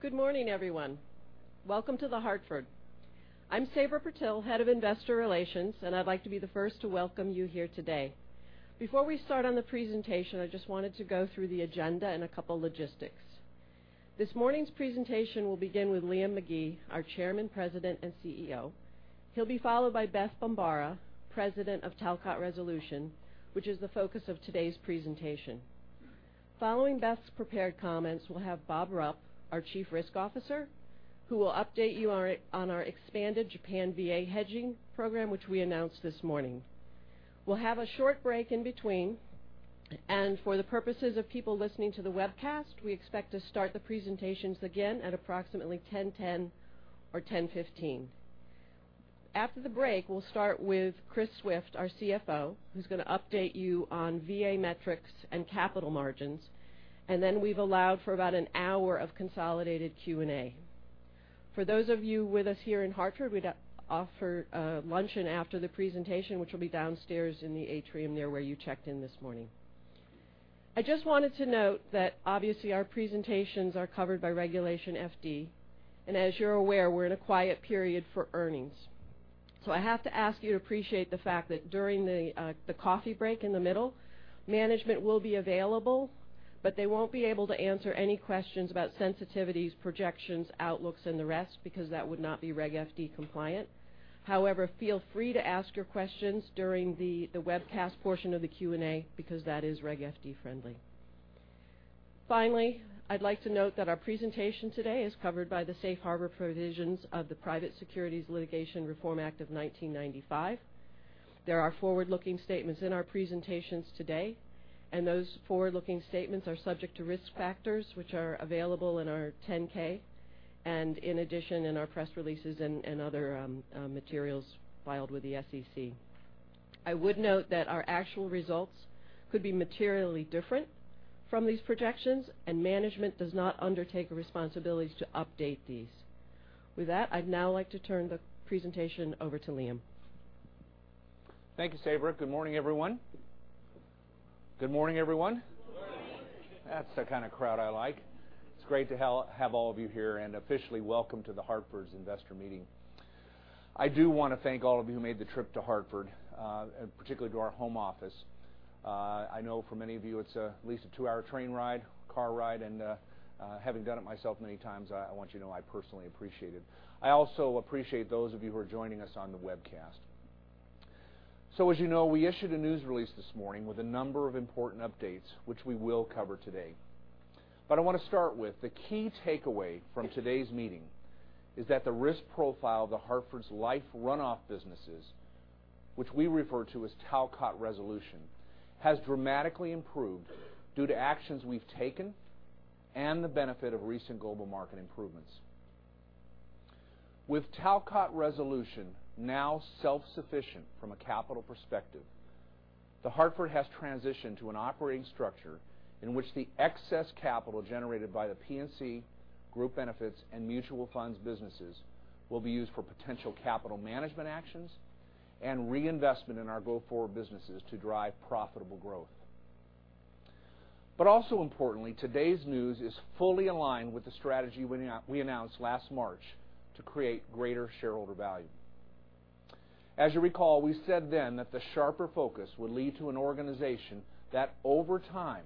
Good morning, everyone. Welcome to The Hartford. I'm Sabra Purtill, Head of Investor Relations, and I'd like to be the first to welcome you here today. Before we start on the presentation, I just wanted to go through the agenda and a couple logistics. This morning's presentation will begin with Liam McGee, our Chairman, President, and CEO. He'll be followed by Beth Bombara, President of Talcott Resolution, which is the focus of today's presentation. Following Beth's prepared comments, we'll have Bob Rupp, our Chief Risk Officer, who will update you on our expanded Japan VA hedging program, which we announced this morning. We'll have a short break in between. For the purposes of people listening to the webcast, we expect to start the presentations again at approximately 10:10 or 10:15. After the break, we'll start with Chris Swift, our CFO, who's going to update you on VA metrics and capital margins. Then we've allowed for about an hour of consolidated Q&A. For those of you with us here in Hartford, we offer luncheon after the presentation, which will be downstairs in the atrium there where you checked in this morning. I just wanted to note that obviously our presentations are covered by Regulation FD, and as you're aware, we're in a quiet period for earnings. I have to ask you to appreciate the fact that during the coffee break in the middle, management will be available, but they won't be able to answer any questions about sensitivities, projections, outlooks, and the rest because that would not be Reg FD compliant. However, feel free to ask your questions during the webcast portion of the Q&A because that is Reg FD friendly. Finally, I'd like to note that our presentation today is covered by the safe harbor provisions of the Private Securities Litigation Reform Act of 1995. There are forward-looking statements in our presentations today. Those forward-looking statements are subject to risk factors which are available in our 10-K, and in addition, in our press releases and other materials filed with the SEC. I would note that our actual results could be materially different from these projections. Management does not undertake responsibilities to update these. With that, I'd now like to turn the presentation over to Liam. Thank you, Sabra. Good morning, everyone. Good morning, everyone. Good morning. That's the kind of crowd I like. It's great to have all of you here and officially welcome to The Hartford's investor meeting. I do want to thank all of you who made the trip to Hartford, and particularly to our home office. I know for many of you, it's at least a two-hour train ride, car ride, and having done it myself many times, I want you to know I personally appreciate it. I also appreciate those of you who are joining us on the webcast. As you know, we issued a news release this morning with a number of important updates, which we will cover today. I want to start with the key takeaway from today's meeting is that the risk profile of The Hartford's Life runoff businesses, which we refer to as Talcott Resolution, has dramatically improved due to actions we've taken and the benefit of recent global market improvements. With Talcott Resolution now self-sufficient from a capital perspective, The Hartford has transitioned to an operating structure in which the excess capital generated by the P&C, Group Benefits, and Mutual Funds businesses will be used for potential capital management actions and reinvestment in our go-forward businesses to drive profitable growth. Also importantly, today's news is fully aligned with the strategy we announced last March to create greater shareholder value. As you recall, we said then that the sharper focus would lead to an organization that over time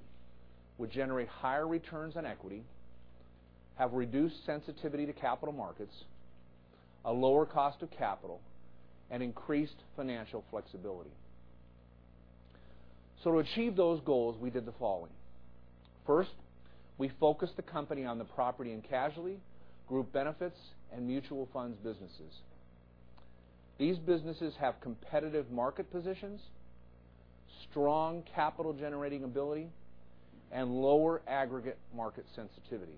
would generate higher returns on equity, have reduced sensitivity to capital markets, a lower cost of capital, and increased financial flexibility. To achieve those goals, we did the following. First, we focused the company on the property and casualty, Group Benefits, and Mutual Funds businesses. These businesses have competitive market positions, strong capital-generating ability, and lower aggregate market sensitivity.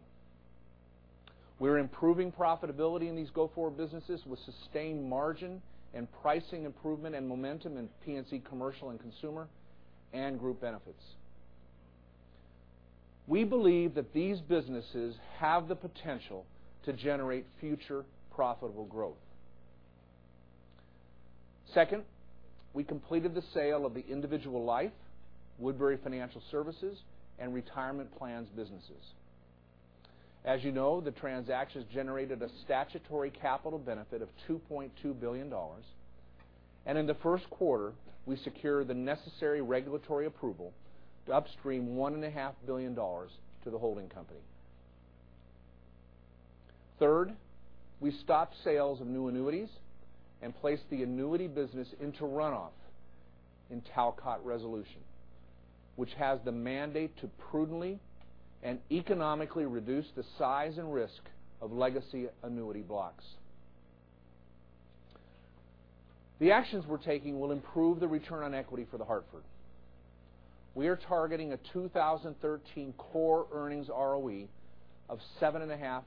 We're improving profitability in these go-forward businesses with sustained margin and pricing improvement and momentum in P&C Commercial and Consumer and Group Benefits. We believe that these businesses have the potential to generate future profitable growth. Second, we completed the sale of the Individual Life, Woodbury Financial Services, and Retirement Plans businesses. As you know, the transactions generated a statutory capital benefit of $2.2 billion, and in the first quarter, we secured the necessary regulatory approval to upstream $1.5 billion to the holding company. Third, we stopped sales of new annuities and placed the annuity business into runoff in Talcott Resolution, which has the mandate to prudently and economically reduce the size and risk of legacy annuity blocks. The actions we're taking will improve the return on equity for The Hartford. We are targeting a 2013 core earnings ROE of 7.5%-8%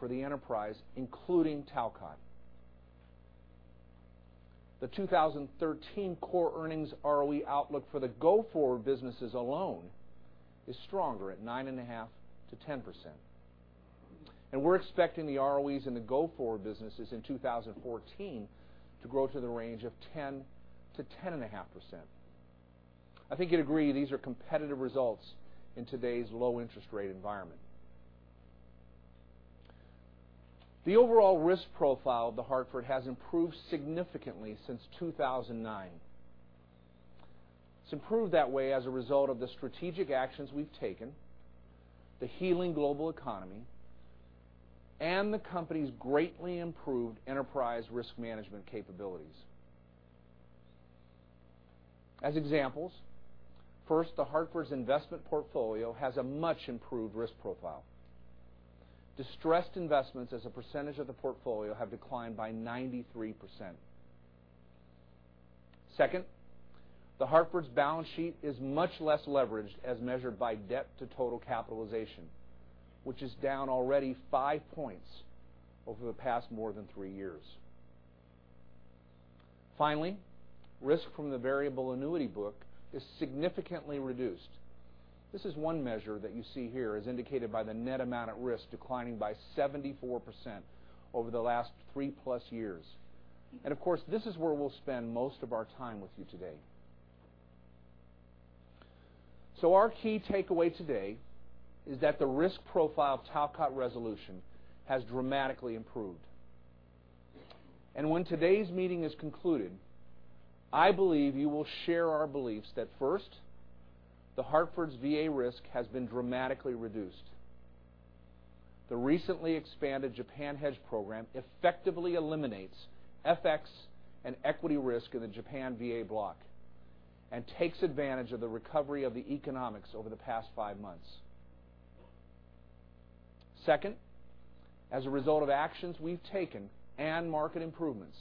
for the enterprise, including Talcott. The 2013 core earnings ROE outlook for the go-forward businesses alone is stronger at 9.5%-10%. We're expecting the ROEs in the go-forward businesses in 2014 to grow to the range of 10%-10.5%. I think you'd agree these are competitive results in today's low interest rate environment. The overall risk profile of The Hartford has improved significantly since 2009. It's improved that way as a result of the strategic actions we've taken, the healing global economy, and the company's greatly improved enterprise risk management capabilities. As examples, first, The Hartford's investment portfolio has a much improved risk profile. Distressed investments as a percentage of the portfolio have declined by 93%. Second, The Hartford's balance sheet is much less leveraged as measured by debt to total capitalization, which is down already five points over the past more than three years. Finally, risk from the variable annuity book is significantly reduced. This is one measure that you see here as indicated by the net amount at risk declining by 74% over the last three-plus years. Of course, this is where we'll spend most of our time with you today. Our key takeaway today is that the risk profile of Talcott Resolution has dramatically improved. When today's meeting is concluded, I believe you will share our beliefs that first, The Hartford's VA risk has been dramatically reduced. The recently expanded Japan hedge program effectively eliminates FX and equity risk in the Japan VA block and takes advantage of the recovery of the economics over the past five months. Second, as a result of actions we've taken and market improvements,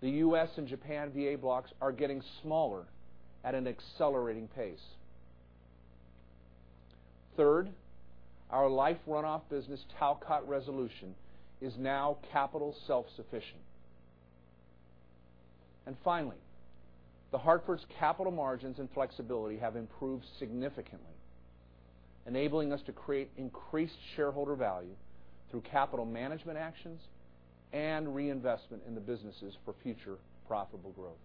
the U.S. and Japan VA blocks are getting smaller at an accelerating pace. Third, our life runoff business, Talcott Resolution, is now capital self-sufficient. Finally, The Hartford's capital margins and flexibility have improved significantly, enabling us to create increased shareholder value through capital management actions and reinvestment in the businesses for future profitable growth.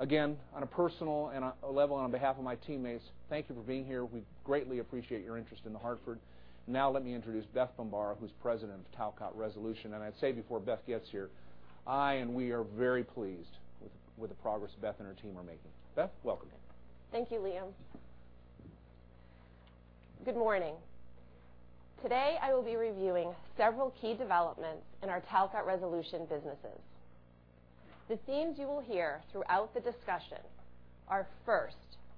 Again, on a personal level, on behalf of my teammates, thank you for being here. We greatly appreciate your interest in The Hartford. Now let me introduce Beth Bombara, who's President of Talcott Resolution. I'd say before Beth gets here, I and we are very pleased with the progress Beth and her team are making. Beth, welcome. Thank you, Liam. Good morning. Today, I will be reviewing several key developments in our Talcott Resolution businesses. The themes you will hear throughout the discussion are, first,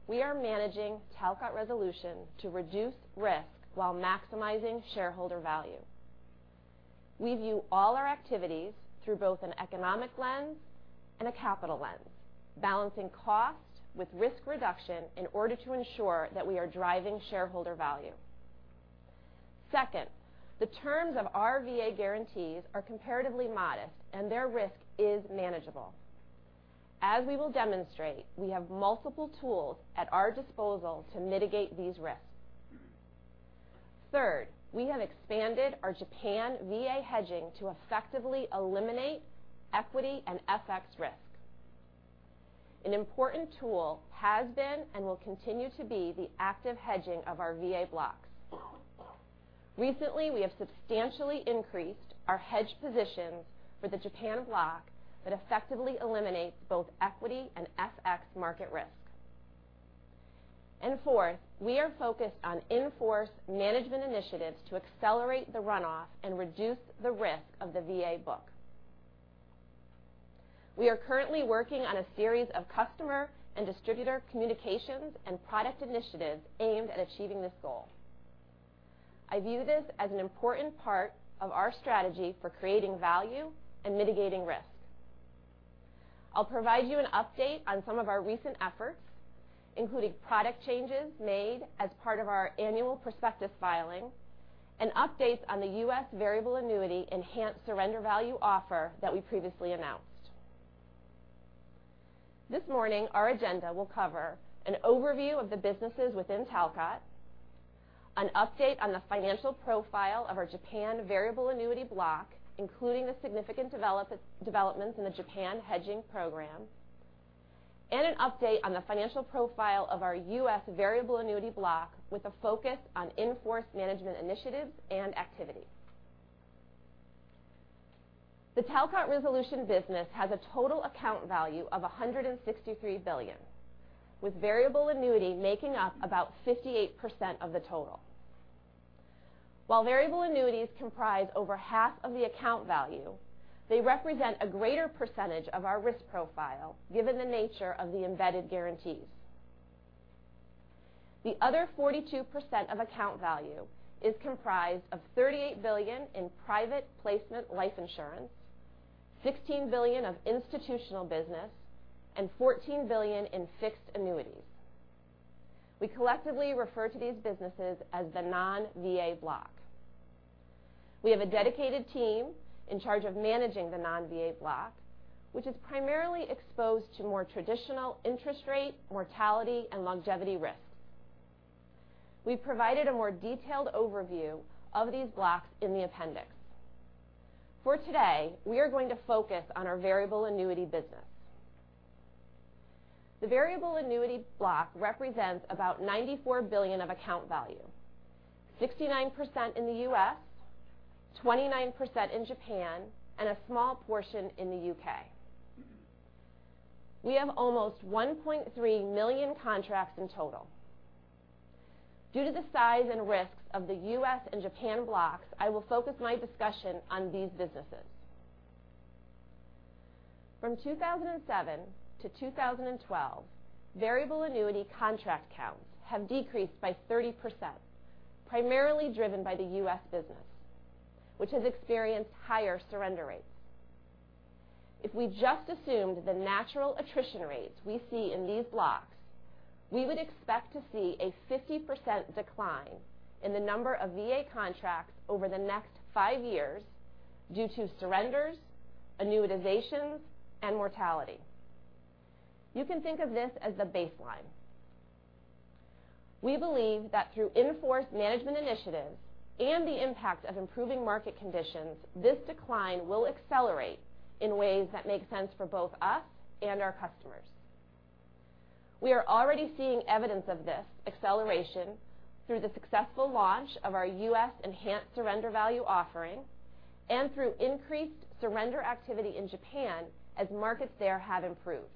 we are managing Talcott Resolution to reduce risk while maximizing shareholder value. We view all our activities through both an economic lens and a capital lens, balancing cost with risk reduction in order to ensure that we are driving shareholder value. Second, the terms of our VA guarantees are comparatively modest and their risk is manageable. As we will demonstrate, we have multiple tools at our disposal to mitigate these risks. Third, we have expanded our Japan VA hedging to effectively eliminate equity and FX risk. An important tool has been and will continue to be the active hedging of our VA blocks. Recently, we have substantially increased our hedge positions for the Japan block that effectively eliminates both equity and FX market risk. Fourth, we are focused on in-force management initiatives to accelerate the runoff and reduce the risk of the VA book. We are currently working on a series of customer and distributor communications and product initiatives aimed at achieving this goal. I view this as an important part of our strategy for creating value and mitigating risk. I'll provide you an update on some of our recent efforts, including product changes made as part of our annual prospectus filing and updates on the U.S. variable annuity enhanced surrender value offer that we previously announced. This morning, our agenda will cover an overview of the businesses within Talcott, an update on the financial profile of our Japan variable annuity block, including the significant developments in the Japan hedging program, and an update on the financial profile of our U.S. variable annuity block with a focus on in-force management initiatives and activities. The Talcott Resolution business has a total account value of $163 billion, with variable annuity making up about 58% of the total. While variable annuities comprise over half of the account value, they represent a greater percentage of our risk profile, given the nature of the embedded guarantees. The other 42% of account value is comprised of $38 billion in private placement life insurance, $16 billion of institutional business, and $14 billion in fixed annuities. We collectively refer to these businesses as the non-VA block. We have a dedicated team in charge of managing the non-VA block, which is primarily exposed to more traditional interest rate, mortality, and longevity risk. We've provided a more detailed overview of these blocks in the appendix. For today, we are going to focus on our variable annuity business. The variable annuity block represents about $94 billion of account value, 69% in the U.S., 29% in Japan, and a small portion in the U.K. We have almost 1.3 million contracts in total. Due to the size and risks of the U.S. and Japan blocks, I will focus my discussion on these businesses. From 2007 to 2012, variable annuity contract counts have decreased by 30%, primarily driven by the U.S. business, which has experienced higher surrender rates. If we just assumed the natural attrition rates we see in these blocks, we would expect to see a 50% decline in the number of VA contracts over the next five years due to surrenders, annuitizations, and mortality. You can think of this as the baseline. We believe that through in-force management initiatives and the impact of improving market conditions, this decline will accelerate in ways that make sense for both us and our customers. We are already seeing evidence of this acceleration through the successful launch of our U.S. enhanced surrender value offering and through increased surrender activity in Japan as markets there have improved.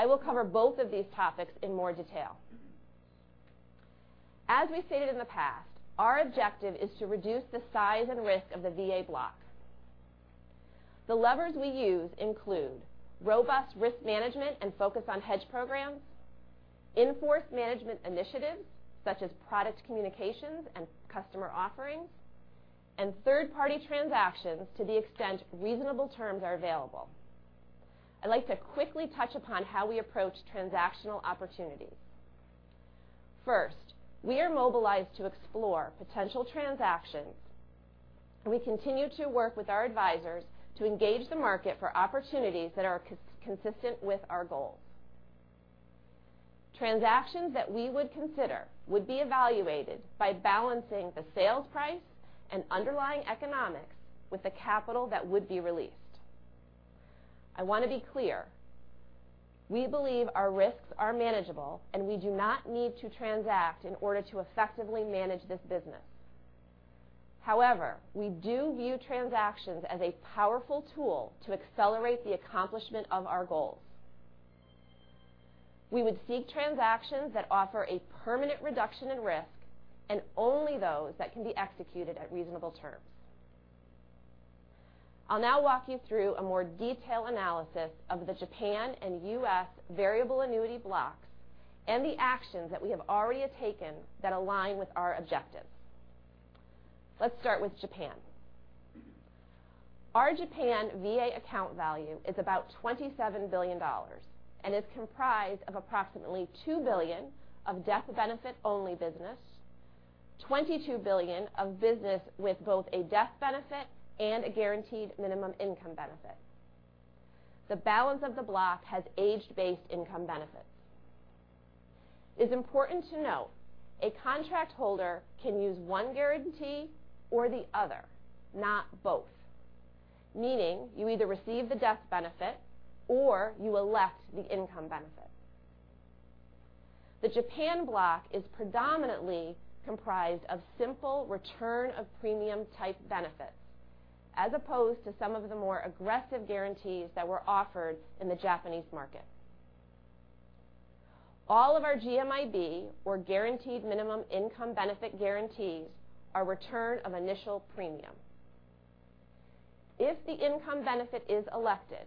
I will cover both of these topics in more detail. As we stated in the past, our objective is to reduce the size and risk of the VA block. The levers we use include robust risk management and focus on hedge programs, in-force management initiatives such as product communications and customer offerings, and third-party transactions to the extent reasonable terms are available. I'd like to quickly touch upon how we approach transactional opportunities. First, we are mobilized to explore potential transactions. We continue to work with our advisors to engage the market for opportunities that are consistent with our goals. Transactions that we would consider would be evaluated by balancing the sales price and underlying economics with the capital that would be released. I want to be clear. We believe our risks are manageable, and we do not need to transact in order to effectively manage this business. However, we do view transactions as a powerful tool to accelerate the accomplishment of our goals. We would seek transactions that offer a permanent reduction in risk and only those that can be executed at reasonable terms. I'll now walk you through a more detailed analysis of the Japan and U.S. variable annuity blocks and the actions that we have already taken that align with our objectives. Let's start with Japan. Our Japan VA account value is about $27 billion and is comprised of approximately $2 billion of death benefit only business, $22 billion of business with both a death benefit and a guaranteed minimum income benefit. The balance of the block has age-based income benefits. It's important to note a contract holder can use one guarantee or the other, not both, meaning you either receive the death benefit or you elect the income benefit. The Japan block is predominantly comprised of simple return of premium type benefits, as opposed to some of the more aggressive guarantees that were offered in the Japanese market. All of our GMIB, or guaranteed minimum income benefit guarantees, are return of initial premium. If the income benefit is elected,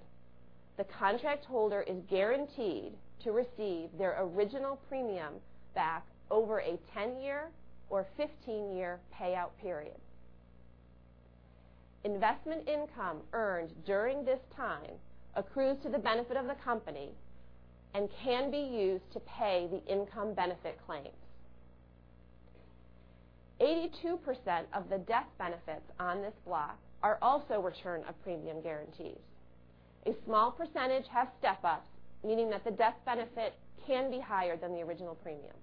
the contract holder is guaranteed to receive their original premium back over a 10 year or 15 year payout period. Investment income earned during this time accrues to the benefit of the company and can be used to pay the income benefit claims. 82% of the death benefits on this block are also return of premium guarantees. A small percentage has step ups, meaning that the death benefit can be higher than the original premium.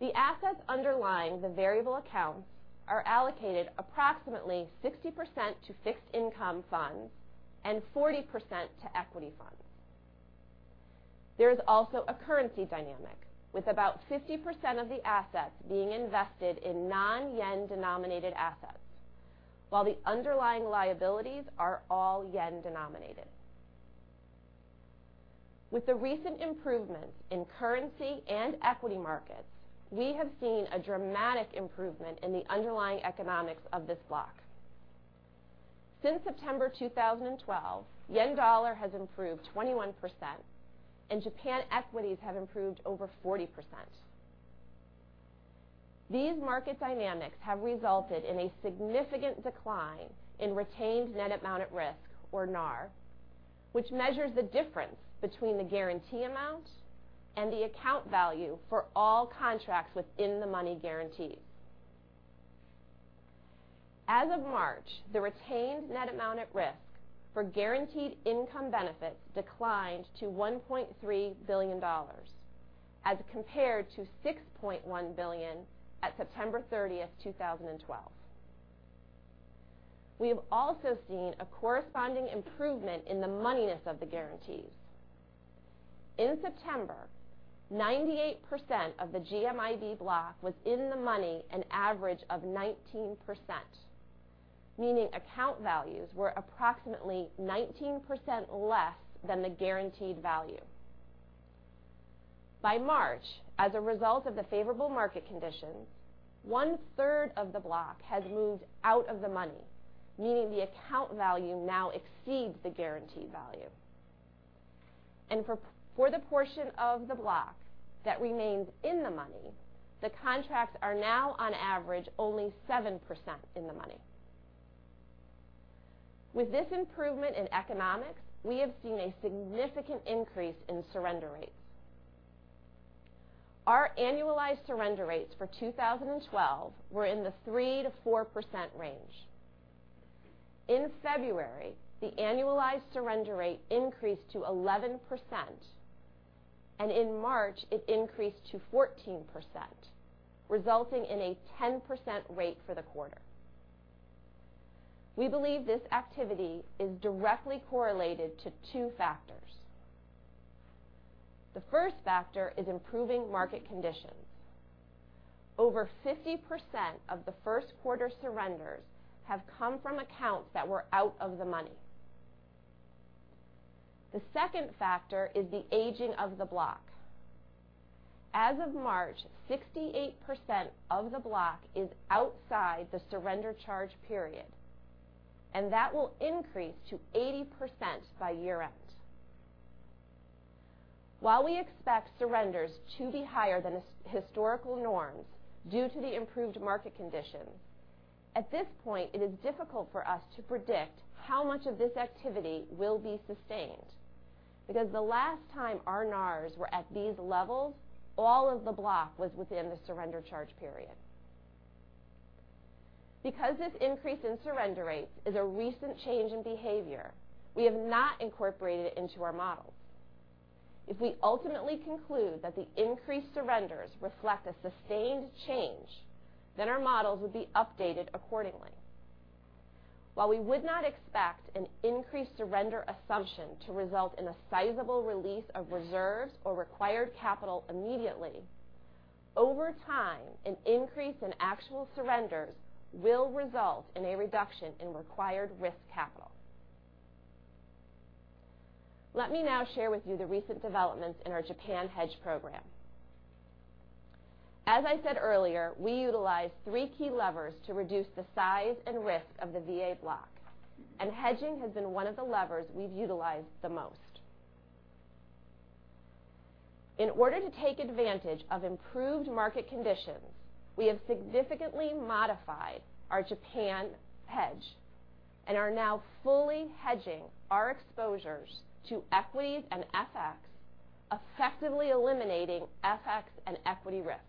The assets underlying the variable accounts are allocated approximately 60% to fixed income funds and 40% to equity funds. There is also a currency dynamic with about 50% of the assets being invested in non-JPY denominated assets while the underlying liabilities are all JPY denominated. With the recent improvements in currency and equity markets, we have seen a dramatic improvement in the underlying economics of this block. Since September 2012, JPY-USD has improved 21%, and Japan equities have improved over 40%. These market dynamics have resulted in a significant decline in retained net amount at risk, or NAR, which measures the difference between the guarantee amount and the account value for all contracts within the money guarantees. As of March, the retained net amount at risk for guaranteed income benefits declined to $1.3 billion as compared to $6.1 billion at September 30, 2012. We have also seen a corresponding improvement in the moneyness of the guarantees. In September, 98% of the GMIB block was in the money an average of 19%, meaning account values were approximately 19% less than the guaranteed value. By March, as a result of the favorable market conditions, one-third of the block has moved out of the money, meaning the account value now exceeds the guaranteed value. For the portion of the block that remains in the money, the contracts are now, on average, only 7% in the money. With this improvement in economics, we have seen a significant increase in surrender rates. Our annualized surrender rates for 2012 were in the 3%-4% range. In February, the annualized surrender rate increased to 11%, and in March, it increased to 14%, resulting in a 10% rate for the quarter. We believe this activity is directly correlated to two factors. The first factor is improving market conditions. Over 50% of the first quarter surrenders have come from accounts that were out of the money. The second factor is the aging of the block. As of March, 68% of the block is outside the surrender charge period, and that will increase to 80% by year end. While we expect surrenders to be higher than historical norms due to the improved market conditions, at this point, it is difficult for us to predict how much of this activity will be sustained because the last time our NARs were at these levels, all of the block was within the surrender charge period. Because this increase in surrender rates is a recent change in behavior, we have not incorporated it into our models. If we ultimately conclude that the increased surrenders reflect a sustained change, then our models would be updated accordingly. While we would not expect an increased surrender assumption to result in a sizable release of reserves or required capital immediately, over time, an increase in actual surrenders will result in a reduction in required risk capital. Let me now share with you the recent developments in our Japan hedge program. As I said earlier, we utilize three key levers to reduce the size and risk of the VA block, and hedging has been one of the levers we've utilized the most. In order to take advantage of improved market conditions, we have significantly modified our Japan hedge and are now fully hedging our exposures to equities and FX, effectively eliminating FX and equity risk.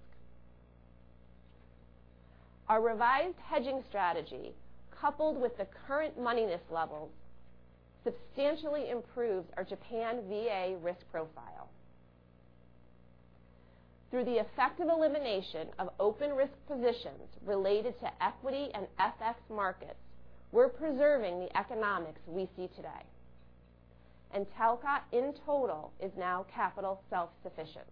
Our revised hedging strategy, coupled with the current moneyness levels, substantially improves our Japan VA risk profile. Through the effective elimination of open risk positions related to equity and FX markets, we are preserving the economics we see today. Talcott in total is now capital self-sufficient.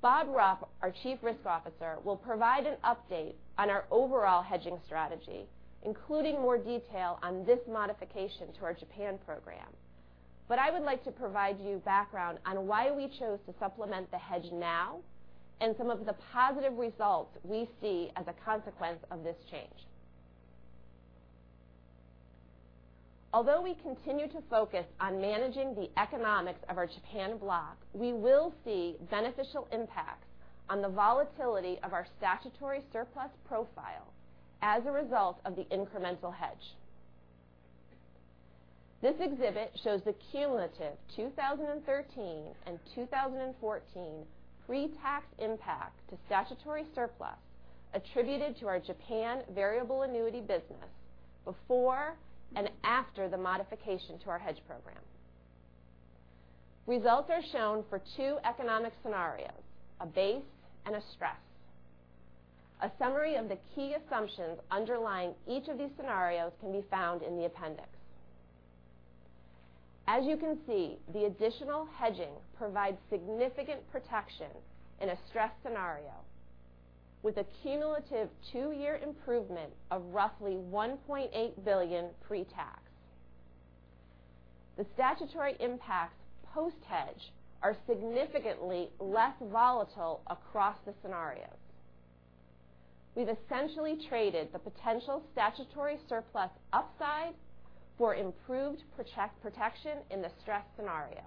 Bob Rupp, our Chief Risk Officer, will provide an update on our overall hedging strategy, including more detail on this modification to our Japan program. I would like to provide you background on why we chose to supplement the hedge now and some of the positive results we see as a consequence of this change. Although we continue to focus on managing the economics of our Japan block, we will see beneficial impacts on the volatility of our statutory surplus profile as a result of the incremental hedge. This exhibit shows the cumulative 2013 and 2014 pre-tax impact to statutory surplus attributed to our Japan variable annuity business before and after the modification to our hedge program. Results are shown for two economic scenarios, a base and a stress. A summary of the key assumptions underlying each of these scenarios can be found in the appendix. As you can see, the additional hedging provides significant protection in a stress scenario with a cumulative two-year improvement of roughly $1.8 billion pre-tax. The statutory impacts post-hedge are significantly less volatile across the scenarios. We have essentially traded the potential statutory surplus upside for improved protection in the stress scenario.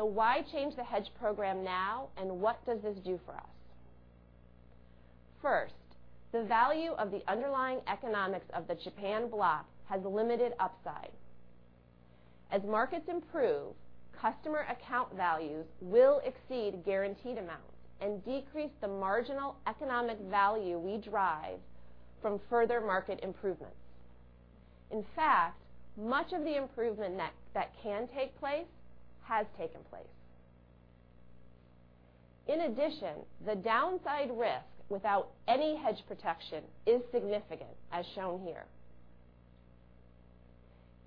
Why change the hedge program now, and what does this do for us? First, the value of the underlying economics of the Japan block has limited upside. As markets improve, customer account values will exceed guaranteed amounts and decrease the marginal economic value we derive from further market improvements. In fact, much of the improvement that can take place has taken place. In addition, the downside risk without any hedge protection is significant, as shown here.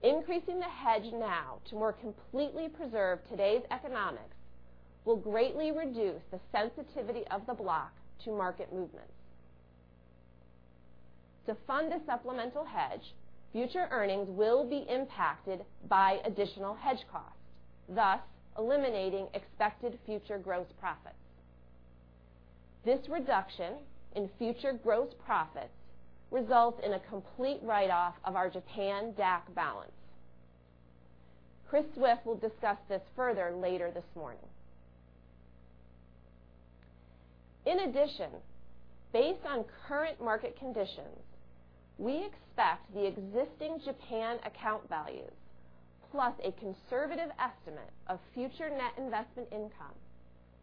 Increasing the hedge now to more completely preserve today's economics will greatly reduce the sensitivity of the block to market movements. To fund a supplemental hedge, future earnings will be impacted by additional hedge costs, thus eliminating expected future gross profits. This reduction in future gross profits results in a complete write-off of our Japan DAC balance. Chris Swift will discuss this further later this morning. In addition, based on current market conditions, we expect the existing Japan account values, plus a conservative estimate of future net investment income,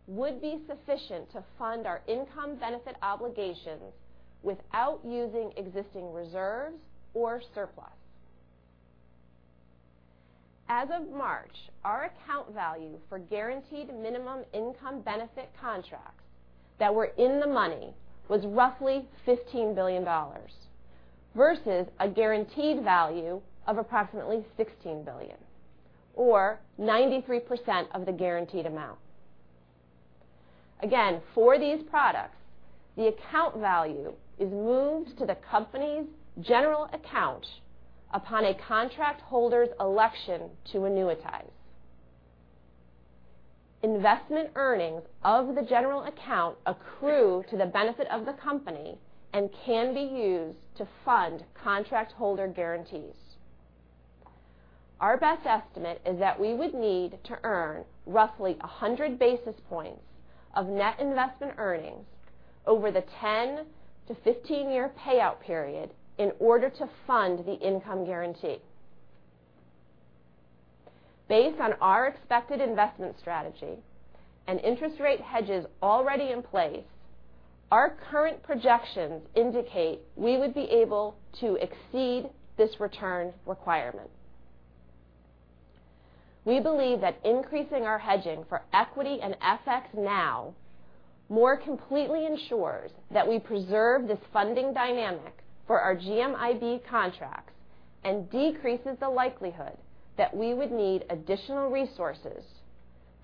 would be sufficient to fund our income benefit obligations without using existing reserves or surplus. As of March, our account value for guaranteed minimum income benefit contracts that were in the money was roughly $15 billion versus a guaranteed value of approximately $16 billion, or 93% of the guaranteed amount. Again, for these products, the account value is moved to the company's general account upon a contract holder's election to annuitize. Investment earnings of the general account accrue to the benefit of the company and can be used to fund contract holder guarantees. Our best estimate is that we would need to earn roughly 100 basis points of net investment earnings over the 10-15 year payout period in order to fund the income guarantee. Based on our expected investment strategy and interest rate hedges already in place, our current projections indicate we would be able to exceed this return requirement. We believe that increasing our hedging for equity and FX now more completely ensures that we preserve this funding dynamic for our GMIB contracts and decreases the likelihood that we would need additional resources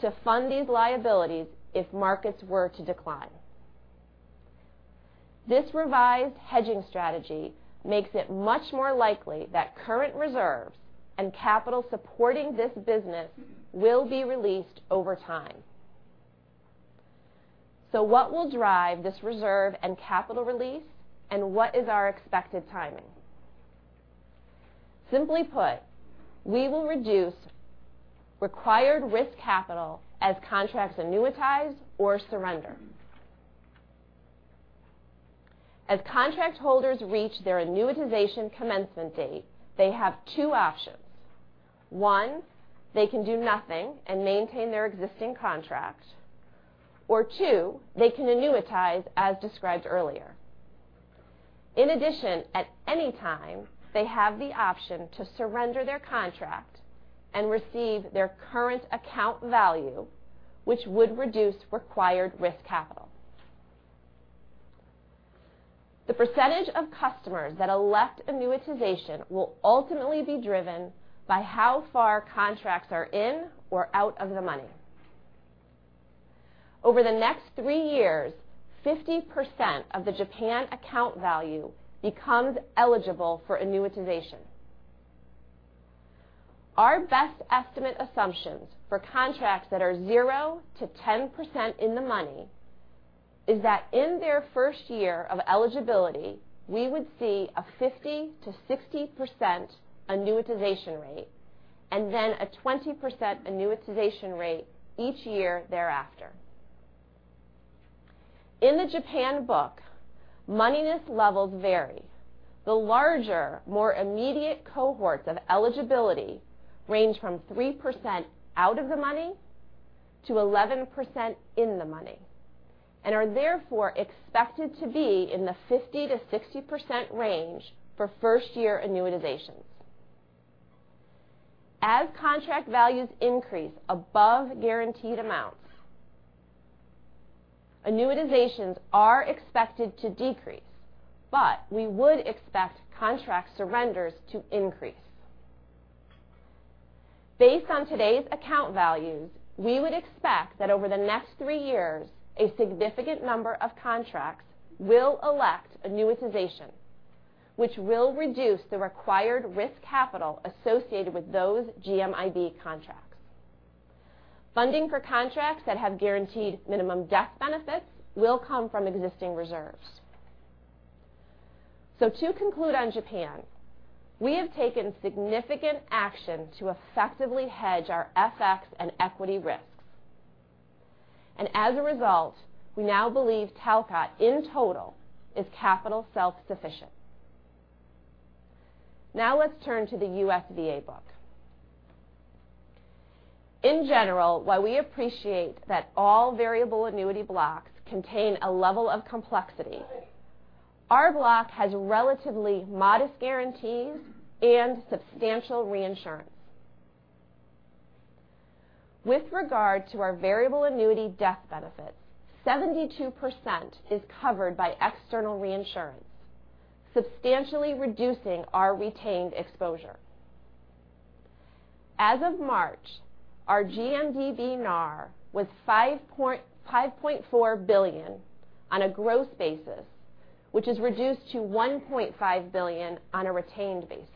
to fund these liabilities if markets were to decline. This revised hedging strategy makes it much more likely that current reserves and capital supporting this business will be released over time. What will drive this reserve and capital release, and what is our expected timing? Simply put, we will reduce required risk capital as contracts annuitize or surrender. As contract holders reach their annuitization commencement date, they have two options. One, they can do nothing and maintain their existing contract, or two, they can annuitize as described earlier. In addition, at any time, they have the option to surrender their contract and receive their current account value, which would reduce required risk capital. The percentage of customers that elect annuitization will ultimately be driven by how far contracts are in or out of the money. Over the next 3 years, 50% of the Japan account value becomes eligible for annuitization. Our best estimate assumptions for contracts that are 0-10% in the money is that in their first year of eligibility, we would see a 50%-60% annuitization rate and then a 20% annuitization rate each year thereafter. In the Japan book, moneyness levels vary. The larger, more immediate cohorts of eligibility range from 3% out of the money to 11% in the money and are therefore expected to be in the 50%-60% range for first-year annuitizations. As contract values increase above guaranteed amounts, annuitizations are expected to decrease, but we would expect contract surrenders to increase. Based on today's account values, we would expect that over the next 3 years, a significant number of contracts will elect annuitization, which will reduce the required risk capital associated with those GMIB contracts. Funding for contracts that have guaranteed minimum death benefits will come from existing reserves. To conclude on Japan, we have taken significant action to effectively hedge our FX and equity risks. As a result, we now believe Talcott in total is capital self-sufficient. Let's turn to the USVA book. In general, while we appreciate that all variable annuity blocks contain a level of complexity, our block has relatively modest guarantees and substantial reinsurance. With regard to our variable annuity death benefits, 72% is covered by external reinsurance, substantially reducing our retained exposure. As of March, our GMDB NAR was $5.4 billion on a gross basis, which is reduced to $1.5 billion on a retained basis.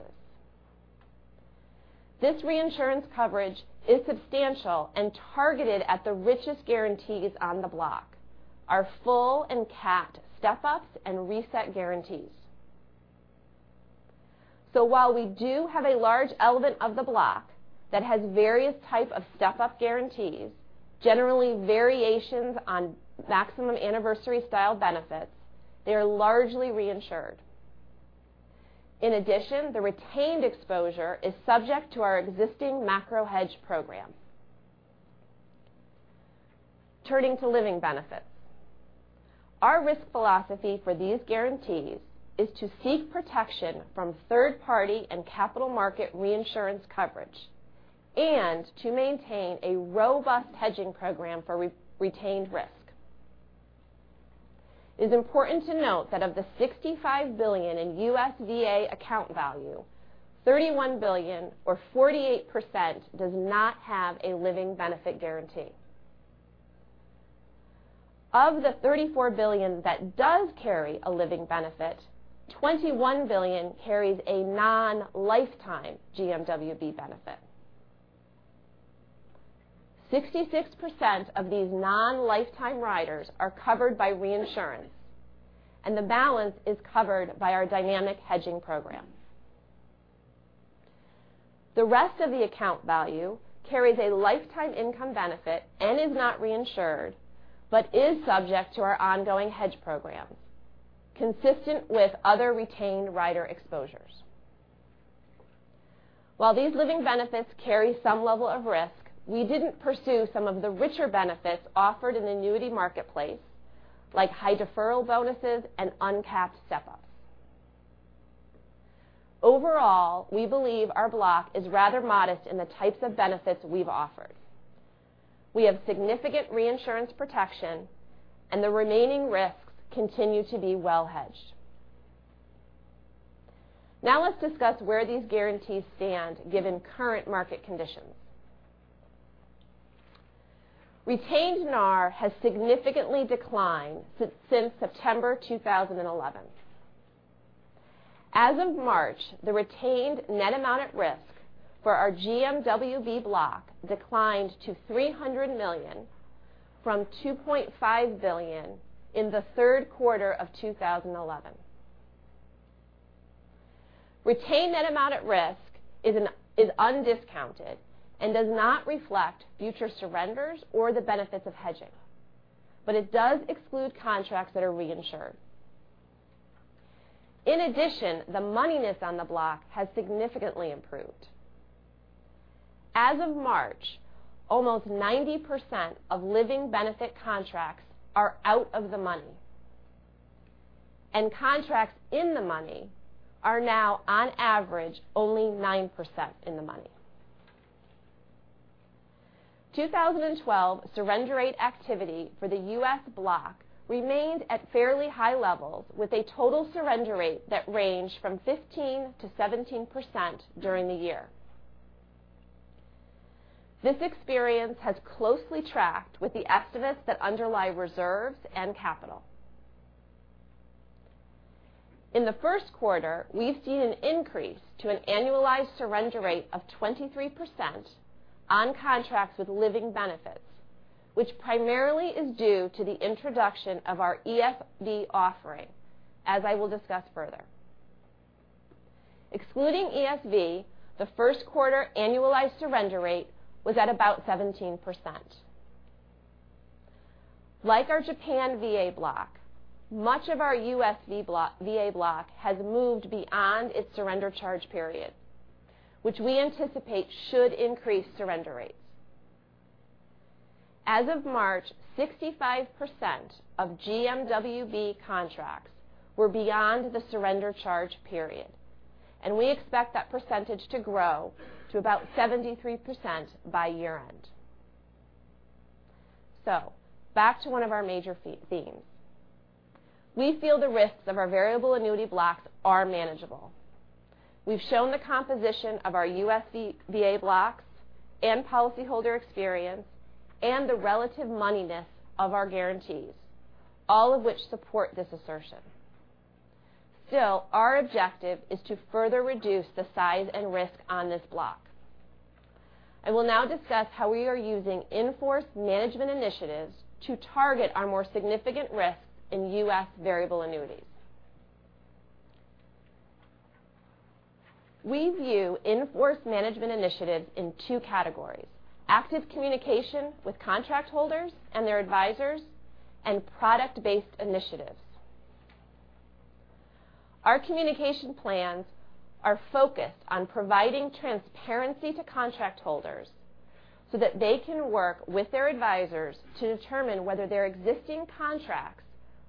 This reinsurance coverage is substantial and targeted at the richest guarantees on the block, our full and capped step ups and reset guarantees. While we do have a large element of the block that has various type of step-up guarantees, generally variations on maximum anniversary style benefits, they are largely reinsured. In addition, the retained exposure is subject to our existing macro hedge program. Turning to living benefits. Our risk philosophy for these guarantees is to seek protection from third party and capital market reinsurance coverage and to maintain a robust hedging program for retained risk. It is important to note that of the $65 billion in USVA account value, $31 billion or 48% does not have a living benefit guarantee. Of the $34 billion that does carry a living benefit, $21 billion carries a non-lifetime GMWB benefit. 66% of these non-lifetime riders are covered by reinsurance, and the balance is covered by our dynamic hedging program. The rest of the account value carries a lifetime income benefit and is not reinsured, but is subject to our ongoing hedge programs, consistent with other retained rider exposures. While these living benefits carry some level of risk, we didn't pursue some of the richer benefits offered in the annuity marketplace, like high deferral bonuses and uncapped step-ups. We believe our block is rather modest in the types of benefits we've offered. We have significant reinsurance protection and the remaining risks continue to be well hedged. Let's discuss where these guarantees stand given current market conditions. Retained NAR has significantly declined since September 2011. As of March, the retained net amount at risk for our GMWB block declined to $300 million from $2.5 billion in the third quarter of 2011. Retained net amount at risk is undiscounted and does not reflect future surrenders or the benefits of hedging, but it does exclude contracts that are reinsured. The moneyness on the block has significantly improved. As of March, almost 90% of living benefit contracts are out of the money, and contracts in the money are now, on average, only 9% in the money. 2012 surrender rate activity for the U.S. block remained at fairly high levels with a total surrender rate that ranged from 15%-17% during the year. This experience has closely tracked with the estimates that underlie reserves and capital. In the first quarter, we've seen an increase to an annualized surrender rate of 23% on contracts with living benefits, which primarily is due to the introduction of our ESV offering, as I will discuss further. Excluding ESV, the first quarter annualized surrender rate was at about 17%. Like our Japan VA block, much of our U.S. VA block has moved beyond its surrender charge period, which we anticipate should increase surrender rates. As of March, 65% of GMWB contracts were beyond the surrender charge period, and we expect that percentage to grow to about 73% by year-end. Back to one of our major themes. We feel the risks of our variable annuity blocks are manageable. We've shown the composition of our U.S. VA blocks and policyholder experience and the relative moneyness of our guarantees, all of which support this assertion. Our objective is to further reduce the size and risk on this block. I will now discuss how we are using in-force management initiatives to target our more significant risks in U.S. variable annuities. We view in-force management initiatives in two categories: active communication with contract holders and their advisors, and product-based initiatives. Our communication plans are focused on providing transparency to contract holders so that they can work with their advisors to determine whether their existing contracts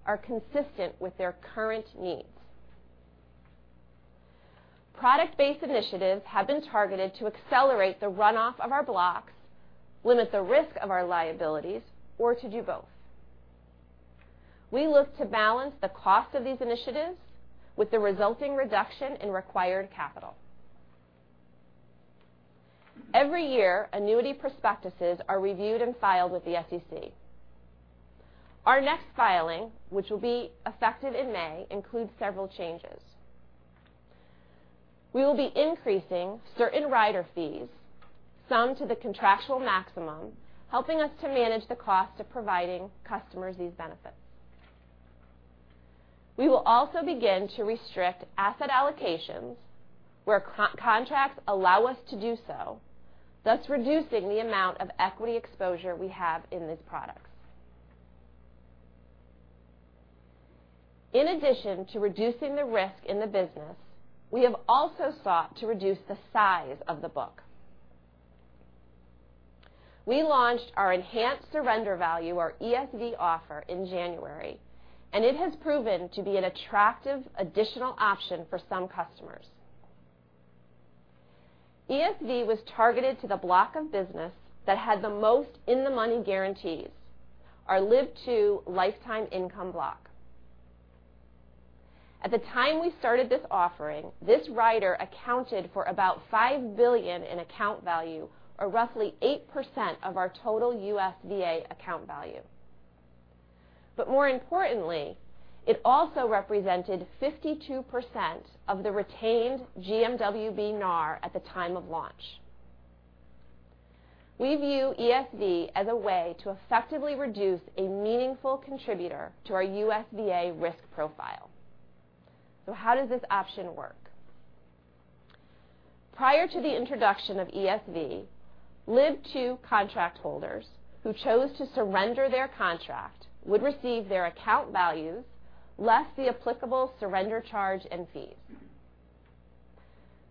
are consistent with their current needs. Product-based initiatives have been targeted to accelerate the runoff of our blocks, limit the risk of our liabilities, or to do both. We look to balance the cost of these initiatives with the resulting reduction in required capital. Every year, annuity prospectuses are reviewed and filed with the SEC. Our next filing, which will be effective in May, includes several changes. We will be increasing certain rider fees, some to the contractual maximum, helping us to manage the cost of providing customers these benefits. We will also begin to restrict asset allocations where contracts allow us to do so, thus reducing the amount of equity exposure we have in these products. In addition to reducing the risk in the business, we have also sought to reduce the size of the book. We launched our Enhanced Surrender Value, our ESV offer in January. It has proven to be an attractive additional option for some customers. ESV was targeted to the block of business that had the most in-the-money guarantees, our Live 2 lifetime income block. At the time we started this offering, this rider accounted for about $5 billion in account value, or roughly 8% of our total US VA account value. More importantly, it also represented 52% of the retained GMWB NAR at the time of launch. We view ESV as a way to effectively reduce a meaningful contributor to our US VA risk profile. How does this option work? Prior to the introduction of ESV, Live 2 contract holders who chose to surrender their contract would receive their account values less the applicable surrender charge and fees.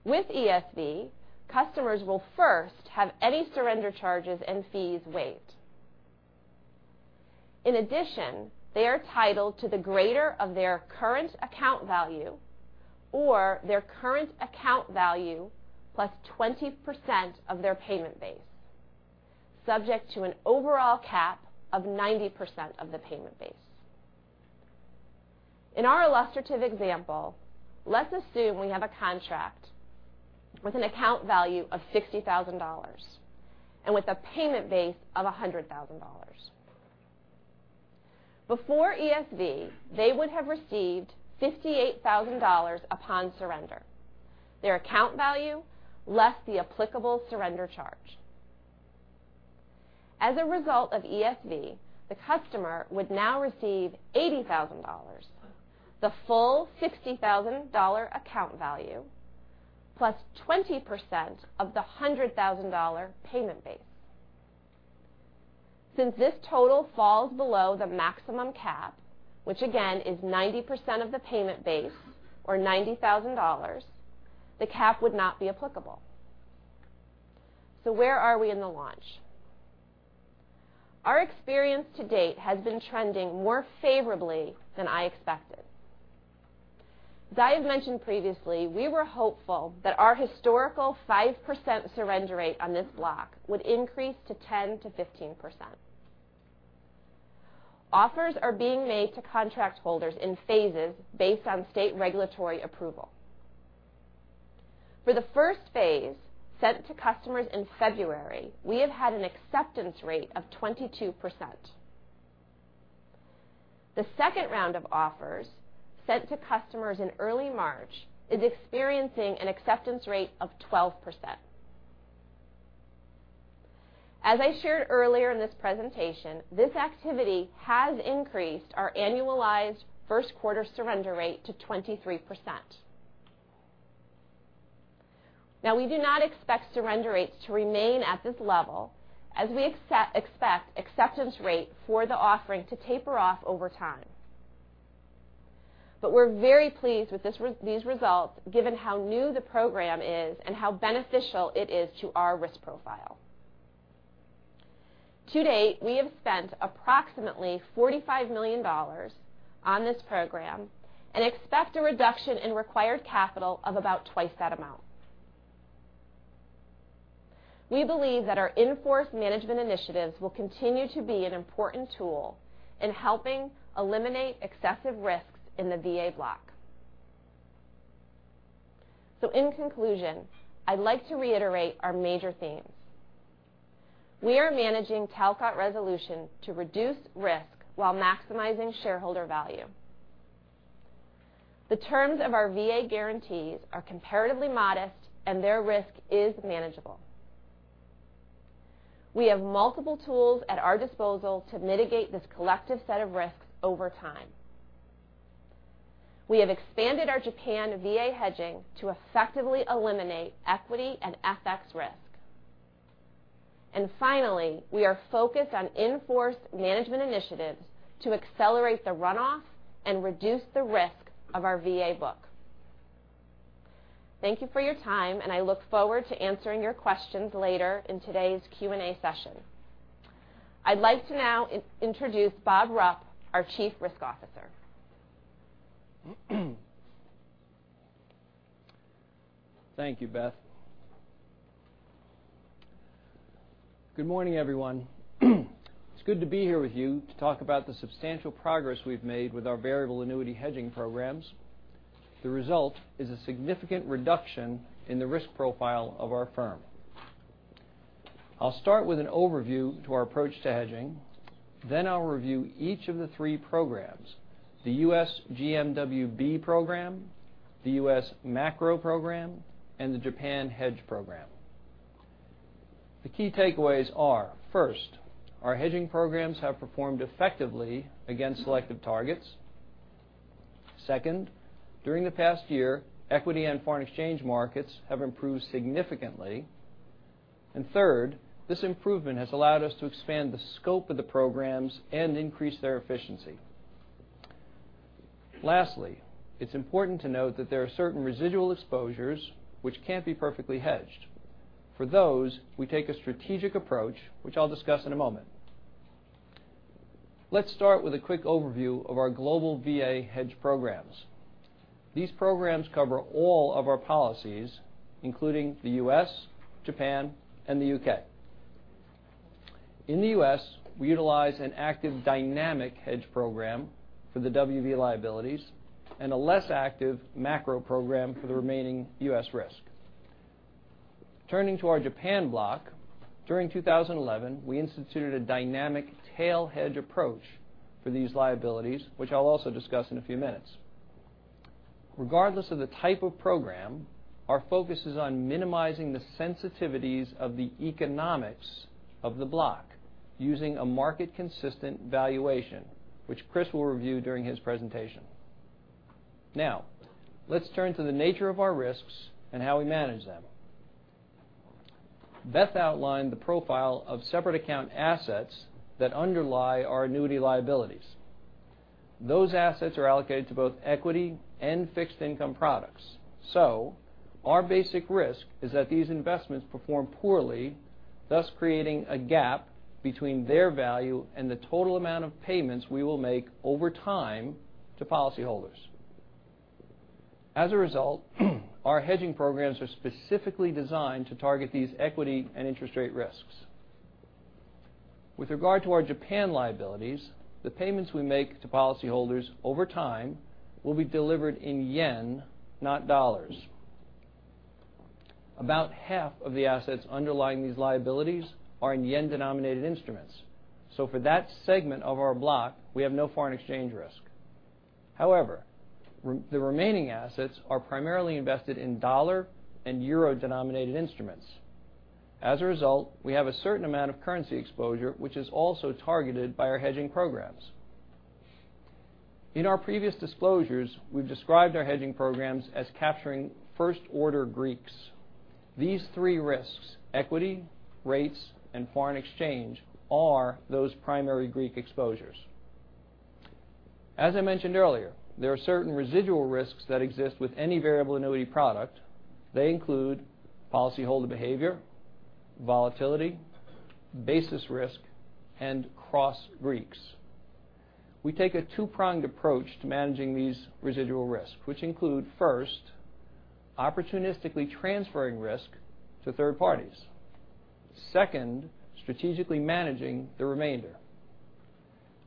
With ESV, customers will first have any surrender charges and fees waived. In addition, they are titled to the greater of their current account value or their current account value plus 20% of their payment base, subject to an overall cap of 90% of the payment base. In our illustrative example, let's assume we have a contract with an account value of $60,000 and with a payment base of $100,000. Before ESV, they would have received $58,000 upon surrender, their account value less the applicable surrender charge. As a result of ESV, the customer would now receive $80,000, the full $60,000 account value, plus 20% of the $100,000 payment base. This total falls below the maximum cap, which again is 90% of the payment base or $90,000, the cap would not be applicable. Where are we in the launch? Our experience to date has been trending more favorably than I expected. As I have mentioned previously, we were hopeful that our historical 5% surrender rate on this block would increase to 10%-15%. Offers are being made to contract holders in phases based on state regulatory approval. For the first phase, sent to customers in February, we have had an acceptance rate of 22%. The second round of offers, sent to customers in early March, is experiencing an acceptance rate of 12%. As I shared earlier in this presentation, this activity has increased our annualized first quarter surrender rate to 23%. We do not expect surrender rates to remain at this level as we expect acceptance rate for the offering to taper off over time. We are very pleased with these results given how new the program is and how beneficial it is to our risk profile. To date, we have spent approximately $45 million on this program and expect a reduction in required capital of about twice that amount. We believe that our in-force management initiatives will continue to be an important tool in helping eliminate excessive risks in the VA block. In conclusion, I would like to reiterate our major themes. We are managing Talcott Resolution to reduce risk while maximizing shareholder value. The terms of our VA guarantees are comparatively modest, and their risk is manageable. We have multiple tools at our disposal to mitigate this collective set of risks over time. We have expanded our Japan VA hedging to effectively eliminate equity and FX risk. Finally, we are focused on in-force management initiatives to accelerate the runoff and reduce the risk of our VA book. Thank you for your time, and I look forward to answering your questions later in today's Q&A session. I would like to now introduce Bob Rupp, our Chief Risk Officer. Thank you, Beth. Good morning, everyone. It is good to be here with you to talk about the substantial progress we have made with our variable annuity hedging programs. The result is a significant reduction in the risk profile of our firm. I will start with an overview to our approach to hedging. Then I will review each of the three programs, the U.S. GMWB program, the U.S. macro program, and the Japan hedge program. The key takeaways are, first, our hedging programs have performed effectively against selected targets. Second, during the past year, equity and foreign exchange markets have improved significantly. Third, this improvement has allowed us to expand the scope of the programs and increase their efficiency. Lastly, it is important to note that there are certain residual exposures which cannot be perfectly hedged. For those, we take a strategic approach, which I will discuss in a moment. Let us start with a quick overview of our global VA hedge programs. These programs cover all of our policies, including the U.S., Japan, and the U.K. In the U.S., we utilize an active dynamic hedge program for the VA liabilities and a less active macro program for the remaining U.S. risk. Turning to our Japan block, during 2011, we instituted a dynamic tail hedge approach for these liabilities, which I will also discuss in a few minutes. Regardless of the type of program, our focus is on minimizing the sensitivities of the economics of the block using a market-consistent valuation, which Chris will review during his presentation. Now, let us turn to the nature of our risks and how we manage them. Beth outlined the profile of separate account assets that underlie our annuity liabilities. Those assets are allocated to both equity and fixed income products. Our basic risk is that these investments perform poorly, thus creating a gap between their value and the total amount of payments we will make over time to policyholders. As a result, our hedging programs are specifically designed to target these equity and interest rate risks. With regard to our Japan liabilities, the payments we make to policyholders over time will be delivered in yen, not dollars. About half of the assets underlying these liabilities are in yen-denominated instruments. So for that segment of our block, we have no foreign exchange risk. However, the remaining assets are primarily invested in dollar and euro-denominated instruments. As a result, we have a certain amount of currency exposure, which is also targeted by our hedging programs. In our previous disclosures, we have described our hedging programs as capturing first-order Greeks. These three risks, equity, rates, and foreign exchange, are those primary Greek exposures. As I mentioned earlier, there are certain residual risks that exist with any variable annuity product. They include policyholder behavior, volatility, basis risk, and cross-Greeks. We take a two-pronged approach to managing these residual risks, which include, first, opportunistically transferring risk to third parties. Second, strategically managing the remainder.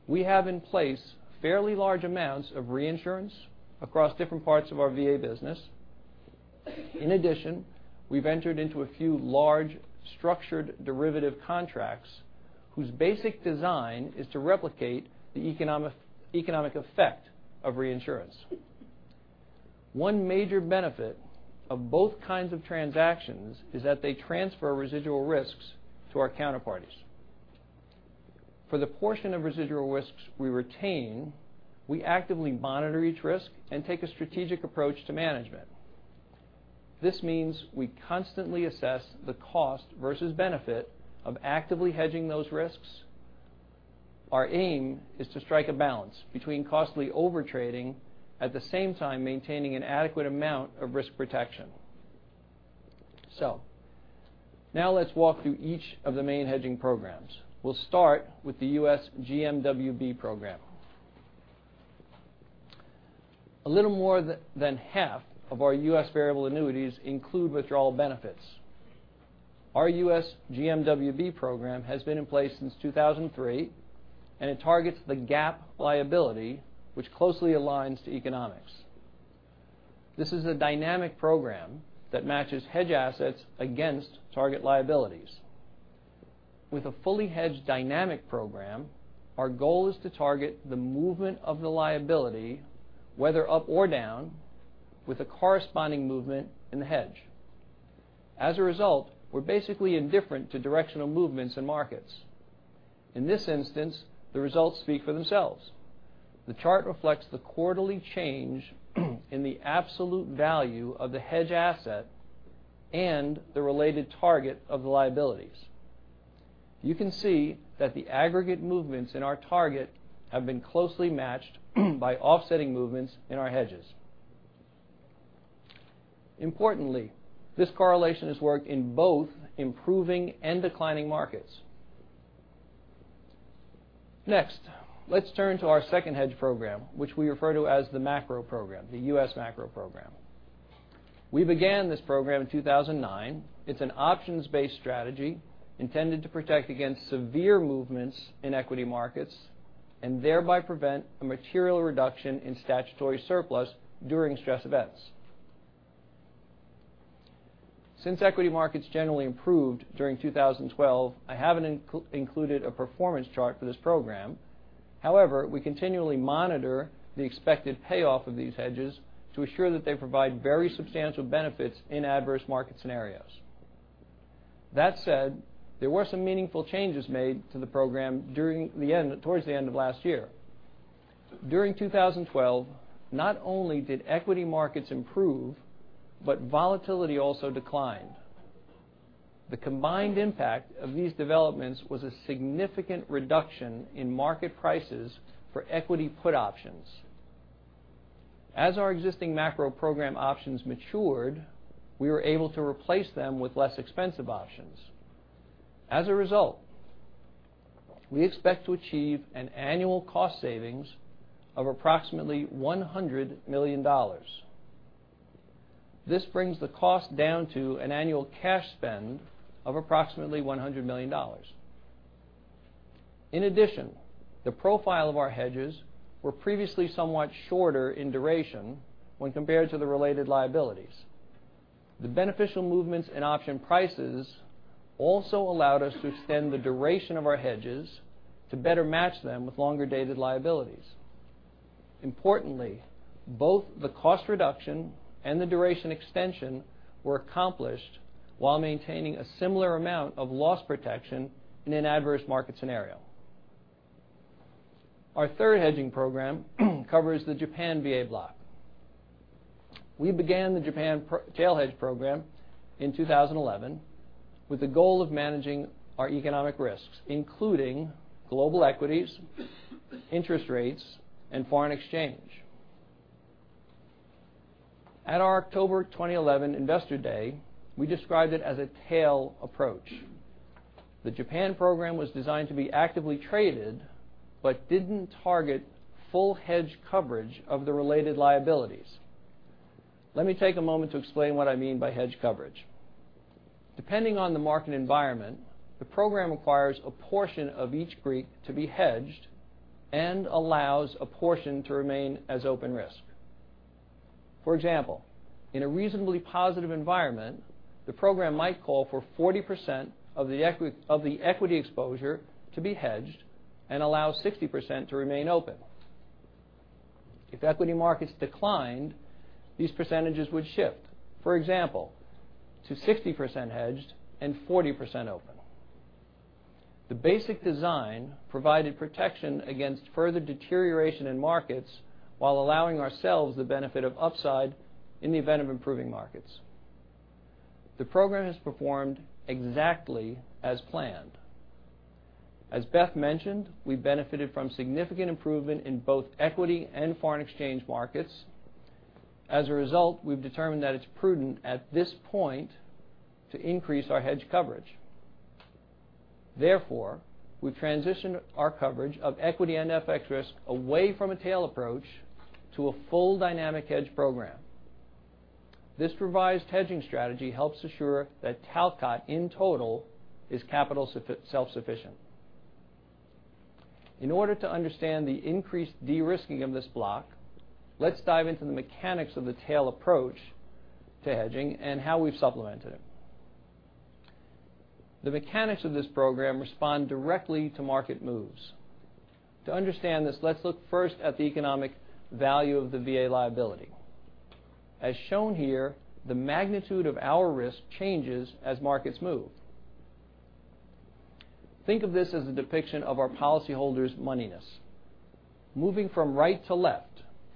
We have in place fairly large amounts of reinsurance across different parts of our VA business. In addition, we've entered into a few large structured derivative contracts whose basic design is to replicate the economic effect of reinsurance. One major benefit of both kinds of transactions is that they transfer residual risks to our counterparties. For the portion of residual risks we retain, we actively monitor each risk and take a strategic approach to management. This means we constantly assess the cost versus benefit of actively hedging those risks. Our aim is to strike a balance between costly overtrading, at the same time, maintaining an adequate amount of risk protection. Now let's walk through each of the main hedging programs. We'll start with the U.S. GMWB program. A little more than half of our U.S. variable annuities include withdrawal benefits. Our U.S. GMWB program has been in place since 2003, and it targets the GAAP liability, which closely aligns to economics. This is a dynamic program that matches hedge assets against target liabilities. With a fully hedged dynamic program, our goal is to target the movement of the liability, whether up or down with a corresponding movement in the hedge. As a result, we're basically indifferent to directional movements in markets. In this instance, the results speak for themselves. The chart reflects the quarterly change in the absolute value of the hedge asset and the related target of the liabilities. You can see that the aggregate movements in our target have been closely matched by offsetting movements in our hedges. Importantly, this correlation has worked in both improving and declining markets. Next, let's turn to our second hedge program, which we refer to as the macro program, the U.S. macro program. We began this program in 2009. It's an options-based strategy intended to protect against severe movements in equity markets and thereby prevent a material reduction in statutory surplus during stress events. Since equity markets generally improved during 2012, I haven't included a performance chart for this program. However, we continually monitor the expected payoff of these hedges to assure that they provide very substantial benefits in adverse market scenarios. That said, there were some meaningful changes made to the program towards the end of last year. During 2012, not only did equity markets improve, but volatility also declined. The combined impact of these developments was a significant reduction in market prices for equity put options. As our existing macro program options matured, we were able to replace them with less expensive options. As a result, we expect to achieve an annual cost savings of approximately $100 million. This brings the cost down to an annual cash spend of approximately $100 million. In addition, the profile of our hedges were previously somewhat shorter in duration when compared to the related liabilities. The beneficial movements in option prices also allowed us to extend the duration of our hedges to better match them with longer-dated liabilities. Importantly, both the cost reduction and the duration extension were accomplished while maintaining a similar amount of loss protection in an adverse market scenario. Our third hedging program covers the Japan VA block. We began the Japan tail hedge program in 2011 with the goal of managing our economic risks, including global equities, interest rates, and foreign exchange. At our October 2011 Investor Day, we described it as a tail approach. The Japan program was designed to be actively traded but didn't target full hedge coverage of the related liabilities. Let me take a moment to explain what I mean by hedge coverage. Depending on the market environment, the program requires a portion of each Greek to be hedged and allows a portion to remain as open risk. For example, in a reasonably positive environment, the program might call for 40% of the equity exposure to be hedged and allow 60% to remain open. If equity markets declined, these percentages would shift, for example, to 60% hedged and 40% open. The basic design provided protection against further deterioration in markets while allowing ourselves the benefit of upside in the event of improving markets. As Beth mentioned, we benefited from significant improvement in both equity and foreign exchange markets. As a result, we've determined that it's prudent at this point to increase our hedge coverage. We've transitioned our coverage of equity and FX risk away from a tail approach to a full dynamic hedge program. This revised hedging strategy helps assure that Talcott, in total, is capital self-sufficient. In order to understand the increased de-risking of this block, let's dive into the mechanics of the tail approach to hedging and how we've supplemented it. The mechanics of this program respond directly to market moves. To understand this, let's look first at the economic value of the VA liability. As shown here, the magnitude of our risk changes as markets move. Think of this as a depiction of our policyholders' moneyness. Moving from right to left,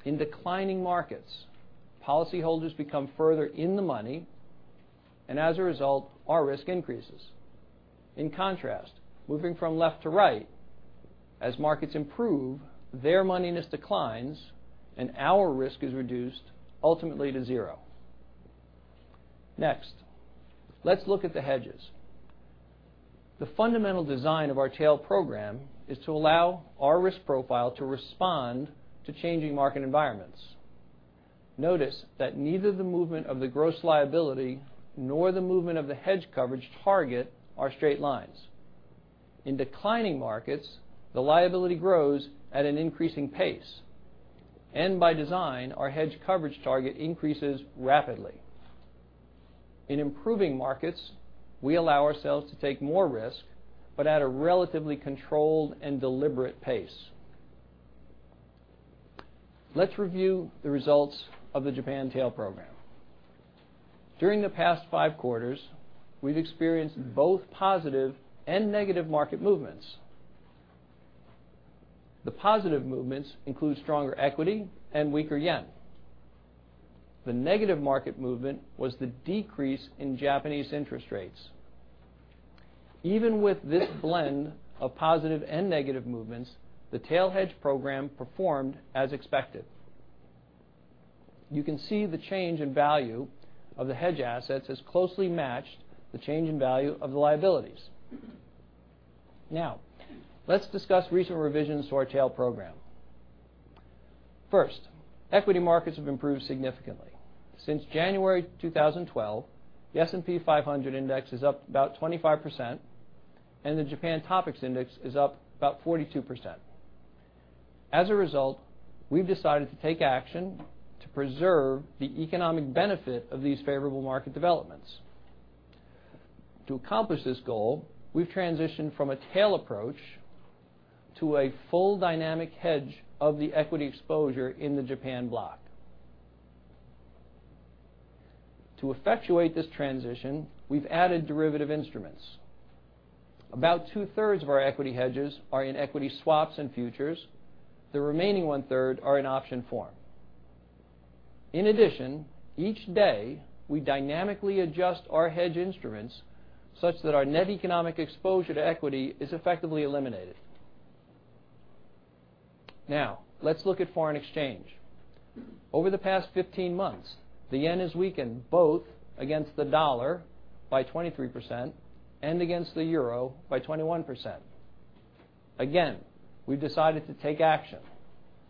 in declining markets, policyholders become further in the money, and as a result, our risk increases. In contrast, moving from left to right, as markets improve, their moneyness declines and our risk is reduced ultimately to zero. Let's look at the hedges. The fundamental design of our tail program is to allow our risk profile to respond to changing market environments. Notice that neither the movement of the gross liability nor the movement of the hedge coverage target are straight lines. In declining markets, the liability grows at an increasing pace, and by design, our hedge coverage target increases rapidly. In improving markets, we allow ourselves to take more risk, but at a relatively controlled and deliberate pace. Let's review the results of the Japan tail program. During the past five quarters, we've experienced both positive and negative market movements. The positive movements include stronger equity and weaker yen. The negative market movement was the decrease in Japanese interest rates. Even with this blend of positive and negative movements, the tail hedge program performed as expected. You can see the change in value of the hedge assets has closely matched the change in value of the liabilities. Let's discuss recent revisions to our tail program. First, equity markets have improved significantly. Since January 2012, the S&P 500 index is up about 25%, and the Japan TOPIX index is up about 42%. As a result, we've decided to take action to preserve the economic benefit of these favorable market developments. To accomplish this goal, we've transitioned from a tail approach to a full dynamic hedge of the equity exposure in the Japan block. To effectuate this transition, we've added derivative instruments. About two-thirds of our equity hedges are in equity swaps and futures. The remaining one-third are in option form. In addition, each day, we dynamically adjust our hedge instruments such that our net economic exposure to equity is effectively eliminated. Now, let's look at foreign exchange. Over the past 15 months, the yen has weakened both against the dollar by 23% and against the euro by 21%. Again, we've decided to take action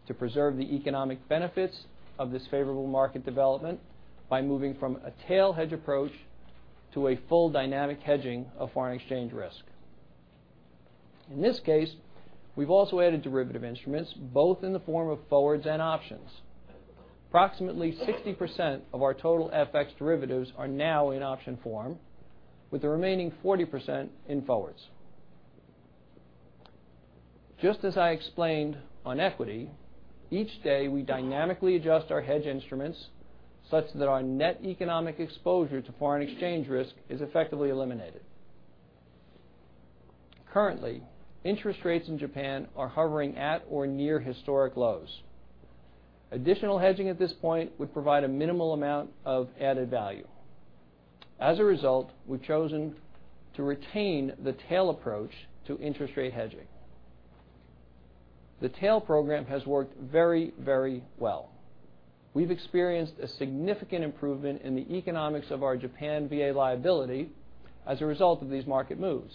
to preserve the economic benefits of this favorable market development by moving from a tail hedge approach to a full dynamic hedging of foreign exchange risk. In this case, we've also added derivative instruments both in the form of forwards and options. Approximately 60% of our total FX derivatives are now in option form, with the remaining 40% in forwards. Just as I explained on equity, each day we dynamically adjust our hedge instruments such that our net economic exposure to foreign exchange risk is effectively eliminated. Currently, interest rates in Japan are hovering at or near historic lows. Additional hedging at this point would provide a minimal amount of added value. As a result, we've chosen to retain the tail approach to interest rate hedging. The tail program has worked very well. We've experienced a significant improvement in the economics of our Japan VA liability as a result of these market moves.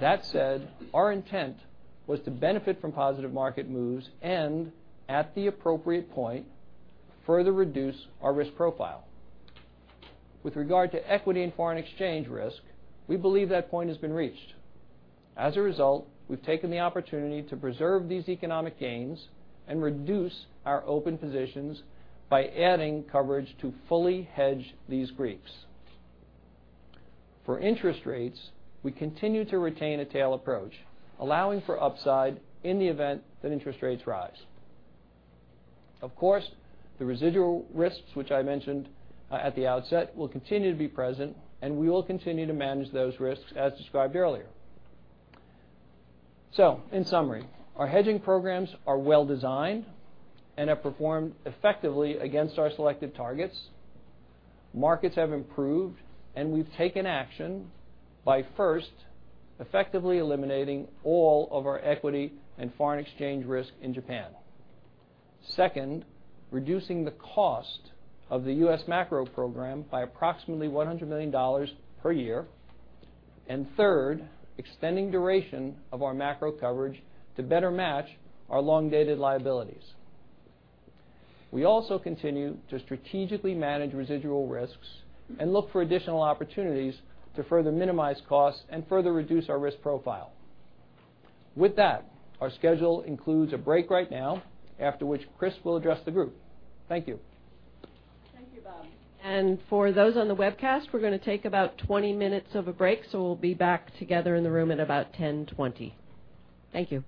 That said, our intent was to benefit from positive market moves and, at the appropriate point, further reduce our risk profile. With regard to equity and foreign exchange risk, we believe that point has been reached. As a result, we've taken the opportunity to preserve these economic gains and reduce our open positions by adding coverage to fully hedge these Greeks. For interest rates, we continue to retain a tail approach, allowing for upside in the event that interest rates rise. Of course, the residual risks, which I mentioned at the outset, will continue to be present, and we will continue to manage those risks as described earlier. In summary, our hedging programs are well-designed and have performed effectively against our selected targets. Markets have improved, we've taken action by first effectively eliminating all of our equity and foreign exchange risk in Japan. Second, reducing the cost of the U.S. macro program by approximately $100 million per year. Third, extending duration of our macro coverage to better match our long-dated liabilities. We also continue to strategically manage residual risks and look for additional opportunities to further minimize costs and further reduce our risk profile. With that, our schedule includes a break right now, after which Chris will address the group. Thank you. Thank you, Bob. For those on the webcast, we're going to take about 20 minutes of a break. We'll be back together in the room at about 10:20. Thank you.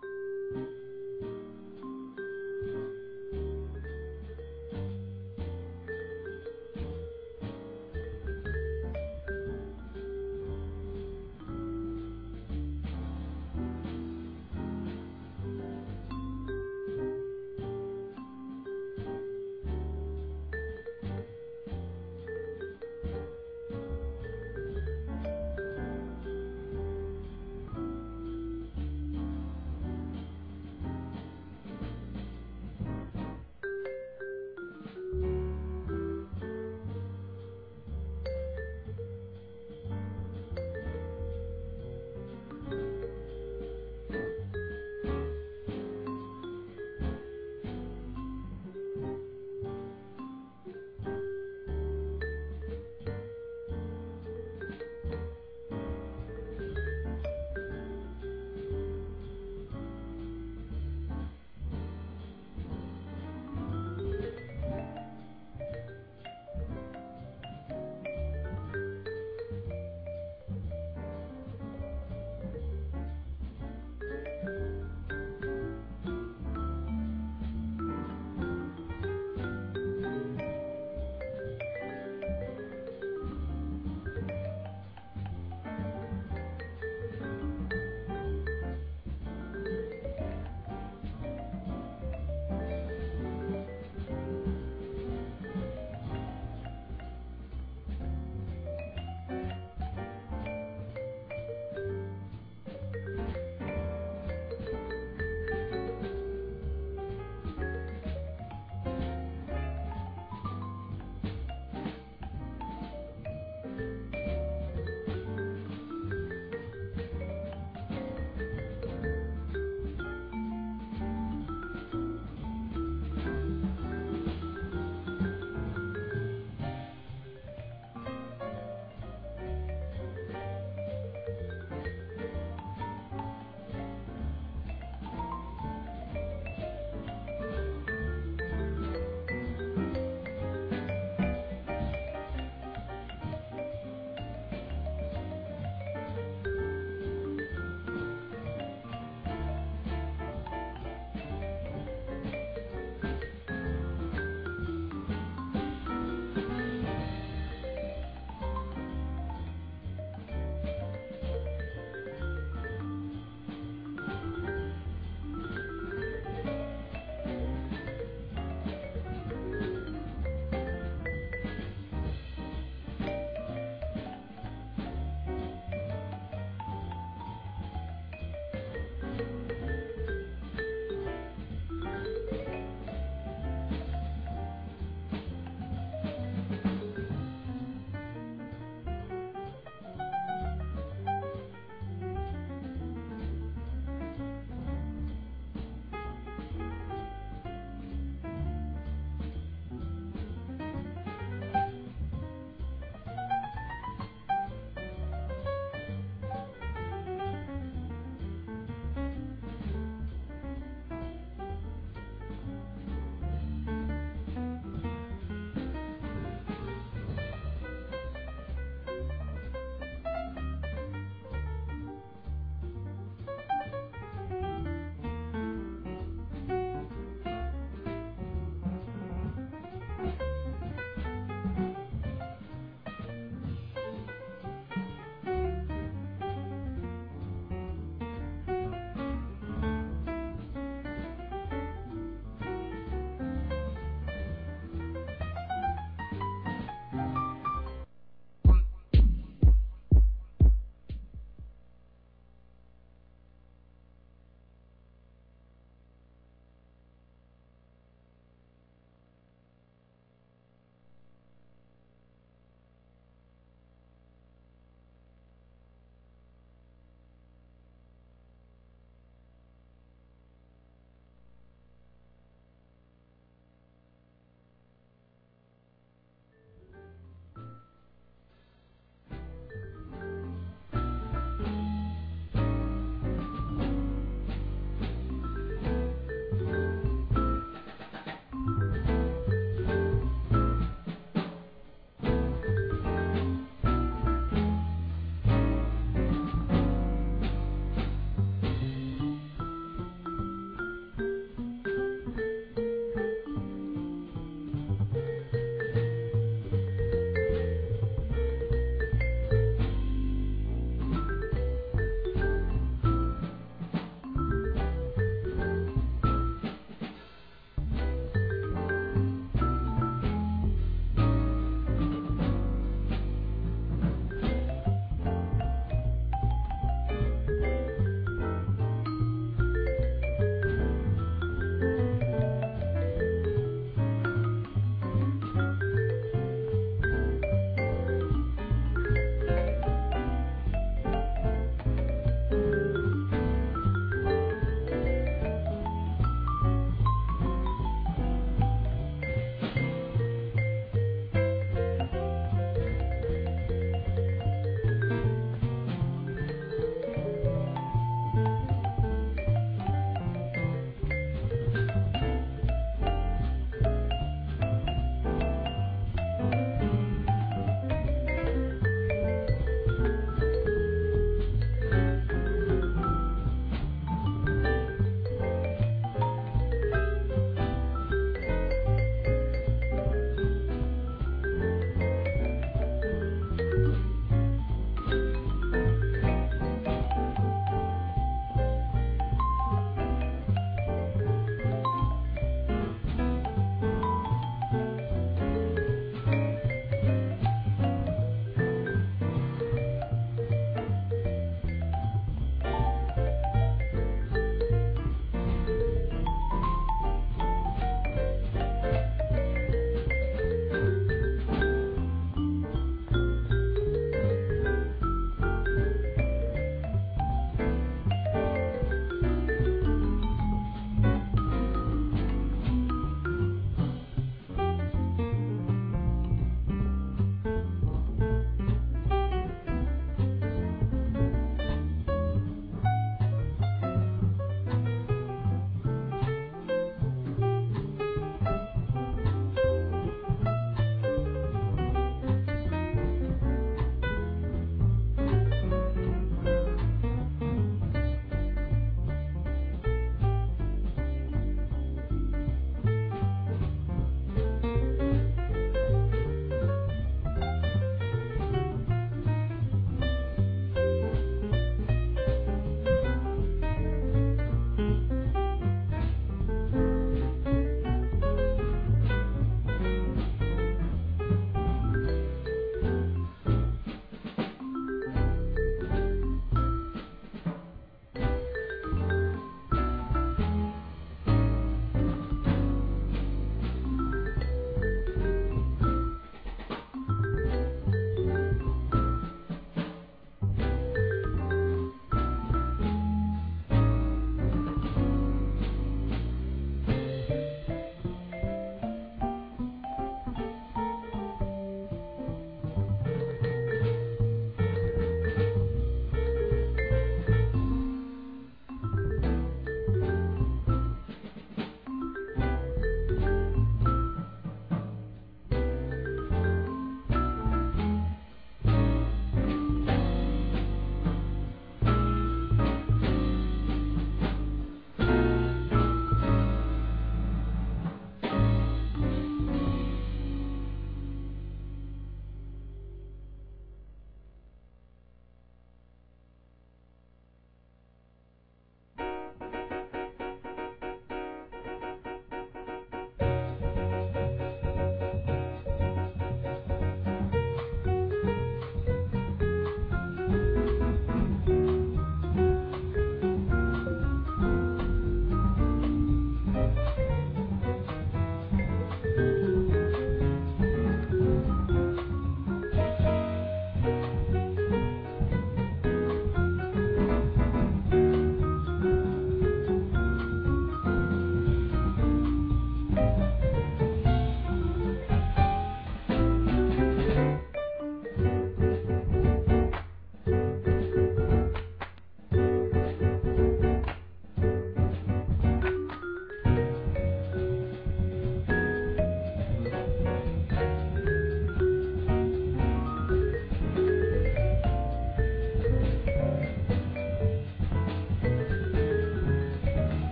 Thank you.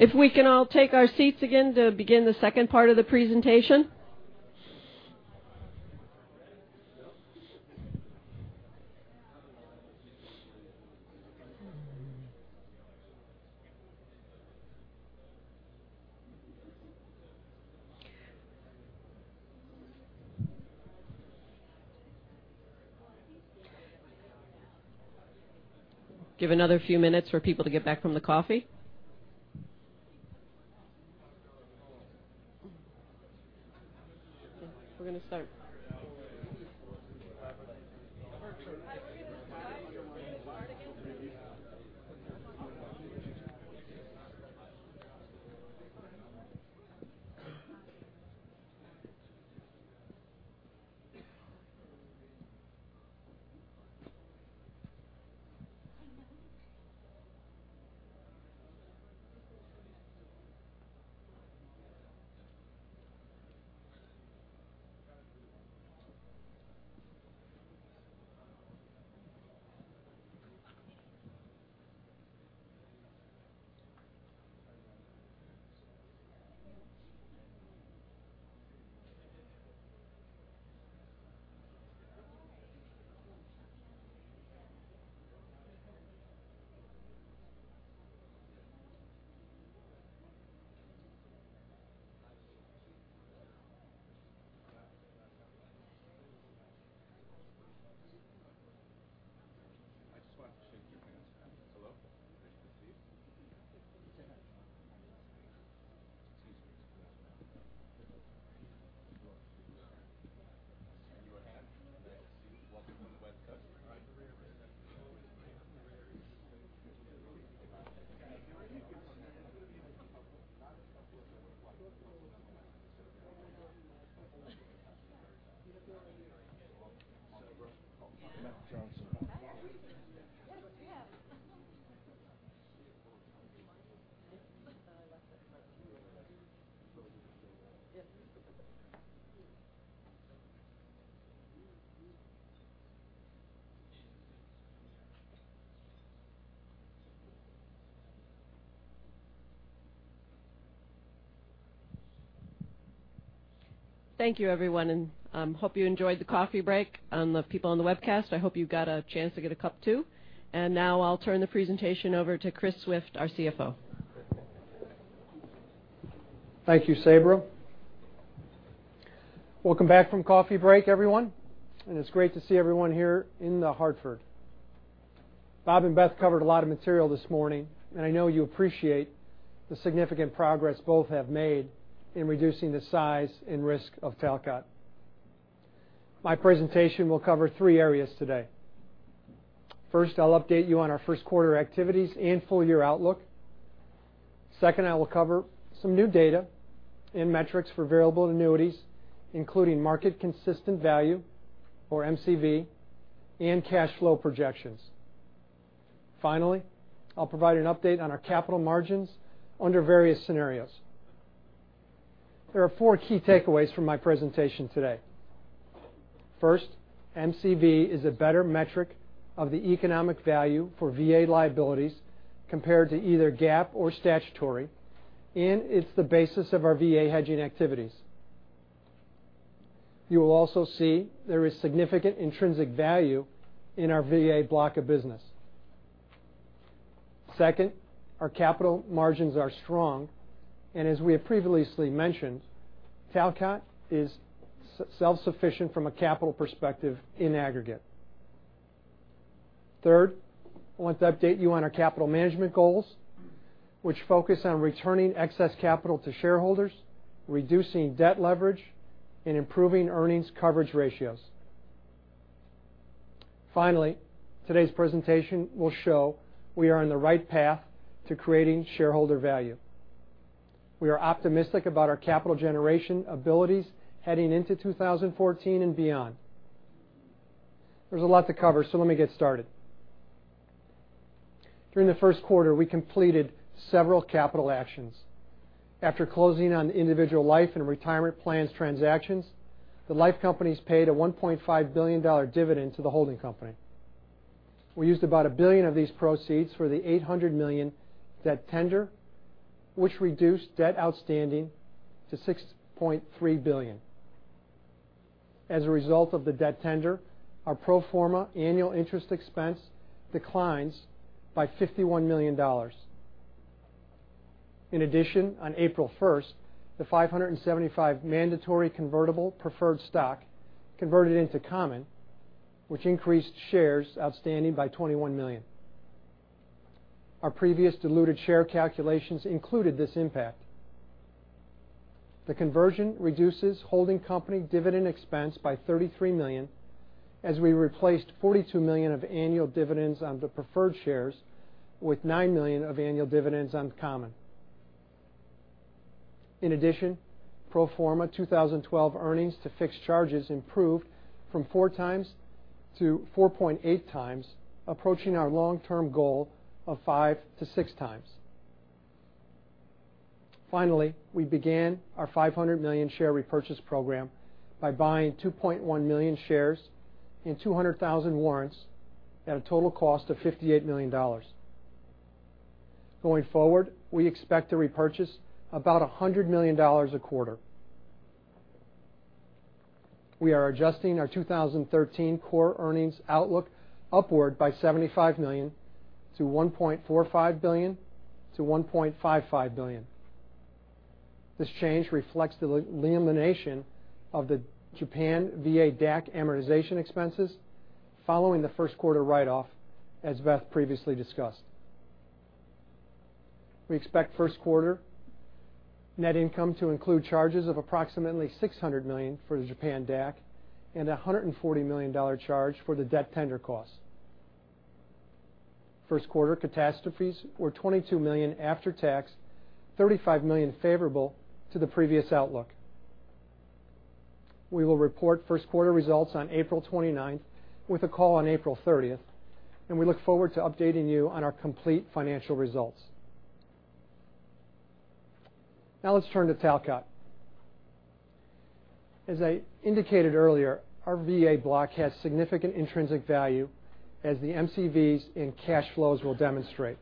If we can all take our seats again to begin the second part of the presentation. Give another few minutes for people to get back from the coffee. We're going to start. Thank you, everyone. Hope you enjoyed the coffee break. The people on the webcast, I hope you got a chance to get a cup, too. Now I'll turn the presentation over to Chris Swift, our CFO. Thank you, Sabra. Welcome back from coffee break, everyone. It's great to see everyone here in The Hartford. Bob and Beth covered a lot of material this morning. I know you appreciate the significant progress both have made in reducing the size and risk of Talcott. My presentation will cover three areas today. First, I'll update you on our first quarter activities and full year outlook. Second, I will cover some new data and metrics for variable annuities, including market consistent value, or MCV, and cash flow projections. Finally, I'll provide an update on our capital margins under various scenarios. There are four key takeaways from my presentation today. First, MCV is a better metric of the economic value for VA liabilities compared to either GAAP or statutory. It's the basis of our VA hedging activities. You will also see there is significant intrinsic value in our VA block of business. Second, our capital margins are strong, and as we have previously mentioned, Talcott is self-sufficient from a capital perspective in aggregate. Third, I want to update you on our capital management goals, which focus on returning excess capital to shareholders, reducing debt leverage, and improving earnings coverage ratios. Finally, today's presentation will show we are on the right path to creating shareholder value. We are optimistic about our capital generation abilities heading into 2014 and beyond. There's a lot to cover, so let me get started. During the first quarter, we completed several capital actions. After closing on individual life and retirement plans transactions, the life companies paid a $1.5 billion dividend to the holding company. We used about $1 billion of these proceeds for the $800 million debt tender, which reduced debt outstanding to $6.3 billion. As a result of the debt tender, our pro forma annual interest expense declines by $51 million. In addition, on April 1st, the 575 mandatory convertible preferred stock converted into common, which increased shares outstanding by 21 million. Our previous diluted share calculations included this impact. The conversion reduces holding company dividend expense by 33 million, as we replaced 42 million of annual dividends on the preferred shares with nine million of annual dividends on common. In addition, pro forma 2012 earnings to fixed charges improved from four times to 4.8 times, approaching our long-term goal of five to six times. Finally, we began our $500 million share repurchase program by buying 2.1 million shares and 200,000 warrants at a total cost of $58 million. Going forward, we expect to repurchase about $100 million a quarter. We are adjusting our 2013 core earnings outlook upward by $75 million to $1.45 billion-$1.55 billion. This change reflects the elimination of the Japan VA DAC amortization expenses following the first quarter write-off, as Beth previously discussed. We expect first quarter net income to include charges of approximately $600 million for the Japan DAC and $140 million charge for the debt tender costs. First quarter catastrophes were $22 million after tax, $35 million favorable to the previous outlook. We will report first quarter results on April 29th with a call on April 30th, and we look forward to updating you on our complete financial results. Now let's turn to Talcott. As I indicated earlier, our VA block has significant intrinsic value as the MCVs and cash flows will demonstrate.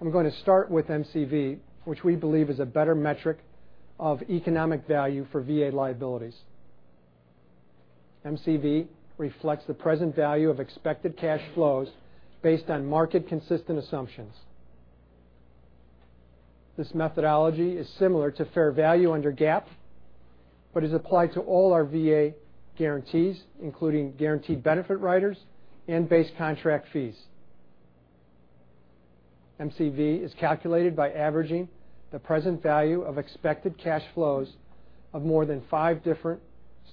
I'm going to start with MCV, which we believe is a better metric of economic value for VA liabilities. MCV reflects the present value of expected cash flows based on market consistent assumptions. This methodology is similar to fair value under GAAP, but is applied to all our VA guarantees, including guaranteed benefit riders and base contract fees. MCV is calculated by averaging the present value of expected cash flows of more than five different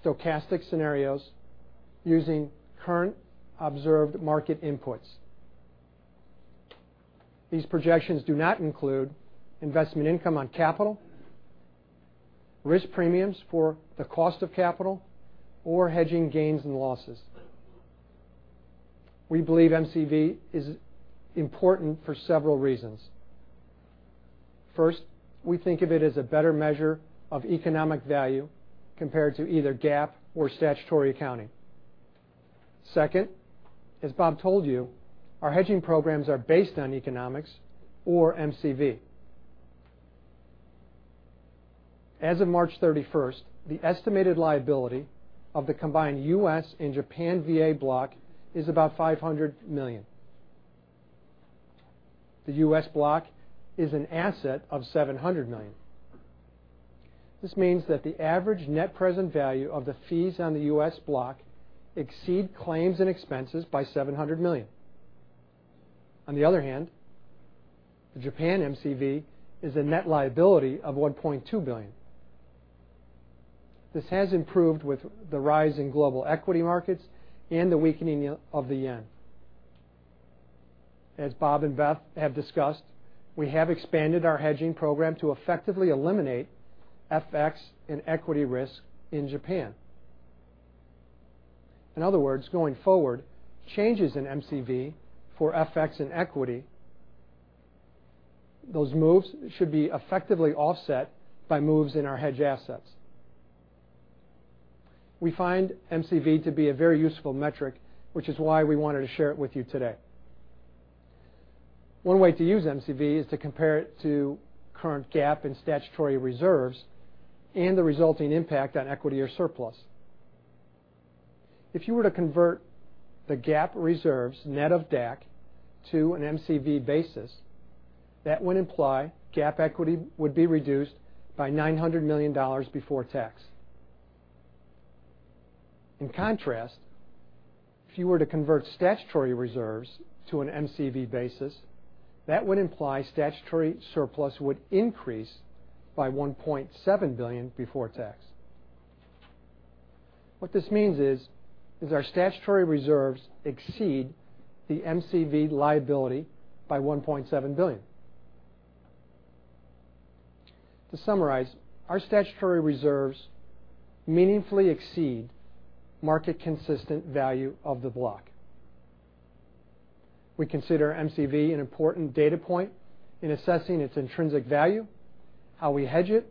stochastic scenarios using current observed market inputs. These projections do not include investment income on capital, risk premiums for the cost of capital or hedging gains and losses. We believe MCV is important for several reasons. First, we think of it as a better measure of economic value compared to either GAAP or statutory accounting. Second, as Bob told you, our hedging programs are based on economics or MCV. As of March 31st, the estimated liability of the combined U.S. and Japan VA block is about $500 million. The U.S. block is an asset of $700 million. This means that the average net present value of the fees on the U.S. block exceed claims and expenses by $700 million. On the other hand, the Japan MCV is a net liability of $1.2 billion. This has improved with the rise in global equity markets and the weakening of the yen. As Bob and Beth have discussed, we have expanded our hedging program to effectively eliminate FX and equity risk in Japan. In other words, going forward, changes in MCV for FX and equity, those moves should be effectively offset by moves in our hedge assets. We find MCV to be a very useful metric, which is why we wanted to share it with you today. One way to use MCV is to compare it to current GAAP and statutory reserves and the resulting impact on equity or surplus. If you were to convert the GAAP reserves net of DAC to an MCV basis, that would imply GAAP equity would be reduced by $900 million before tax. In contrast, if you were to convert statutory reserves to an MCV basis, that would imply statutory surplus would increase by $1.7 billion before tax. What this means is, our statutory reserves exceed the MCV liability by $1.7 billion. To summarize, our statutory reserves meaningfully exceed market consistent value of the block. We consider MCV an important data point in assessing its intrinsic value, how we hedge it,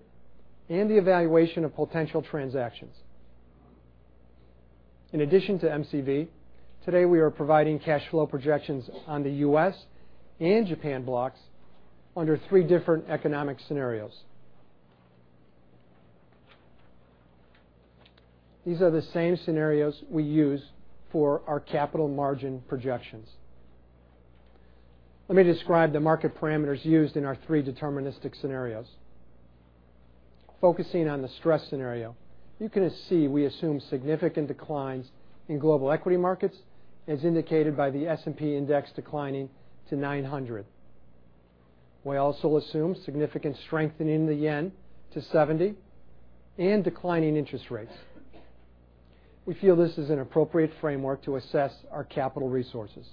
and the evaluation of potential transactions. In addition to MCV, today we are providing cash flow projections on the U.S. and Japan blocks under three different economic scenarios. These are the same scenarios we use for our capital margin projections. Let me describe the market parameters used in our three deterministic scenarios. Focusing on the stress scenario, you can see we assume significant declines in global equity markets as indicated by the S&P index declining to 900. We also assume significant strengthening of the yen to 70 and declining interest rates. We feel this is an appropriate framework to assess our capital resources.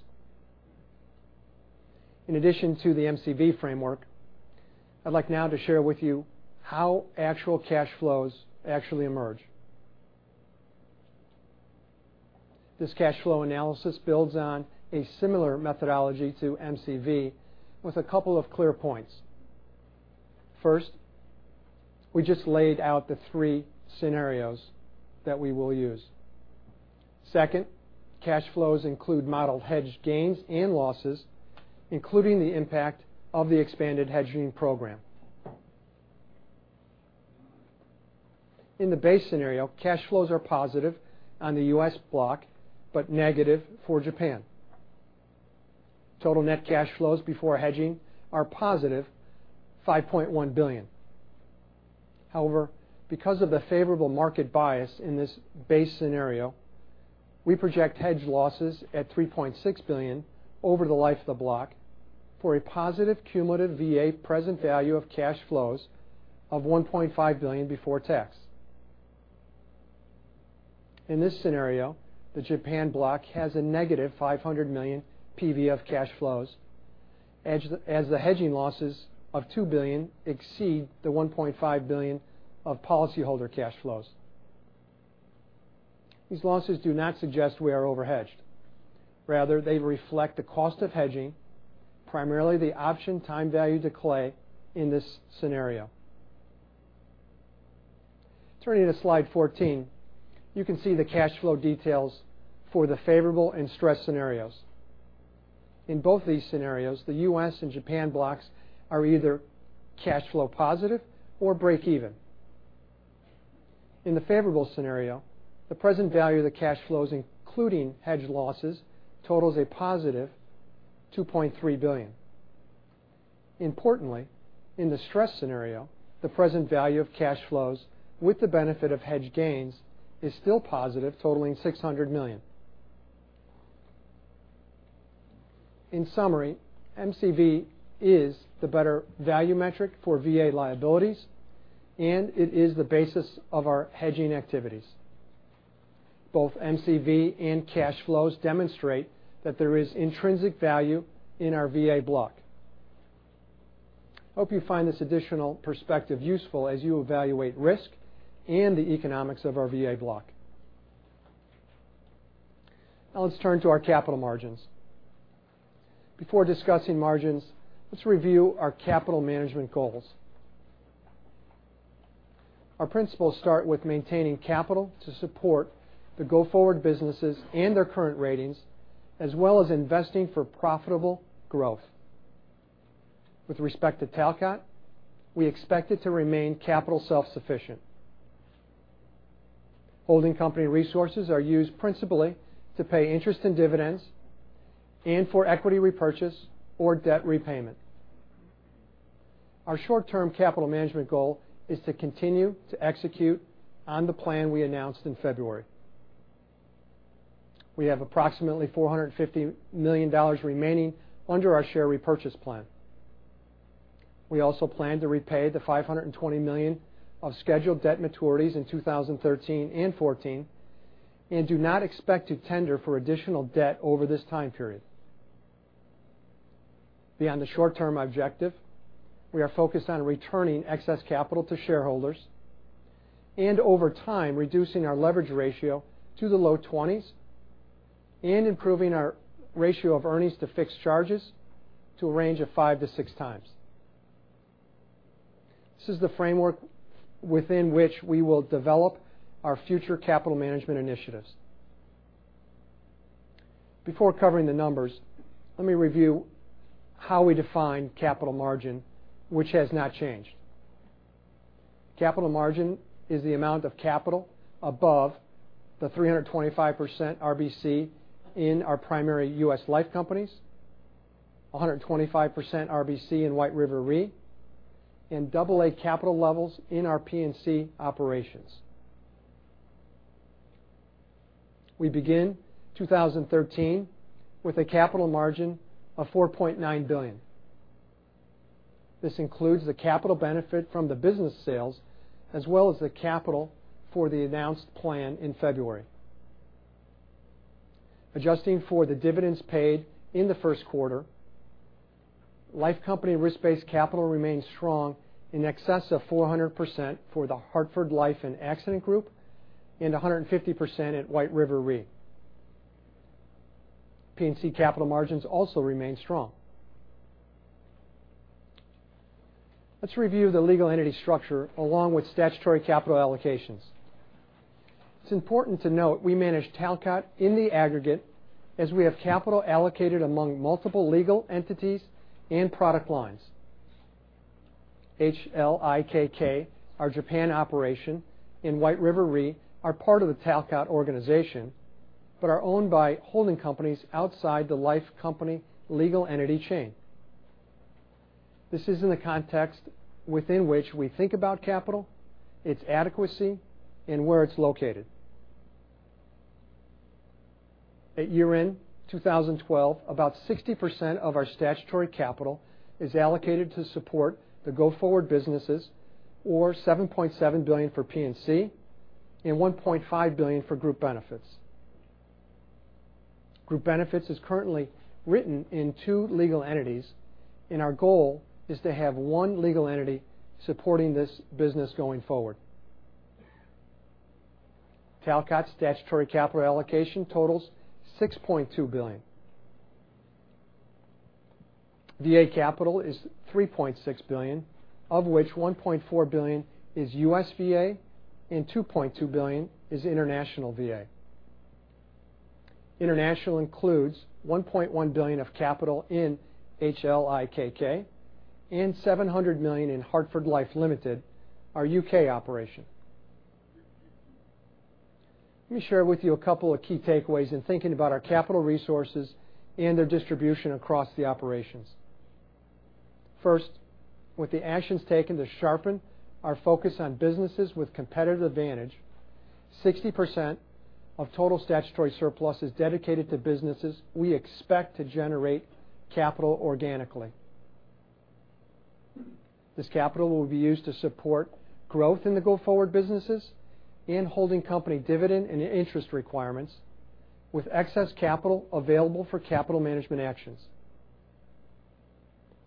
In addition to the MCV framework, I'd like now to share with you how actual cash flows actually emerge. This cash flow analysis builds on a similar methodology to MCV with a couple of clear points. First, we just laid out the three scenarios that we will use. Second, cash flows include modeled hedged gains and losses, including the impact of the expanded hedging program. In the base scenario, cash flows are positive on the U.S. block, but negative for Japan. Total net cash flows before hedging are positive $5.1 billion. However, because of the favorable market bias in this base scenario, we project hedge losses at $3.6 billion over the life of the block for a positive cumulative VA present value of cash flows of $1.5 billion before tax. In this scenario, the Japan block has a negative $500 million PV of cash flows as the hedging losses of $2 billion exceed the $1.5 billion of policyholder cash flows. These losses do not suggest we are over-hedged. Rather, they reflect the cost of hedging, primarily the option time value decay in this scenario. Turning to slide 14, you can see the cash flow details for the favorable and stress scenarios. In both these scenarios, the U.S. and Japan blocks are either cash flow positive or break even. In the favorable scenario, the present value of the cash flows, including hedge losses, totals a positive $2.3 billion. Importantly, in the stress scenario, the present value of cash flows with the benefit of hedge gains is still positive, totaling $600 million. In summary, MCV is the better value metric for VA liabilities, and it is the basis of our hedging activities. Both MCV and cash flows demonstrate that there is intrinsic value in our VA block. Hope you find this additional perspective useful as you evaluate risk and the economics of our VA block. Now let's turn to our capital margins. Before discussing margins, let's review our capital management goals. Our principles start with maintaining capital to support the go-forward businesses and their current ratings, as well as investing for profitable growth. With respect to Talcott, we expect it to remain capital self-sufficient. Holding company resources are used principally to pay interest and dividends and for equity repurchase or debt repayment. Our short-term capital management goal is to continue to execute on the plan we announced in February. We have approximately $450 million remaining under our share repurchase plan. We also plan to repay the $520 million of scheduled debt maturities in 2013 and 2014 and do not expect to tender for additional debt over this time period. Beyond the short-term objective, we are focused on returning excess capital to shareholders and over time, reducing our leverage ratio to the low twenties and improving our ratio of earnings to fixed charges to a range of five to six times. This is the framework within which we will develop our future capital management initiatives. Before covering the numbers, let me review how we define capital margin, which has not changed. Capital margin is the amount of capital above the 325% RBC in our primary U.S. life companies, 125% RBC in White River Re, and AA capital levels in our P&C operations. We begin 2013 with a capital margin of $4.9 billion. This includes the capital benefit from the business sales as well as the capital for the announced plan in February. Adjusting for the dividends paid in the first quarter, life company risk-based capital remains strong, in excess of 400% for The Hartford Life and Accident Group and 150% at White River Re. P&C capital margins also remain strong. Let's review the legal entity structure along with statutory capital allocations. It's important to note we manage Talcott in the aggregate as we have capital allocated among multiple legal entities and product lines. HLIKK, our Japan operation, and White River Re are part of the Talcott organization, but are owned by holding companies outside the life company legal entity chain. This is in the context within which we think about capital, its adequacy, and where it's located. At year-end 2012, about 60% of our statutory capital is allocated to support the go-forward businesses or $7.7 billion for P&C and $1.5 billion for Group Benefits. Group Benefits is currently written in two legal entities, and our goal is to have one legal entity supporting this business going forward. Talcott's statutory capital allocation totals $6.2 billion. VA capital is $3.6 billion, of which $1.4 billion is U.S. VA and $2.2 billion is international VA. International includes $1.1 billion of capital in HLIKK and $700 million in Hartford Life Limited, our U.K. operation. Let me share with you a couple of key takeaways in thinking about our capital resources and their distribution across the operations. First, with the actions taken to sharpen our focus on businesses with competitive advantage, 60% of total statutory surplus is dedicated to businesses we expect to generate capital organically. This capital will be used to support growth in the go-forward businesses and holding company dividend and interest requirements, with excess capital available for capital management actions.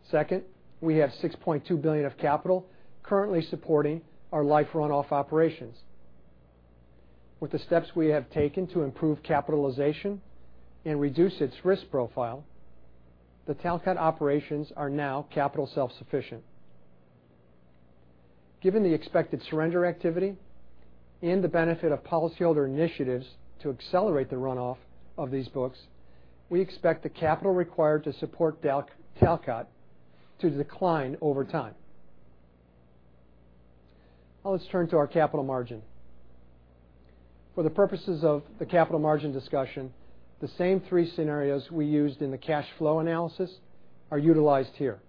Second, we have $6.2 billion of capital currently supporting our life run-off operations. With the steps we have taken to improve capitalization and reduce its risk profile, the Talcott operations are now capital self-sufficient. Given the expected surrender activity and the benefit of policyholder initiatives to accelerate the run-off of these books, we expect the capital required to support Talcott to decline over time. Now let's turn to our capital margin. For the purposes of the capital margin discussion, the same three scenarios we used in the cash flow analysis are utilized here.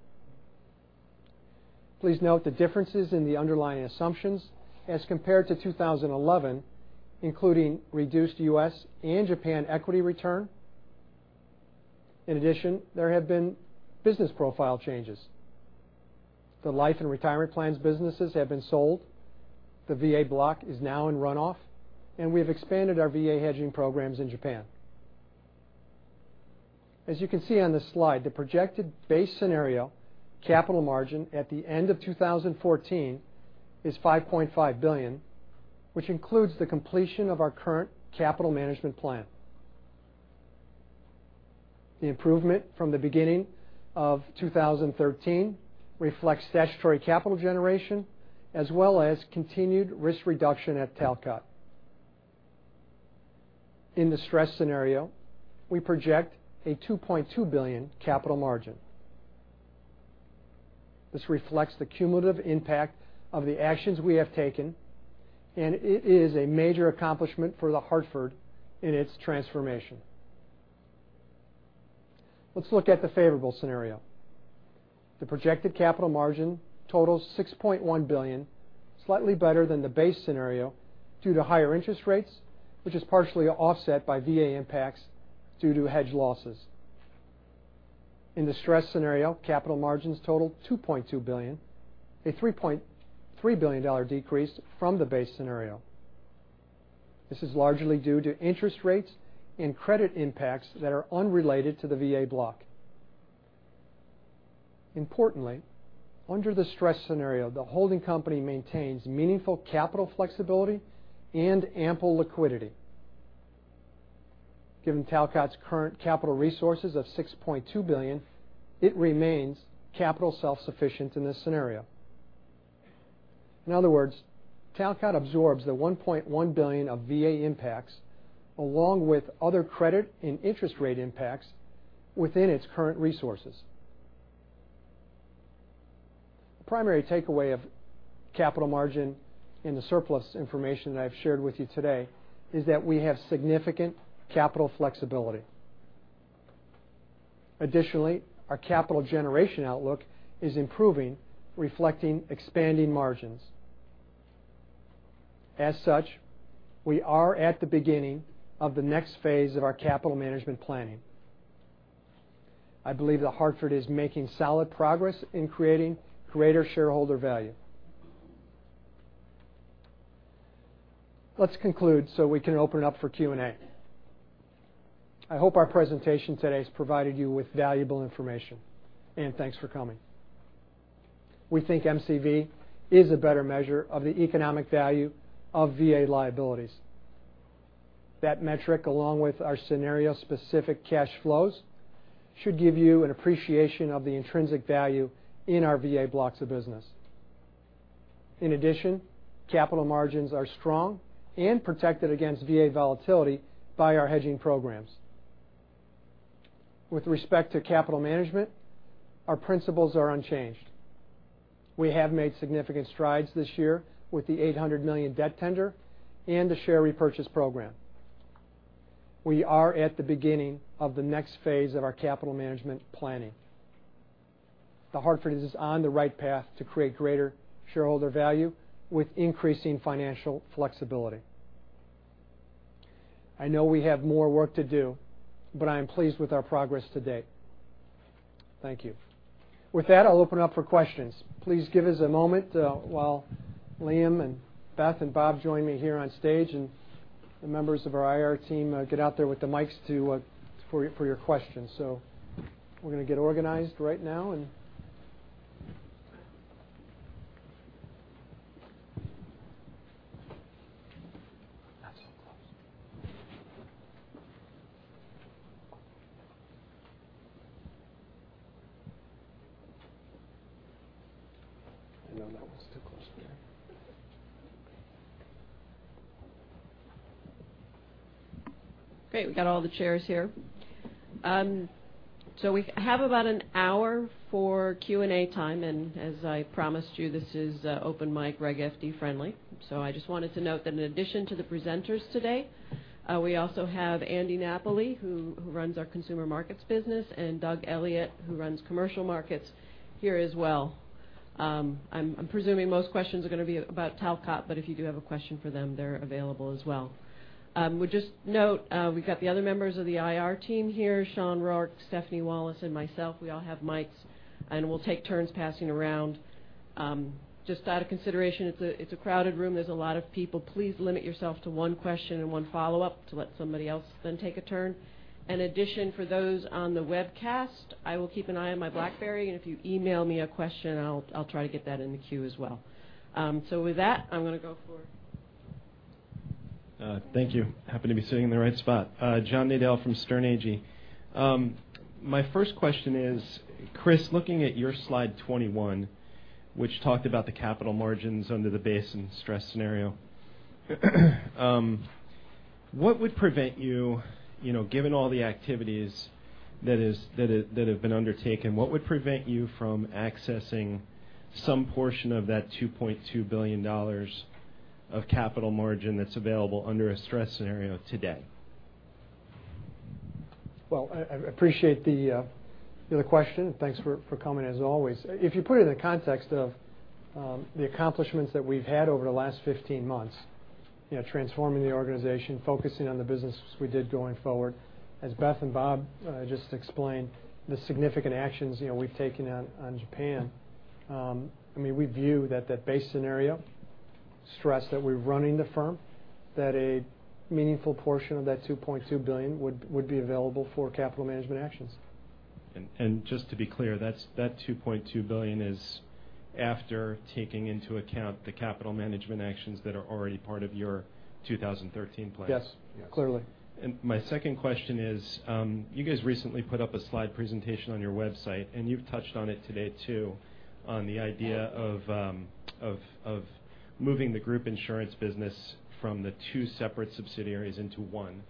Please note the differences in the underlying assumptions as compared to 2011, including reduced U.S. and Japan equity return. In addition, there have been business profile changes. The life and retirement plans businesses have been sold, the VA block is now in run-off, and we have expanded our VA hedging programs in Japan. As you can see on this slide, the projected base scenario capital margin at the end of 2014 is $5.5 billion, which includes the completion of our current capital management plan. The improvement from the beginning of 2013 reflects statutory capital generation as well as continued risk reduction at Talcott. In the stress scenario, we project a $2.2 billion capital margin. This reflects the cumulative impact of the actions we have taken, and it is a major accomplishment for The Hartford in its transformation. Let's look at the favorable scenario. The projected capital margin totals $6.1 billion, slightly better than the base scenario due to higher interest rates, which is partially offset by VA impacts due to hedge losses. In the stress scenario, capital margins total $2.2 billion, a $3.3 billion decrease from the base scenario. This is largely due to interest rates and credit impacts that are unrelated to the VA block. Importantly, under the stress scenario, the holding company maintains meaningful capital flexibility and ample liquidity. Given Talcott's current capital resources of $6.2 billion, it remains capital self-sufficient in this scenario. In other words, Talcott absorbs the $1.1 billion of VA impacts along with other credit and interest rate impacts within its current resources. The primary takeaway of capital margin in the surplus information that I've shared with you today is that we have significant capital flexibility. Additionally, our capital generation outlook is improving, reflecting expanding margins. As such, we are at the beginning of the next phase of our capital management planning. I believe The Hartford is making solid progress in creating greater shareholder value. Let's conclude so we can open up for Q&A. I hope our presentation today has provided you with valuable information, and thanks for coming. We think MCV is a better measure of the economic value of VA liabilities. That metric, along with our scenario-specific cash flows, should give you an appreciation of the intrinsic value in our VA blocks of business. In addition, capital margins are strong and protected against VA volatility by our hedging programs. With respect to capital management, our principles are unchanged. We have made significant strides this year with the $800 million debt tender and the share repurchase program. We are at the beginning of the next phase of our capital management planning. The Hartford is on the right path to create greater shareholder value with increasing financial flexibility. I know we have more work to do, but I am pleased with our progress to date. Thank you. With that, I'll open up for questions. Please give us a moment while Liam and Beth and Bob join me here on stage and the members of our IR team get out there with the mics for your questions. We're going to get organized right now and Not so close. I know that one's too close there. Great. We got all the chairs here. We have about an hour for Q&A time, and as I promised you, this is open mic, Reg FD friendly. I just wanted to note that in addition to the presenters today, we also have Andy Napoli, who runs our consumer markets business, and Doug Elliot, who runs commercial markets here as well. I'm presuming most questions are going to be about Talcott, but if you do have a question for them, they're available as well. Would just note, we've got the other members of the IR team here, Sean Rourke, Stephanie Wallace, and myself. We all have mics and we'll take turns passing around. Just out of consideration, it's a crowded room. There's a lot of people. Please limit yourself to one question and one follow-up to let somebody else then take a turn. In addition, for those on the webcast, I will keep an eye on my BlackBerry, and if you email me a question, I'll try to get that in the queue as well. With that, I'm going to go forward. Thank you. Happen to be sitting in the right spot. John Nadel from Sterne Agee. My first question is, Chris, looking at your slide 21, which talked about the capital margins under the base and stress scenario, what would prevent you, given all the activities that have been undertaken, what would prevent you from accessing some portion of that $2.2 billion of capital margin that's available under a stress scenario today? Well, I appreciate the question. Thanks for coming, as always. If you put it in the context of the accomplishments that we've had over the last 15 months, transforming the organization, focusing on the business we did going forward, as Beth and Bob just explained, the significant actions we've taken on Japan. We view that that base scenario, stress that we're running the firm, that a meaningful portion of that $2.2 billion would be available for capital management actions. Just to be clear, that $2.2 billion is after taking into account the capital management actions that are already part of your 2013 plan? Yes. Clearly. My second question is, you guys recently put up a slide presentation on your website, and you've touched on it today, too, on the idea of moving the group insurance business from the two separate subsidiaries into one.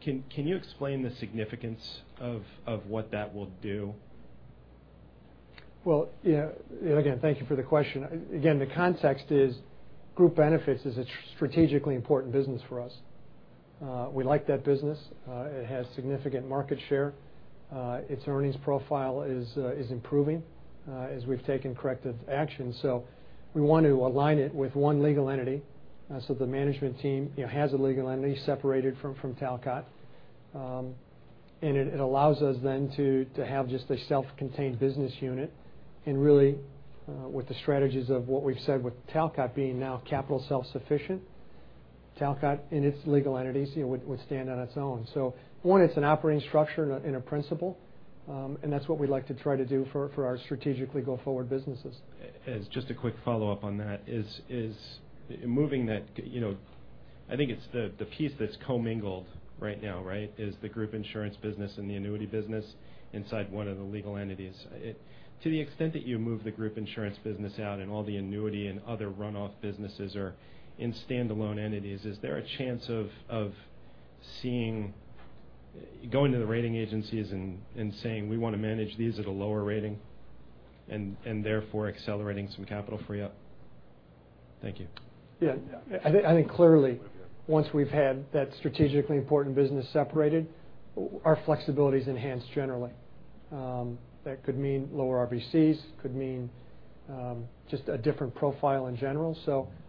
Can you explain the significance of what that will do? Well, again, thank you for the question. The context is group benefits is a strategically important business for us. We like that business. It has significant market share. Its earnings profile is improving as we've taken corrective action. We want to align it with one legal entity. The management team has a legal entity separated from Talcott. It allows us then to have just a self-contained business unit and really with the strategies of what we've said with Talcott being now capital self-sufficient, Talcott in its legal entities would stand on its own. One, it's an operating structure in a principle, and that's what we'd like to try to do for our strategically go forward businesses. As just a quick follow-up on that is moving that, I think it's the piece that's co-mingled right now, right? Is the group insurance business and the annuity business inside one of the legal entities. To the extent that you move the group insurance business out and all the annuity and other run-off businesses are in standalone entities, is there a chance of going to the rating agencies and saying, "We want to manage these at a lower rating," and therefore accelerating some capital free up? Thank you. Yeah. I think clearly once we've had that strategically important business separated, our flexibility is enhanced generally. That could mean lower RBCs, could mean just a different profile in general.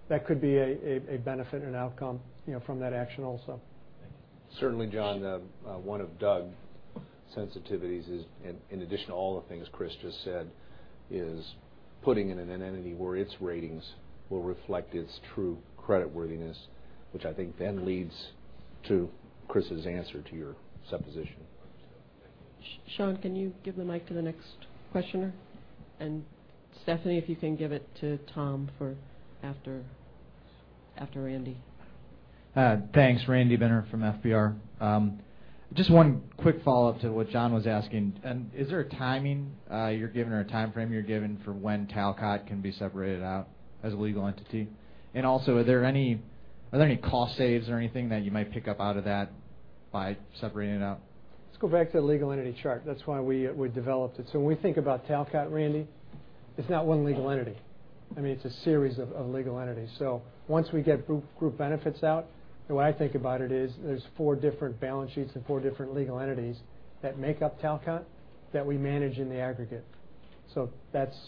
That could be a benefit and outcome from that action also. Thank you. Certainly, John, one of Doug's sensitivities is in addition to all the things Chris just said, is putting in an entity where its ratings will reflect its true credit worthiness, which I think leads to Chris's answer to your supposition. Thank you. Sean, can you give the mic to the next questioner? Stephanie, if you can give it to Tom after Andy. Thanks. Randy Binner from FBR. Just one quick follow-up to what John was asking. Is there a timing you're given or a time frame you're given for when Talcott can be separated out as a legal entity? Also are there any cost saves or anything that you might pick up out of that by separating it out? Let's go back to the legal entity chart. That's why we developed it. When we think about Talcott, Randy, it's not one legal entity. It's a series of legal entities. Once we get group benefits out, the way I think about it is there's four different balance sheets and four different legal entities that make up Talcott that we manage in the aggregate. That's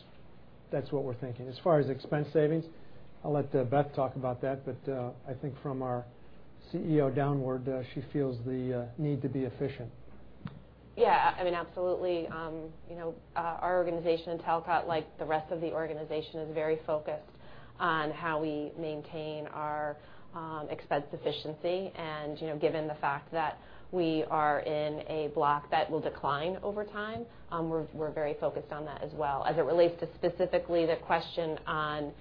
what we're thinking. As far as expense savings, I'll let Beth talk about that, but I think from our CEO downward, she feels the need to be efficient. Yeah, absolutely. Our organization in Talcott, like the rest of the organization, is very focused on how we maintain our expense efficiency and, given the fact that we are in a block that will decline over time, we're very focused on that as well. As it relates to specifically the question on,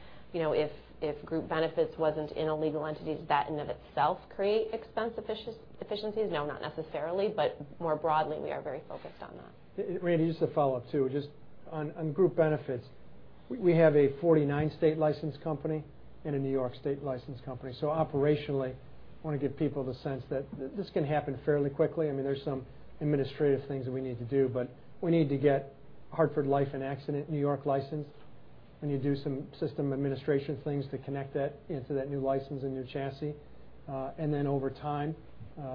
if group benefits wasn't in a legal entity, does that in and of itself create expense efficiencies? No, not necessarily. More broadly, we are very focused on that. Randy, just a follow-up too. Just on group benefits, we have a 49-state licensed company and a New York State licensed company. Operationally, I want to give people the sense that this can happen fairly quickly. There's some administrative things that we need to do, but we need to get Hartford Life and Accident New York licensed. We need to do some system administration things to connect that into that new license and new chassis. Then over time,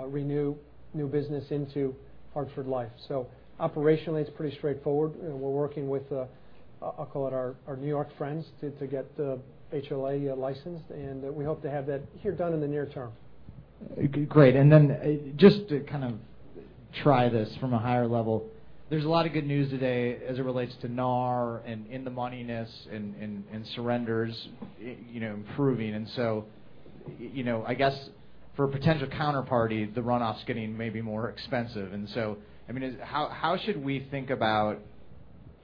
renew new business into Hartford Life. Operationally, it's pretty straightforward. We're working with, I'll call it our New York friends to get HLA licensed, and we hope to have that here done in the near term. Great. Then just to try this from a higher level. There's a lot of good news today as it relates to NAR and in the moneyness and surrenders improving. I guess for a potential counterparty, the runoff's getting maybe more expensive. How should we think about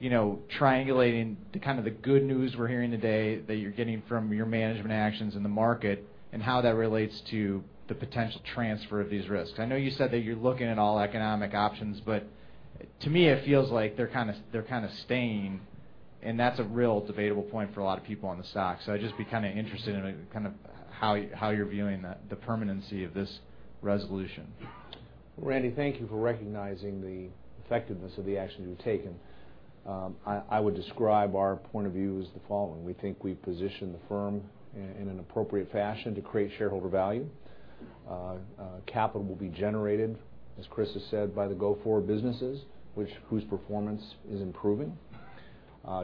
triangulating the kind of good news we're hearing today that you're getting from your management actions in the market and how that relates to the potential transfer of these risks? I know you said that you're looking at all economic options, to me, it feels like they're kind of staying, and that's a real debatable point for a lot of people on the stock. I'd just be kind of interested in how you're viewing the permanency of this resolution. Randy, thank you for recognizing the effectiveness of the actions we've taken. I would describe our point of view as the following. We think we've positioned the firm in an appropriate fashion to create shareholder value. Capital will be generated, as Chris has said, by the go-forward businesses, whose performance is improving.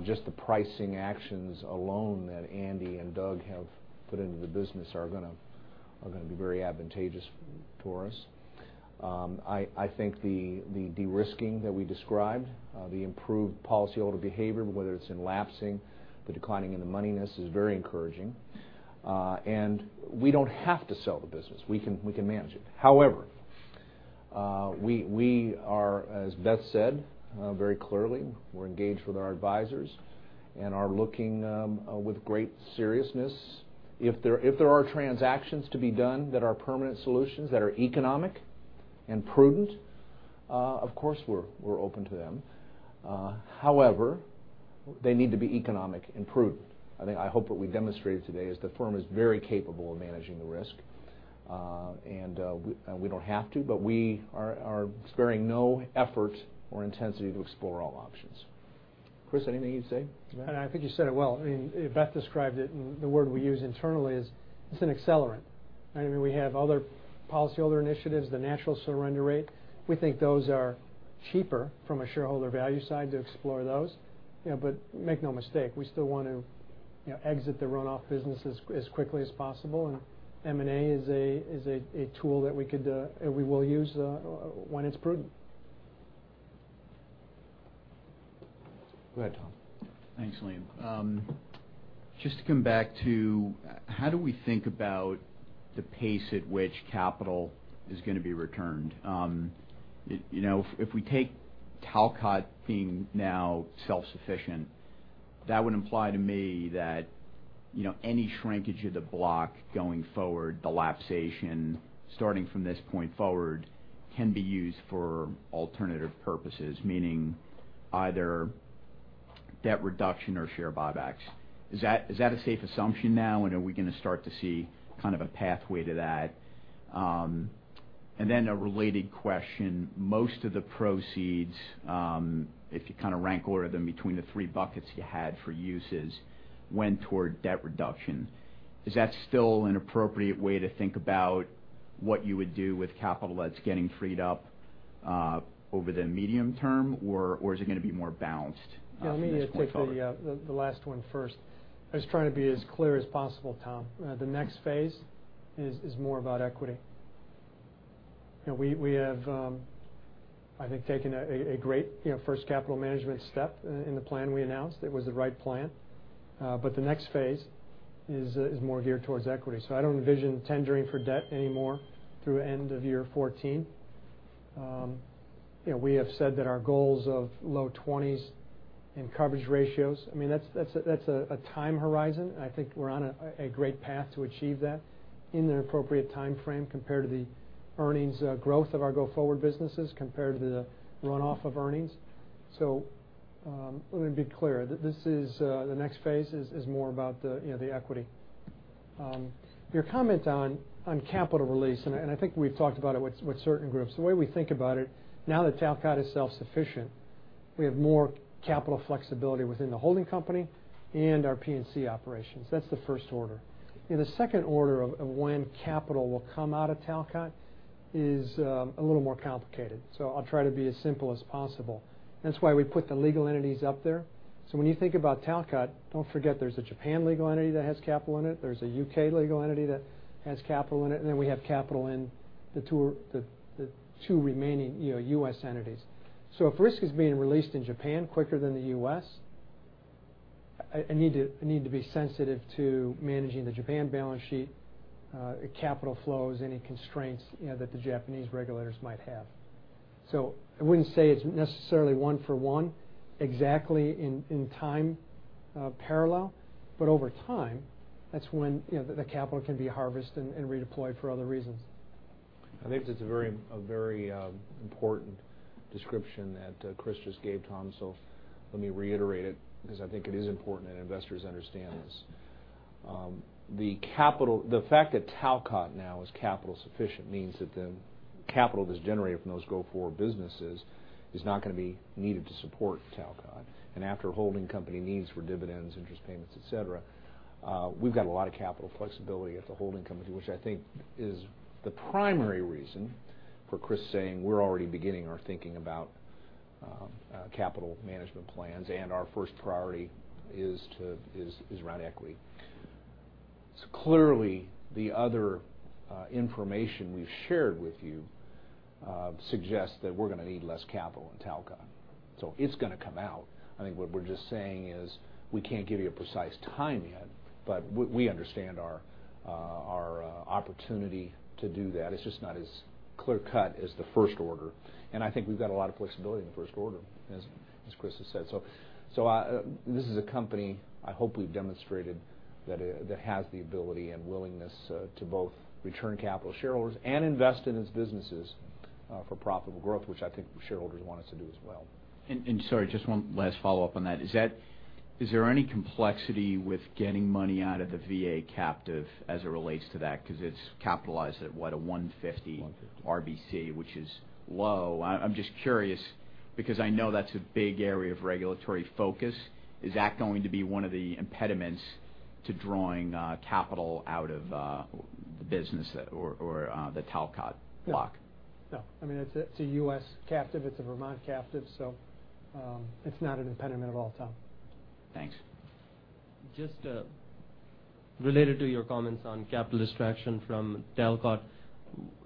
Just the pricing actions alone that Andy and Doug have put into the business are going to be very advantageous for us. I think the de-risking that we described, the improved policyholder behavior, whether it's in lapsing, the declining in the moneyness is very encouraging. We don't have to sell the business. We can manage it. We are, as Beth said, very clearly, we're engaged with our advisors and are looking with great seriousness. If there are transactions to be done that are permanent solutions that are economic and prudent, of course, we're open to them. They need to be economic and prudent. I think, I hope what we demonstrated today is the firm is very capable of managing the risk. We don't have to, but we are sparing no effort or intensity to explore all options. Chris, anything you'd say to that? I think you said it well. Beth described it, the word we use internally is it's an accelerant, right? We have other policyholder initiatives, the natural surrender rate. We think those are cheaper from a shareholder value side to explore those. Make no mistake, we still want to exit the runoff business as quickly as possible, M&A is a tool that we will use when it's prudent. Go ahead, Tom. Thanks, Liam. Just to come back to how do we think about the pace at which capital is going to be returned? If we take Talcott being now self-sufficient, that would imply to me that any shrinkage of the block going forward, the lapsation, starting from this point forward, can be used for alternative purposes, meaning either debt reduction or share buybacks. Is that a safe assumption now, and are we going to start to see kind of a pathway to that? A related question. Most of the proceeds, if you kind of rank order them between the three buckets you had for uses, went toward debt reduction. Is that still an appropriate way to think about what you would do with capital that's getting freed up over the medium term, or is it going to be more balanced from this point forward? Let me take the last one first. I was trying to be as clear as possible, Tom. The next phase is more about equity. We have, I think, taken a great first capital management step in the plan we announced. It was the right plan. The next phase is more geared towards equity. I don't envision tendering for debt anymore through end of year 2014. We have said that our goals of low 20s in coverage ratios, that's a time horizon. I think we're on a great path to achieve that in the appropriate time frame compared to the earnings growth of our go-forward businesses compared to the runoff of earnings. Let me be clear. The next phase is more about the equity. Your comment on capital release, I think we've talked about it with certain groups. The way we think about it now that Talcott is self-sufficient, we have more capital flexibility within the holding company and our P&C operations. That's the first order. The second order of when capital will come out of Talcott is a little more complicated, so I'll try to be as simple as possible. That's why we put the legal entities up there. When you think about Talcott, don't forget there's a Japan legal entity that has capital in it, there's a U.K. legal entity that has capital in it, and then we have capital in the two remaining U.S. entities. If risk is being released in Japan quicker than the U.S., I need to be sensitive to managing the Japan balance sheet, capital flows, any constraints that the Japanese regulators might have. I wouldn't say it's necessarily one for one exactly in time parallel, but over time, that's when the capital can be harvested and redeployed for other reasons. I think it's a very important description that Chris just gave, Tom, so let me reiterate it because I think it is important that investors understand this. The fact that Talcott now is capital sufficient means that the capital that's generated from those go-forward businesses is not going to be needed to support Talcott. After holding company needs for dividends, interest payments, et cetera, we've got a lot of capital flexibility at the holding company, which I think is the primary reason for Chris saying we're already beginning our thinking about capital management plans. Our first priority is around equity. Clearly, the other information we've shared with you suggests that we're going to need less capital in Talcott. It's going to come out. I think what we're just saying is we can't give you a precise time yet, but we understand our opportunity to do that. It's just not as clear cut as the first order, and I think we've got a lot of flexibility in the first order, as Chris has said. This is a company I hope we've demonstrated that has the ability and willingness to both return capital to shareholders and invest in its businesses for profitable growth, which I think shareholders want us to do as well. Sorry, just one last follow-up on that. Is there any complexity with getting money out of the VA captive as it relates to that? Because it's capitalized at, what, a 150- 150 RBC, which is low. I'm just curious because I know that's a big area of regulatory focus. Is that going to be one of the impediments to drawing capital out of the business or the Talcott block? No. It's a U.S. captive, it's a Vermont captive, it's not an impediment at all, Tom. Thanks. Just related to your comments on capital extraction from Talcott,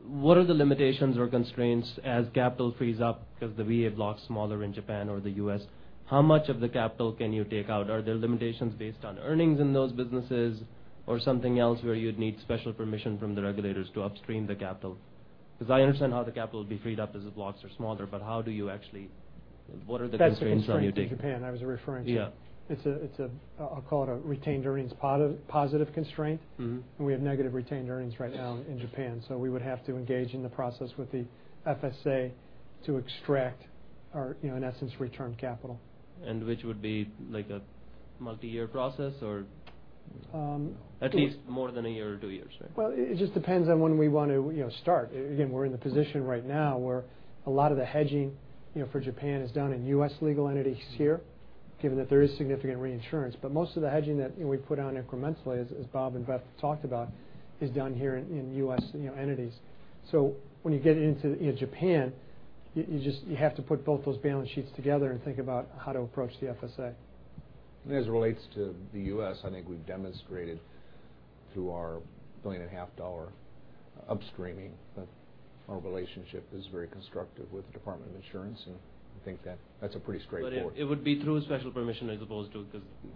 what are the limitations or constraints as capital frees up because the VA block is smaller in Japan or the U.S.? How much of the capital can you take out? Are there limitations based on earnings in those businesses or something else where you'd need special permission from the regulators to upstream the capital? I understand how the capital would be freed up as the blocks are smaller, but what are the constraints on you. That's the constraint in Japan I was referring to. Yeah. I'll call it a retained earnings positive constraint. We have negative retained earnings right now in Japan. We would have to engage in the process with the FSA to extract or in essence, return capital. Which would be like a multi-year process or at least more than a year or two years, right? Well, it just depends on when we want to start. Again, we're in the position right now where a lot of the hedging for Japan is done in U.S. legal entities here, given that there is significant reinsurance. Most of the hedging that we put on incrementally, as Bob and Beth talked about, is done here in U.S. entities. When you get into Japan, you have to put both those balance sheets together and think about how to approach the FSA. As it relates to the U.S., I think we've demonstrated through our billion and a half dollar upstreaming that our relationship is very constructive with the Department of Insurance, and I think that's pretty straightforward. It would be through special permission as opposed to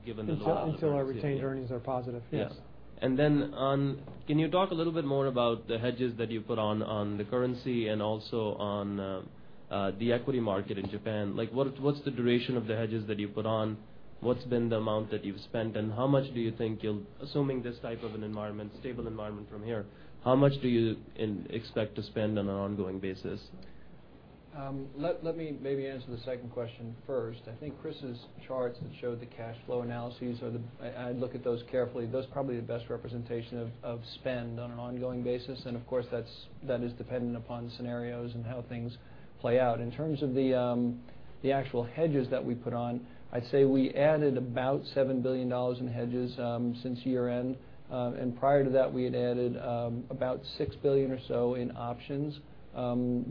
given the. Until our retained earnings are positive, yes. Yeah. Can you talk a little bit more about the hedges that you put on the currency and also on the equity market in Japan? What's the duration of the hedges that you put on? What's been the amount that you've spent, and how much do you think you'll, assuming this type of an environment, stable environment from here, how much do you expect to spend on an ongoing basis? Let me maybe answer the second question first. I think Chris' charts that showed the cash flow analyses, I'd look at those carefully. Those are probably the best representation of spend on an ongoing basis, and of course, that is dependent upon scenarios and how things play out. In terms of the actual hedges that we put on, I'd say we added about $7 billion in hedges since year-end. Prior to that, we had added about $6 billion or so in options.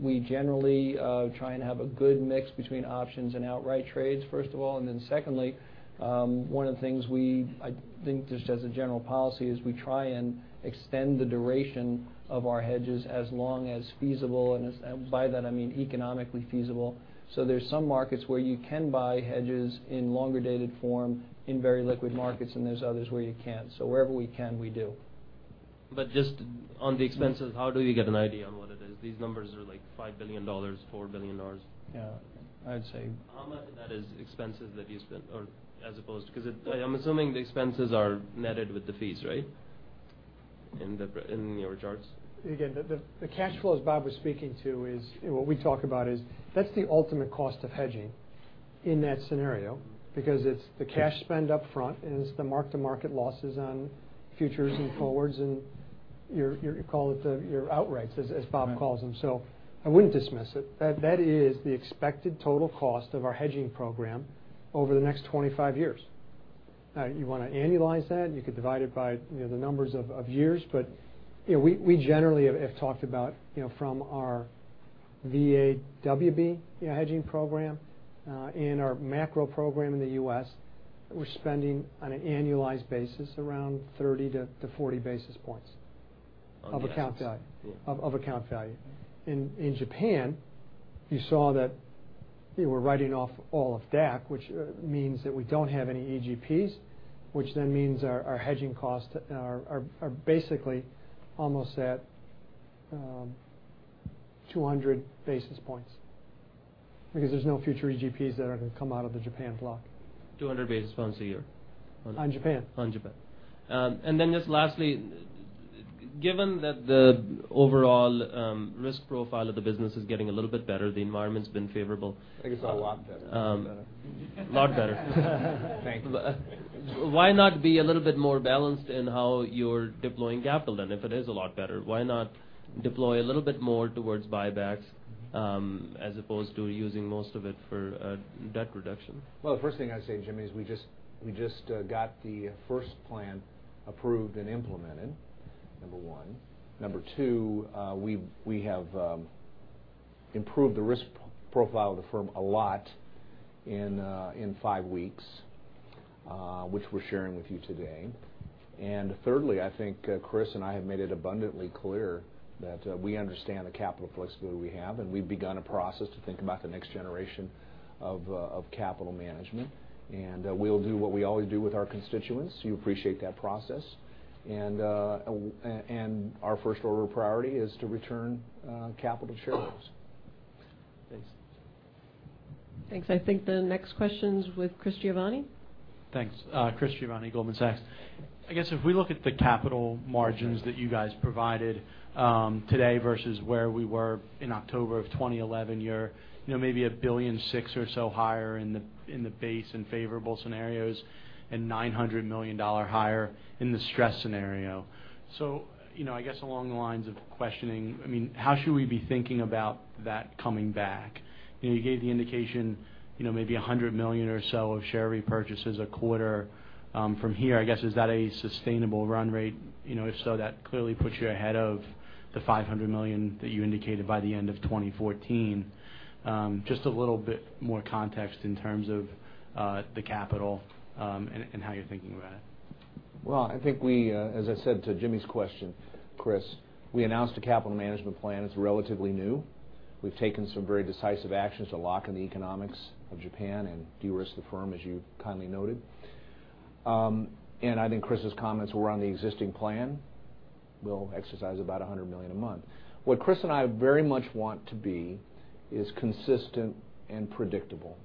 We generally try and have a good mix between options and outright trades, first of all. Then secondly, one of the things we, I think just as a general policy, is we try and extend the duration of our hedges as long as feasible, and by that I mean economically feasible. There's some markets where you can buy hedges in longer-dated form in very liquid markets, and there's others where you can't. Wherever we can, we do. Just on the expenses, how do you get an idea on what it is? These numbers are like $5 billion, $4 billion. Yeah. How much of that is expenses that you spent or because I'm assuming the expenses are netted with the fees, right? In your charts. Again, the cash flows Bob was speaking to is what we talk about is that's the ultimate cost of hedging in that scenario because it's the cash spend up front, and it's the mark-to-market losses on futures and forwards. You call it your outrights, as Bob calls them. I wouldn't dismiss it. That is the expected total cost of our hedging program over the next 25 years. Now, you want to annualize that, you could divide it by the numbers of years. We generally have talked about from our VAWB hedging program and our macro program in the US, that we're spending on an annualized basis around 30 to 40 basis points of account value. In Japan, you saw that we're writing off all of DAC, which means that we don't have any EGPs, which then means our hedging costs are basically almost at 200 basis points, because there's no future EGPs that are going to come out of the Japan block. 200 basis points a year? On Japan. On Japan. Just lastly, given that the overall risk profile of the business is getting a little bit better, the environment's been favorable. I think it's a lot better. A lot better. Thank you. Why not be a little bit more balanced in how you're deploying capital? If it is a lot better, why not deploy a little bit more towards buybacks as opposed to using most of it for debt reduction? Well, the first thing I'd say, Jimmy, is we just got the first plan approved and implemented, number one. Number two, we have improved the risk profile of the firm a lot in five weeks, which we're sharing with you today. Thirdly, I think Chris and I have made it abundantly clear that we understand the capital flexibility we have, We've begun a process to think about the next generation of capital management. We'll do what we always do with our constituents. You appreciate that process. Our first order of priority is to return capital to shareholders. Thanks. Thanks. I think the next question is with Chris Giovanni. Thanks. Chris Giovanni, Goldman Sachs. I guess if we look at the capital margins that you guys provided today versus where we were in October of 2011, you're maybe $1.6 billion or so higher in the base and favorable scenarios and $900 million higher in the stress scenario. I guess along the lines of questioning, how should we be thinking about that coming back? You gave the indication maybe $100 million or so of share repurchases a quarter from here. I guess, is that a sustainable run rate? If so, that clearly puts you ahead of the $500 million that you indicated by the end of 2014. Just a little bit more context in terms of the capital and how you're thinking about it. Well, I think as I said to Jimmy's question, Chris, we announced a capital management plan. It's relatively new. We've taken some very decisive actions to lock in the economics of Japan and de-risk the firm, as you kindly noted. I think Chris' comments were on the existing plan. We'll exercise about $100 million a month. What Chris and I very much want to be is consistent and predictable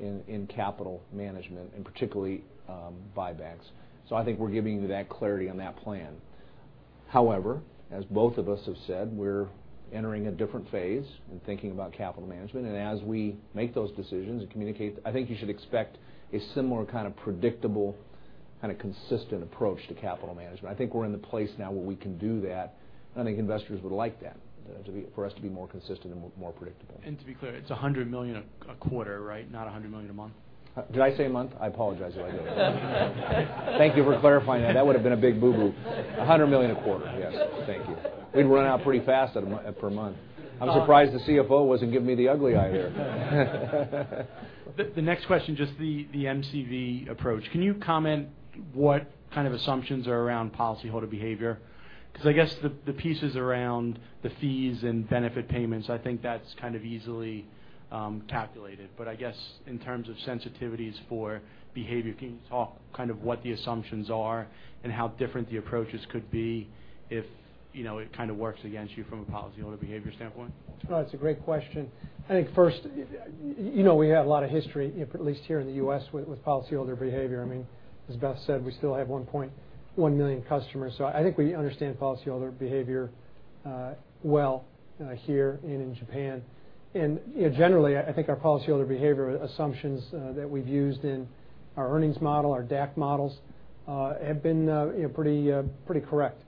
in capital management, and particularly buybacks. I think we're giving you that clarity on that plan. However, as both of us have said, we're entering a different phase in thinking about capital management. As we make those decisions and communicate, I think you should expect a similar kind of predictable, consistent approach to capital management. I think we're in the place now where we can do that, and I think investors would like that, for us to be more consistent and more predictable. To be clear, it's $100 million a quarter, right? Not $100 million a month. Did I say a month? I apologize if I did. Thank you for clarifying that. That would've been a big boo-boo. $100 million a quarter. Yes. Thank you. We'd run out pretty fast per month. I'm surprised the CFO wasn't giving me the ugly eye here. The next question, just the MCV approach. Can you comment what kind of assumptions are around policyholder behavior? Because I guess the pieces around the fees and benefit payments, I think that's kind of easily calculated. I guess in terms of sensitivities for behavior, can you talk what the assumptions are and how different the approaches could be if it works against you from a policyholder behavior standpoint? No, it's a great question. I think first, we have a lot of history, at least here in the U.S., with policyholder behavior. As Beth said, we still have 1.1 million customers, I think we understand policyholder behavior well here and in Japan. Generally, I think our policyholder behavior assumptions that we've used in our earnings model, our DAC models, have been pretty correct.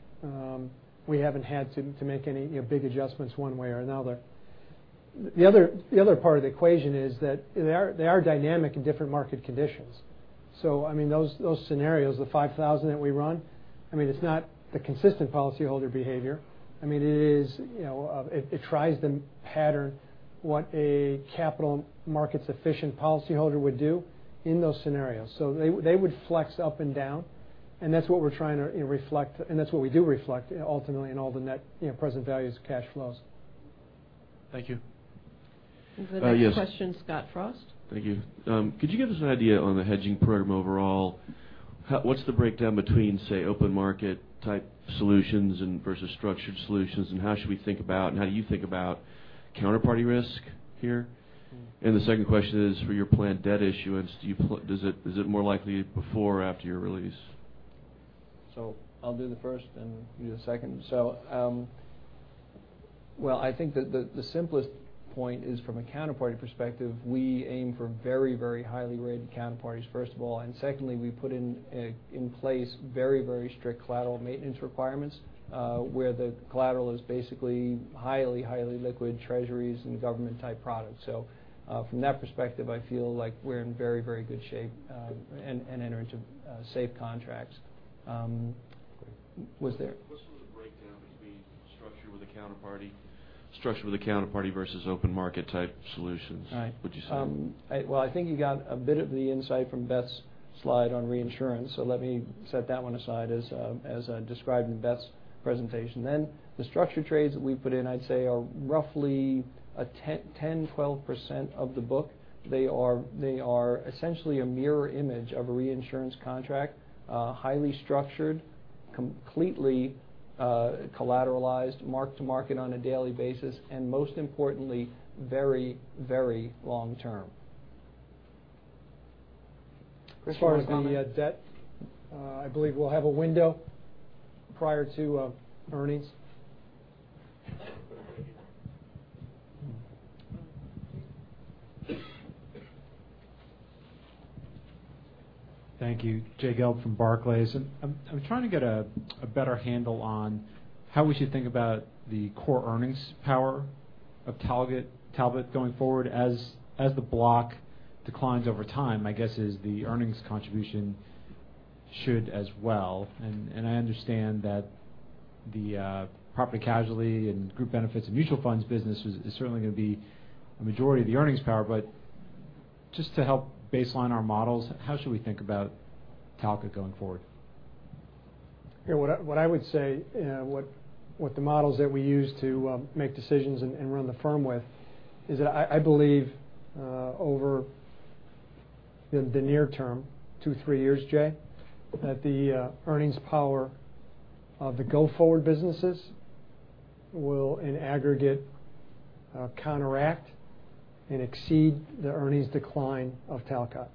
We haven't had to make any big adjustments one way or another. The other part of the equation is that they are dynamic in different market conditions. Those scenarios, the 5,000 that we run, it's not the consistent policyholder behavior. It tries to pattern what a capital markets efficient policyholder would do in those scenarios. They would flex up and down, and that's what we're trying to reflect, and that's what we do reflect ultimately in all the net present values of cash flows. Thank you. For the next question, Scott Frost. Thank you. Could you give us an idea on the hedging program overall? What's the breakdown between, say, open market type solutions versus structured solutions, and how should we think about, and how do you think about counterparty risk here? The second question is for your planned debt issuance, is it more likely before or after your release? I'll do the first and you do the second. Well, I think that the simplest point is from a counterparty perspective, we aim for very highly rated counterparties, first of all. Secondly, we put in place very strict collateral maintenance requirements, where the collateral is basically highly liquid treasuries and government type products. From that perspective, I feel like we're in very good shape and enter into safe contracts. What's the breakdown between structure with a counterparty versus open market type solutions? Right. Would you say? Well, I think you got a bit of the insight from Beth's slide on reinsurance. Let me set that one aside as described in Beth's presentation. The structure trades that we put in, I'd say are roughly 10, 12% of the book. They are essentially a mirror image of a reinsurance contract. Highly structured, completely collateralized, mark to market on a daily basis, and most importantly, very long-term. As far as the debt, I believe we'll have a window prior to earnings. Thank you. Jay Gelb from Barclays. I'm trying to get a better handle on how we should think about the core earnings power of Talcott going forward as the block declines over time, my guess is the earnings contribution should as well. I understand that the property casualty and group benefits and mutual funds business is certainly going to be a majority of the earnings power. Just to help baseline our models, how should we think about Talcott going forward? What I would say, the models that we use to make decisions and run the firm with is I believe over the near term, two, three years, Jay, that the earnings power of the go-forward businesses will, in aggregate, counteract and exceed the earnings decline of Talcott,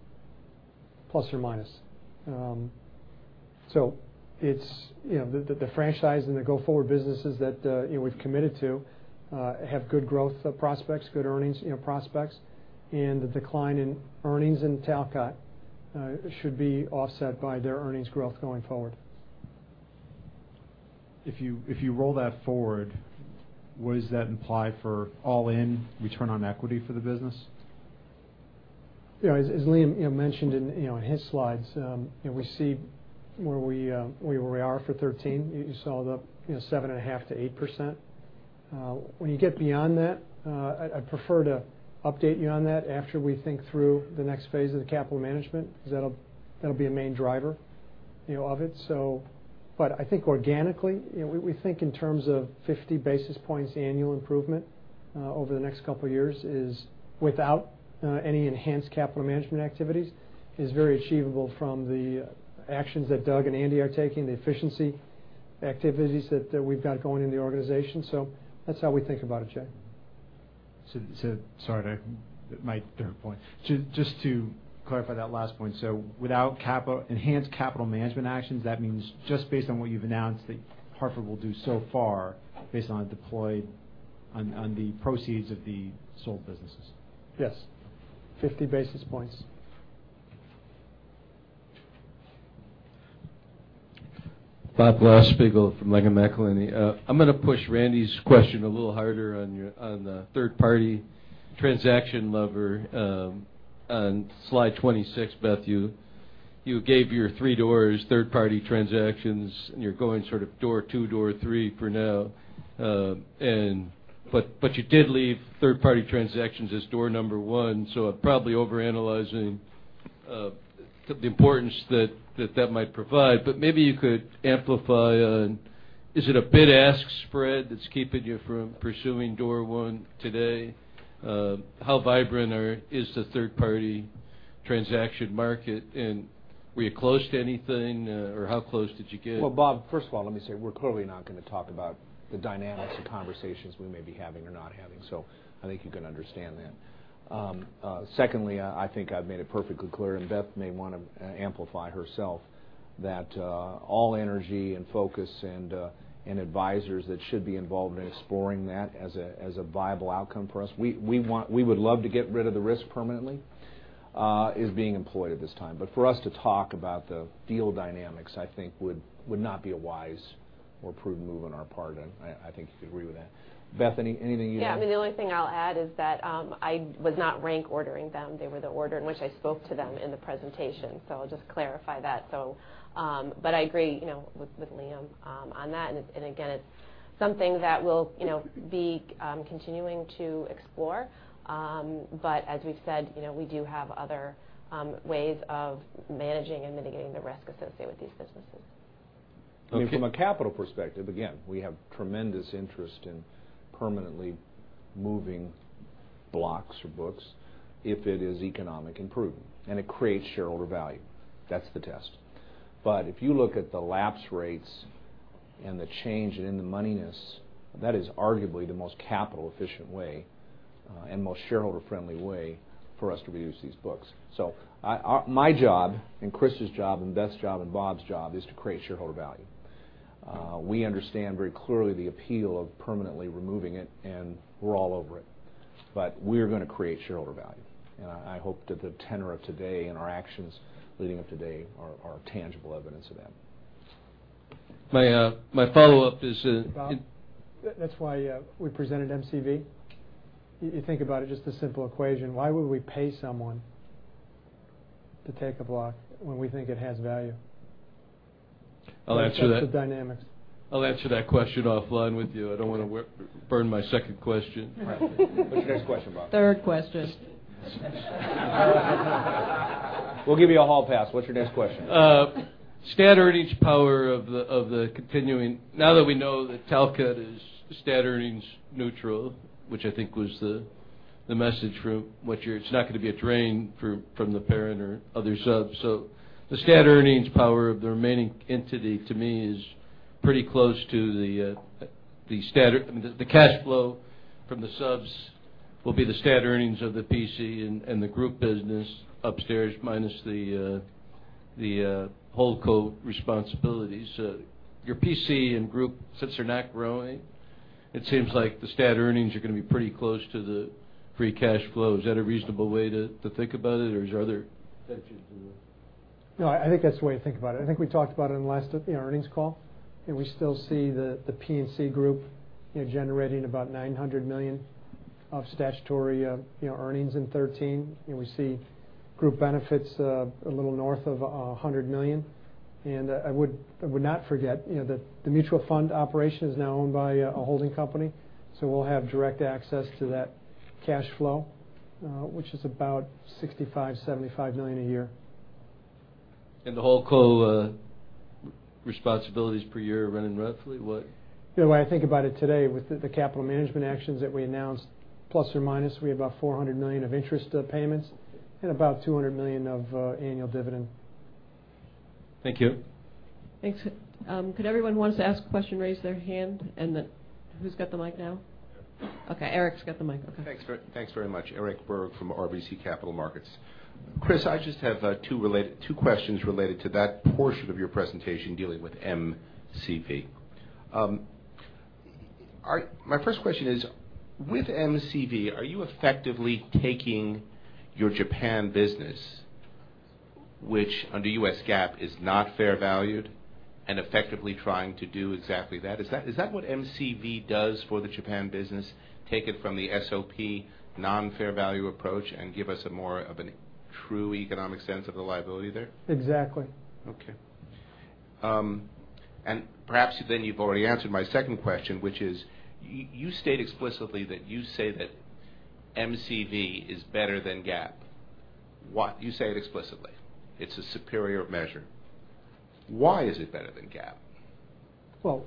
plus or minus. The franchise and the go-forward businesses that we've committed to have good growth prospects, good earnings prospects, and the decline in earnings in Talcott should be offset by their earnings growth going forward. If you roll that forward, what does that imply for all-in return on equity for the business? As Liam mentioned in his slides, we see where we are for 2013. You saw the 7.5%-8%. When you get beyond that, I'd prefer to update you on that after we think through the next phase of the capital management, because that'll be a main driver of it. I think organically, we think in terms of 50 basis points annual improvement over the next couple of years without any enhanced capital management activities is very achievable from the actions that Doug and Andy are taking, the efficiency activities that we've got going in the organization. That's how we think about it, Jay. Sorry, my third point. Just to clarify that last point. Without enhanced capital management actions, that means just based on what you've announced that Hartford will do so far based on deployed on the proceeds of the sold businesses. Yes. 50 basis points. Bob Glasspiegel from Langen McAlenney. I'm going to push Randy's question a little harder on the third party transaction lever on slide 26. Beth, you gave your three doors third party transactions, and you're going sort of door 2, door 3 for now. You did leave third party transactions as door number 1, so I'm probably overanalyzing the importance that that might provide. Maybe you could amplify on, is it a bid-ask spread that's keeping you from pursuing door 1 today? How vibrant is the third party transaction market, and were you close to anything, or how close did you get? Well, Bob, first of all, let me say we're clearly not going to talk about the dynamics of conversations we may be having or not having. I think you can understand that. Secondly, I think I've made it perfectly clear, and Beth may want to amplify herself, that all energy and focus and advisors that should be involved in exploring that as a viable outcome for us, we would love to get rid of the risk permanently, is being employed at this time. For us to talk about the deal dynamics, I think would not be a wise or prudent move on our part, and I think you'd agree with that. Beth, anything you'd add? Yeah. The only thing I'll add is that I was not rank ordering them. They were the order in which I spoke to them in the presentation. I'll just clarify that. I agree with Liam on that, and again, it's something that we'll be continuing to explore. As we've said, we do have other ways of managing and mitigating the risk associated with these businesses. From a capital perspective, again, we have tremendous interest in permanently moving blocks or books if it is economic and prudent and it creates shareholder value. That's the test. If you look at the lapse rates and the change in the moneyness, that is arguably the most capital efficient way Most shareholder-friendly way for us to reduce these books. My job and Chris's job and Beth's job and Bob's job is to create shareholder value. We understand very clearly the appeal of permanently removing it, and we're all over it. We're going to create shareholder value. I hope that the tenor of today and our actions leading up today are tangible evidence of that. My follow-up is. Bob, that's why we presented MCV. You think about it, just a simple equation. Why would we pay someone to take a block when we think it has value? I'll answer that. That's the dynamics. I'll answer that question offline with you. I don't want to burn my second question. Right. What's your next question, Bob? Third question. We'll give you a hall pass. What's your next question? Stat earnings power of the remaining entity to me is pretty close to the standard. The cash flow from the subs will be the stat earnings of the P&C and the group business upstairs minus the holdco responsibilities. Your P&C and group, since they're not growing, it seems like the stat earnings are going to be pretty close to the free cash flow. Is that a reasonable way to think about it, or is there other factors in there? No, I think that's the way to think about it. I think we talked about it in the last earnings call. We still see the P&C group generating about $900 million of statutory earnings in 2013. We see group benefits a little north of $100 million. I would not forget that the mutual fund operation is now owned by a holding company, so we'll have direct access to that cash flow, which is about $65 million-$75 million a year. The holdco responsibilities per year running roughly what? The way I think about it today, with the capital management actions that we announced, ±, we have about $400 million of interest payments and about $200 million of annual dividend. Thank you. Thanks. Could everyone who wants to ask a question, raise their hand? Then who's got the mic now? Okay, Eric's got the mic. Okay. Thanks very much. Eric Berg from RBC Capital Markets. Chris, I just have two questions related to that portion of your presentation dealing with MCV. My first question is, with MCV, are you effectively taking your Japan business, which under U.S. GAAP is not fair valued and effectively trying to do exactly that? Is that what MCV does for the Japan business, take it from the SOP non-fair value approach and give us a more of a true economic sense of the liability there? Exactly. Okay. Perhaps then you've already answered my second question, which is, you state explicitly that you say that MCV is better than GAAP. Why? You say it explicitly. It's a superior measure. Why is it better than GAAP? Well-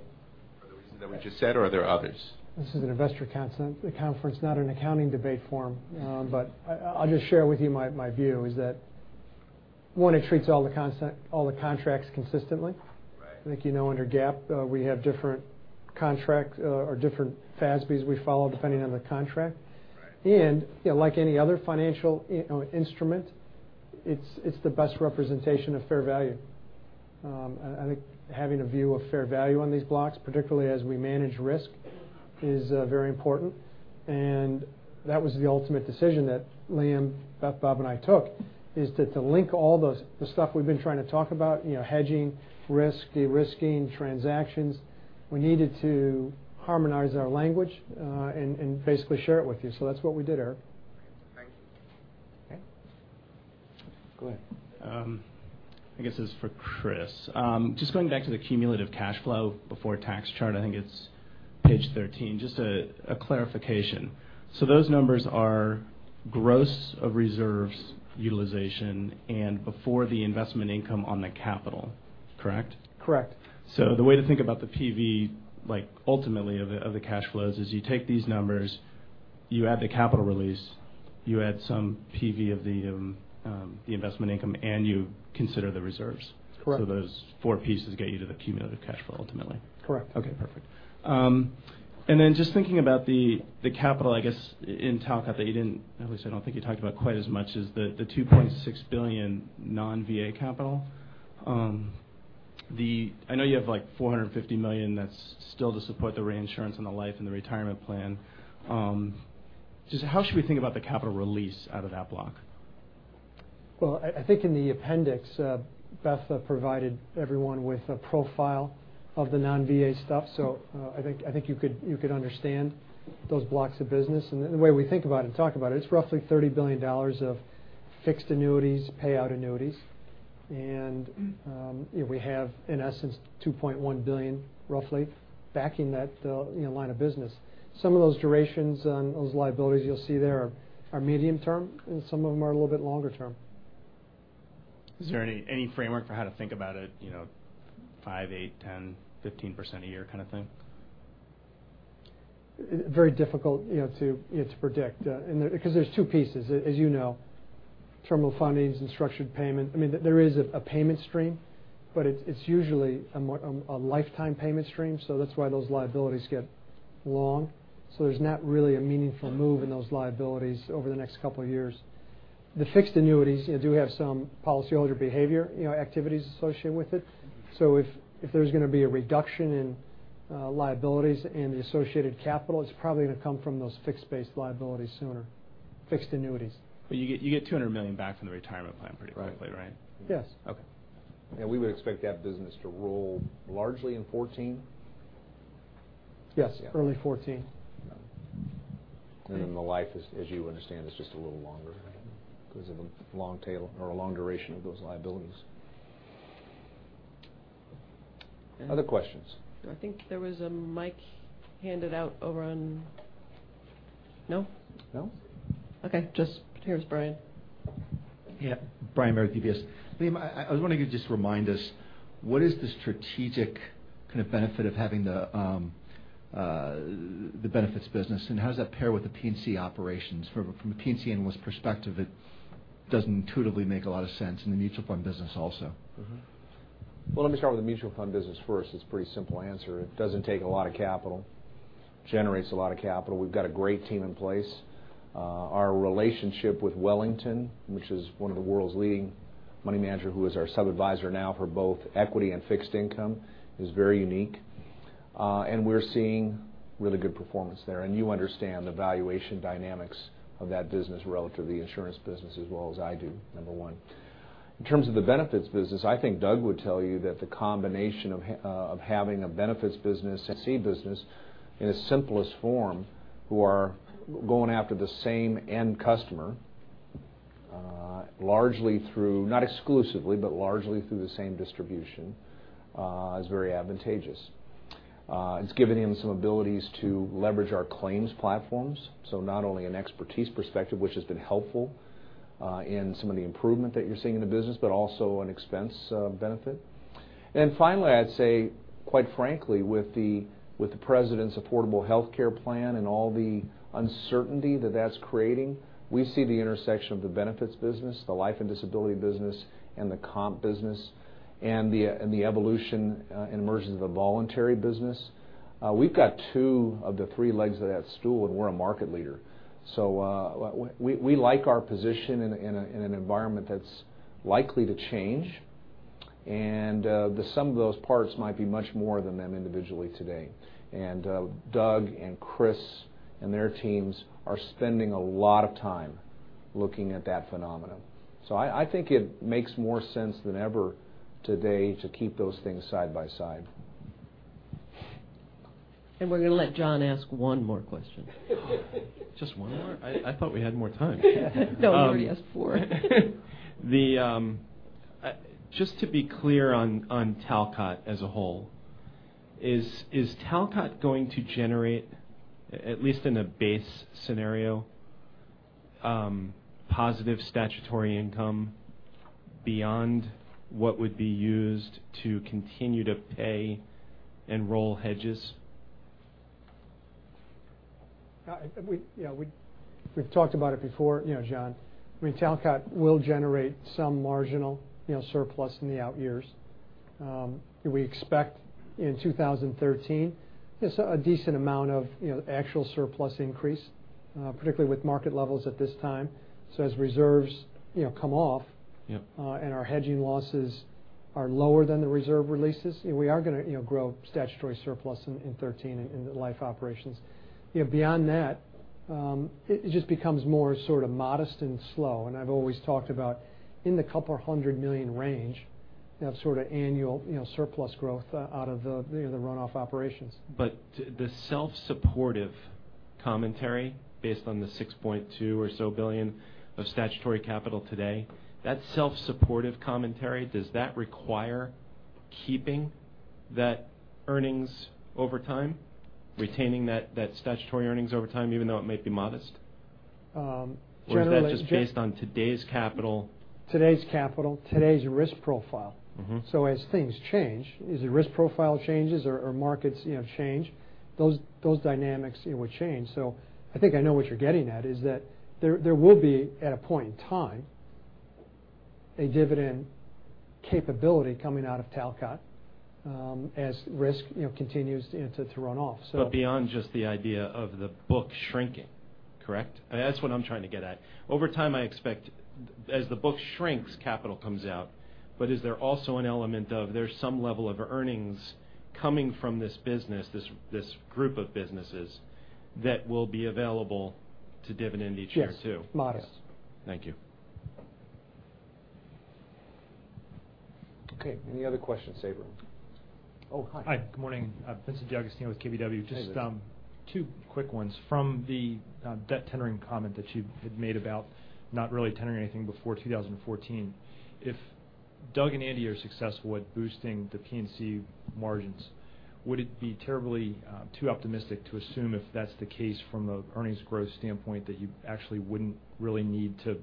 Are the reasons that we just said, or are there others? This is an investor conference, not an accounting debate forum. I'll just share with you my view is that, 1, it treats all the contracts consistently. Right. I think, you know under GAAP, we have different contracts or different FASBs we follow depending on the contract. Right. Like any other financial instrument, it's the best representation of fair value. I think having a view of fair value on these blocks, particularly as we manage risk, is very important. That was the ultimate decision that Liam, Beth, Bob, and I took, is that to link all the stuff we've been trying to talk about, hedging, risk, de-risking transactions, we needed to harmonize our language and basically share it with you. That's what we did, Eric. Okay, thank you. Okay. Go ahead. I guess this is for Chris. Just going back to the cumulative cash flow before tax chart, I think it's page 13. Just a clarification. Those numbers are gross of reserves utilization and before the investment income on the capital, correct? Correct. The way to think about the PV, ultimately of the cash flows is you take these numbers, you add the capital release, you add some PV of the investment income, and you consider the reserves. Correct. Those four pieces get you to the cumulative cash flow ultimately. Correct. Okay, perfect. Then just thinking about the capital, I guess, in Talcott, at least I don't think you talked about quite as much as the $2.6 billion non-VA capital. I know you have like $450 million that's still to support the reinsurance and the life and the retirement plan. How should we think about the capital release out of that block? Well, I think in the appendix, Beth provided everyone with a profile of the non-VA stuff. I think you could understand those blocks of business. The way we think about it and talk about it's roughly $30 billion of fixed annuities, payout annuities. We have, in essence, $2.1 billion roughly backing that line of business. Some of those durations on those liabilities you'll see there are medium term, and some of them are a little bit longer term. Is there any framework for how to think about it, five, eight, 10, 15% a year kind of thing? Very difficult to predict because there's two pieces, as you know. Terminal fundings and structured payment. There is a payment stream, but it's usually a lifetime payment stream, so that's why those liabilities get long. There's not really a meaningful move in those liabilities over the next couple of years. The fixed annuities do have some policyholder behavior activities associated with it. If there's going to be a reduction in liabilities and the associated capital, it's probably going to come from those fixed based liabilities sooner, fixed annuities. You get $200 million back from the retirement plan pretty quickly, right? Yes. Okay. We would expect that business to roll largely in 2014? Yes. Early 2014. The life, as you understand, is just a little longer because of the long tail or a long duration of those liabilities. Other questions? I think there was a mic handed out over on No? No. Okay, just, here's Brian. Yeah. Brian, Meredith Whitney Advisory Group. Liam, I was wondering if you could just remind us, what is the strategic kind of benefit of having the benefits business and how does that pair with the P&C operations? From a P&C analyst perspective, it doesn't intuitively make a lot of sense in the mutual fund business also. Let me start with the mutual fund business first. It's a pretty simple answer. It doesn't take a lot of capital, generates a lot of capital. We've got a great team in place. Our relationship with Wellington, which is one of the world's leading money manager, who is our sub-adviser now for both equity and fixed income, is very unique. We're seeing really good performance there. You understand the valuation dynamics of that business relative to the insurance business as well as I do, number one. In terms of the benefits business, I think Doug would tell you that the combination of having a benefits business and P&C business in its simplest form who are going after the same end customer, largely through, not exclusively, but largely through the same distribution, is very advantageous. It's given him some abilities to leverage our claims platforms. Not only an expertise perspective, which has been helpful, in some of the improvement that you're seeing in the business, but also an expense benefit. Finally, I'd say, quite frankly, with the president's affordable health care plan and all the uncertainty that that's creating, we see the intersection of the benefits business, the life and disability business, and the comp business, and the evolution and emergence of the voluntary business. We've got two of the three legs of that stool, we're a market leader. We like our position in an environment that's likely to change. The sum of those parts might be much more than them individually today. Doug and Chris and their teams are spending a lot of time looking at that phenomenon. I think it makes more sense than ever today to keep those things side by side. We're going to let John ask one more question. Just one more? I thought we had more time. No, you already asked four. Just to be clear on Talcott as a whole, is Talcott going to generate, at least in a base scenario, positive statutory income beyond what would be used to continue to pay and roll hedges? We've talked about it before, John. Talcott will generate some marginal surplus in the out years. We expect in 2013, a decent amount of actual surplus increase, particularly with market levels at this time. As reserves come off. Yep Our hedging losses are lower than the reserve releases, we are going to grow statutory surplus in 2013 in the life operations. Beyond that, it just becomes more sort of modest and slow, and I've always talked about in the $200 million range, sort of annual surplus growth out of the runoff operations. The self-supportive commentary based on the $6.2 or so billion of statutory capital today, that self-supportive commentary, does that require keeping that earnings over time, retaining that statutory earnings over time, even though it might be modest? Generally- Is that just based on today's capital? Today's capital, today's risk profile. As things change, as the risk profile changes or markets change, those dynamics would change. I think I know what you're getting at is that there will be at a point in time a dividend capability coming out of Talcott as risk continues to run off. Beyond just the idea of the book shrinking, correct? That's what I'm trying to get at. Over time, I expect as the book shrinks, capital comes out. Is there also an element of there's some level of earnings coming from this business, this group of businesses that will be available to dividend each year too? Yes. Modest. Thank you. Okay. Any other questions, Abram? Oh, hi. Hi. Good morning. Vincent D'Agostino with KBW. Hey, Vincent. Just two quick ones. From the debt tendering comment that you had made about not really tendering anything before 2014. If Doug and Andy are successful at boosting the P&C margins, would it be terribly too optimistic to assume if that's the case from an earnings growth standpoint that you actually wouldn't really need to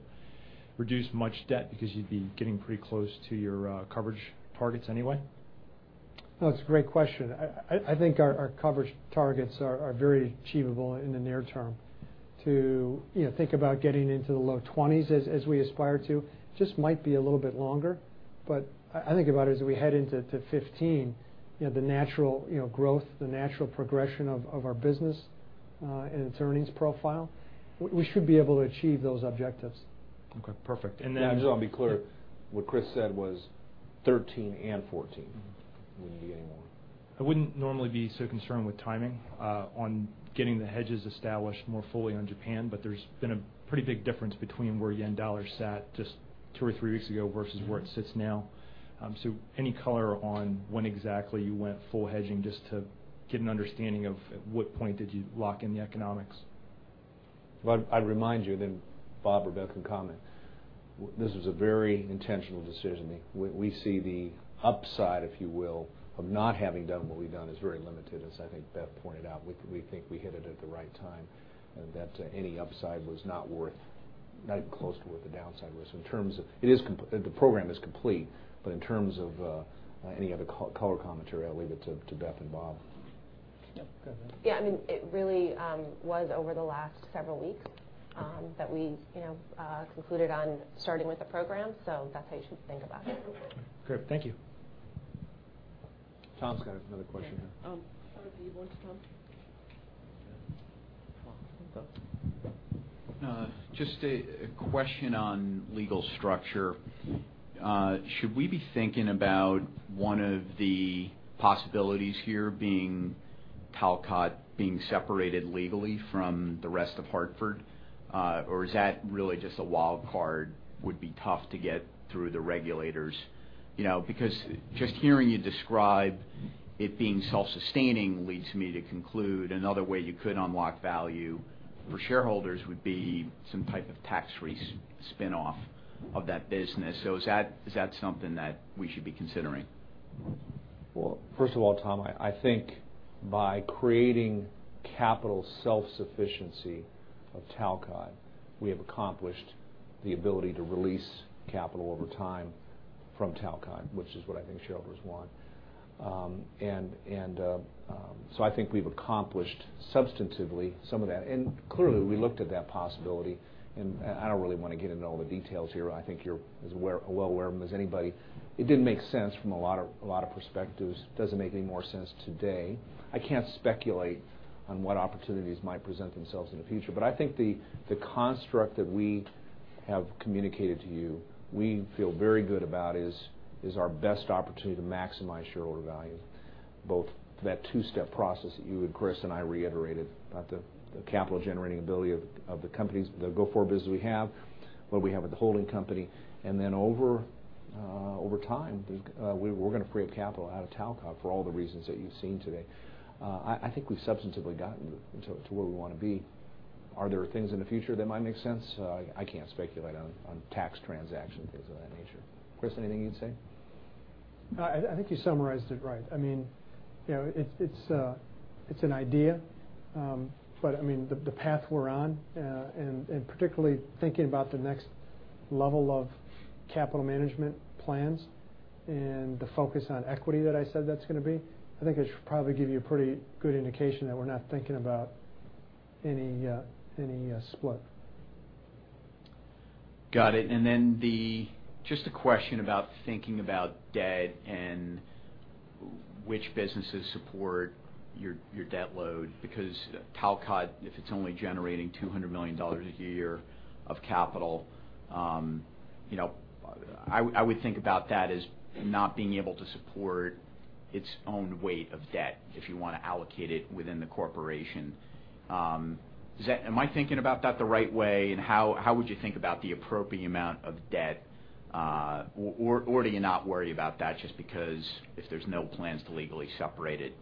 reduce much debt because you'd be getting pretty close to your coverage targets anyway? No, it's a great question. I think our coverage targets are very achievable in the near term. To think about getting into the low 20s as we aspire to, just might be a little bit longer. I think about as we head into to 2015, the natural growth, the natural progression of our business, and its earnings profile, we should be able to achieve those objectives. Okay, perfect. I just want to be clear, what Chris said was 2013 and 2014, when you'd be getting more. I wouldn't normally be so concerned with timing on getting the hedges established more fully on Japan, but there's been a pretty big difference between where yen-dollar sat just two or three weeks ago versus where it sits now. Any color on when exactly you went full hedging, just to get an understanding of at what point did you lock in the economics? Well, I'd remind you, then Bob or Beth can comment. This was a very intentional decision. We see the upside, if you will, of not having done what we've done is very limited, as I think Beth pointed out. We think we hit it at the right time and that any upside was not even close to what the downside was. The program is complete, but in terms of any other color commentary, I'll leave it to Beth and Bob. Yep. Go ahead, Beth. Yeah, it really was over the last several weeks that we concluded on starting with the program. That's how you should think about it. Great. Thank you. Tom's got another question here. Okay. Do you want Tom? Yeah. Tom, go. Just a question on legal structure. Should we be thinking about one of the possibilities here being Talcott being separated legally from the rest of Hartford? Is that really just a wild card, would be tough to get through the regulators? Just hearing you describe it being self-sustaining leads me to conclude another way you could unlock value for shareholders would be some type of tax free spin-off of that business. Is that something that we should be considering? Well, first of all, Tom, I think by creating capital self-sufficiency of Talcott, we have accomplished the ability to release capital over time from Talcott, which is what I think shareholders want. I think we've accomplished substantively some of that. Clearly, we looked at that possibility, and I don't really want to get into all the details here. I think you're as well aware of them as anybody. It didn't make sense from a lot of perspectives. Doesn't make any more sense today. I can't speculate on what opportunities might present themselves in the future. I think the construct that we have communicated to you, we feel very good about is our best opportunity to maximize shareholder value, both that two-step process that you and Chris and I reiterated about the capital-generating ability of the go-forward business we have, what we have at the holding company. Over time, we're going to free up capital out of Talcott for all the reasons that you've seen today. I think we've substantively gotten to where we want to be. Are there things in the future that might make sense? I can't speculate on tax transaction, things of that nature. Chris, anything you'd say? I think you summarized it right. It's an idea, but the path we're on, and particularly thinking about the next level of capital management plans and the focus on equity that I said that's going to be, I think I should probably give you a pretty good indication that we're not thinking about any split. Got it. Just a question about thinking about debt and which businesses support your debt load, because Talcott, if it's only generating $200 million a year of capital, I would think about that as not being able to support its own weight of debt if you want to allocate it within the corporation. Am I thinking about that the right way? How would you think about the appropriate amount of debt? Do you not worry about that just because if there's no plans to legally separate it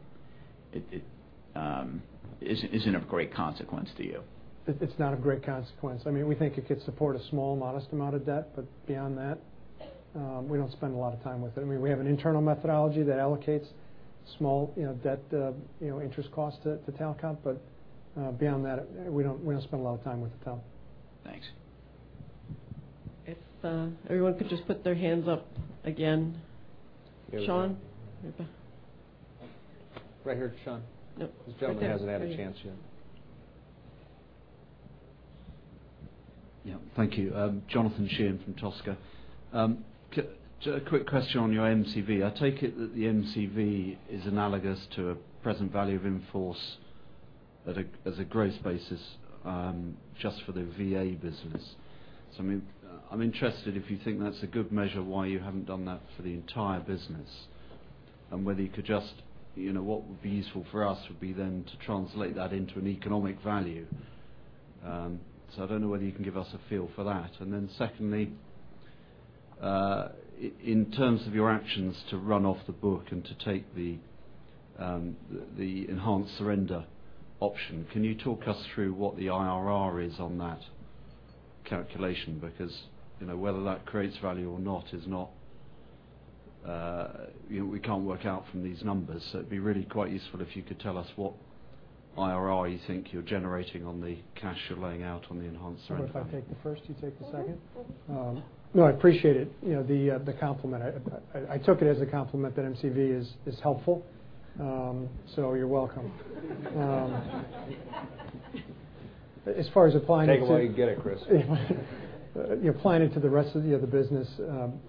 isn't of great consequence to you? It's not of great consequence. We think it could support a small, modest amount of debt, but beyond that, we don't spend a lot of time with it. We have an internal methodology that allocates small debt interest cost to Talcott, but beyond that, we don't spend a lot of time with Tal. Thanks. If everyone could just put their hands up again. Sean? Right here. Sean. Yep. This gentleman hasn't had a chance yet. Yeah. Thank you. Jonathan Sheehan from Tosca. Just a quick question on your MCV. I take it that the MCV is analogous to a present value of in-force as a gross basis just for the VA business. I'm interested if you think that's a good measure, why you haven't done that for the entire business, and whether you could what would be useful for us would be then to translate that into an economic value. I don't know whether you can give us a feel for that. Secondly, in terms of your actions to run off the book and to take the enhanced surrender option, can you talk us through what the IRR is on that calculation? Whether that creates value or not, we can't work out from these numbers. It'd be really quite useful if you could tell us what IRR you think you're generating on the cash you're laying out on the enhancement? What if I take the first, you take the second? No, I appreciate it, the compliment. I took it as a compliment that MCV is helpful. You're welcome. Take it while you can get it, Chris. Applying it to the rest of the other business.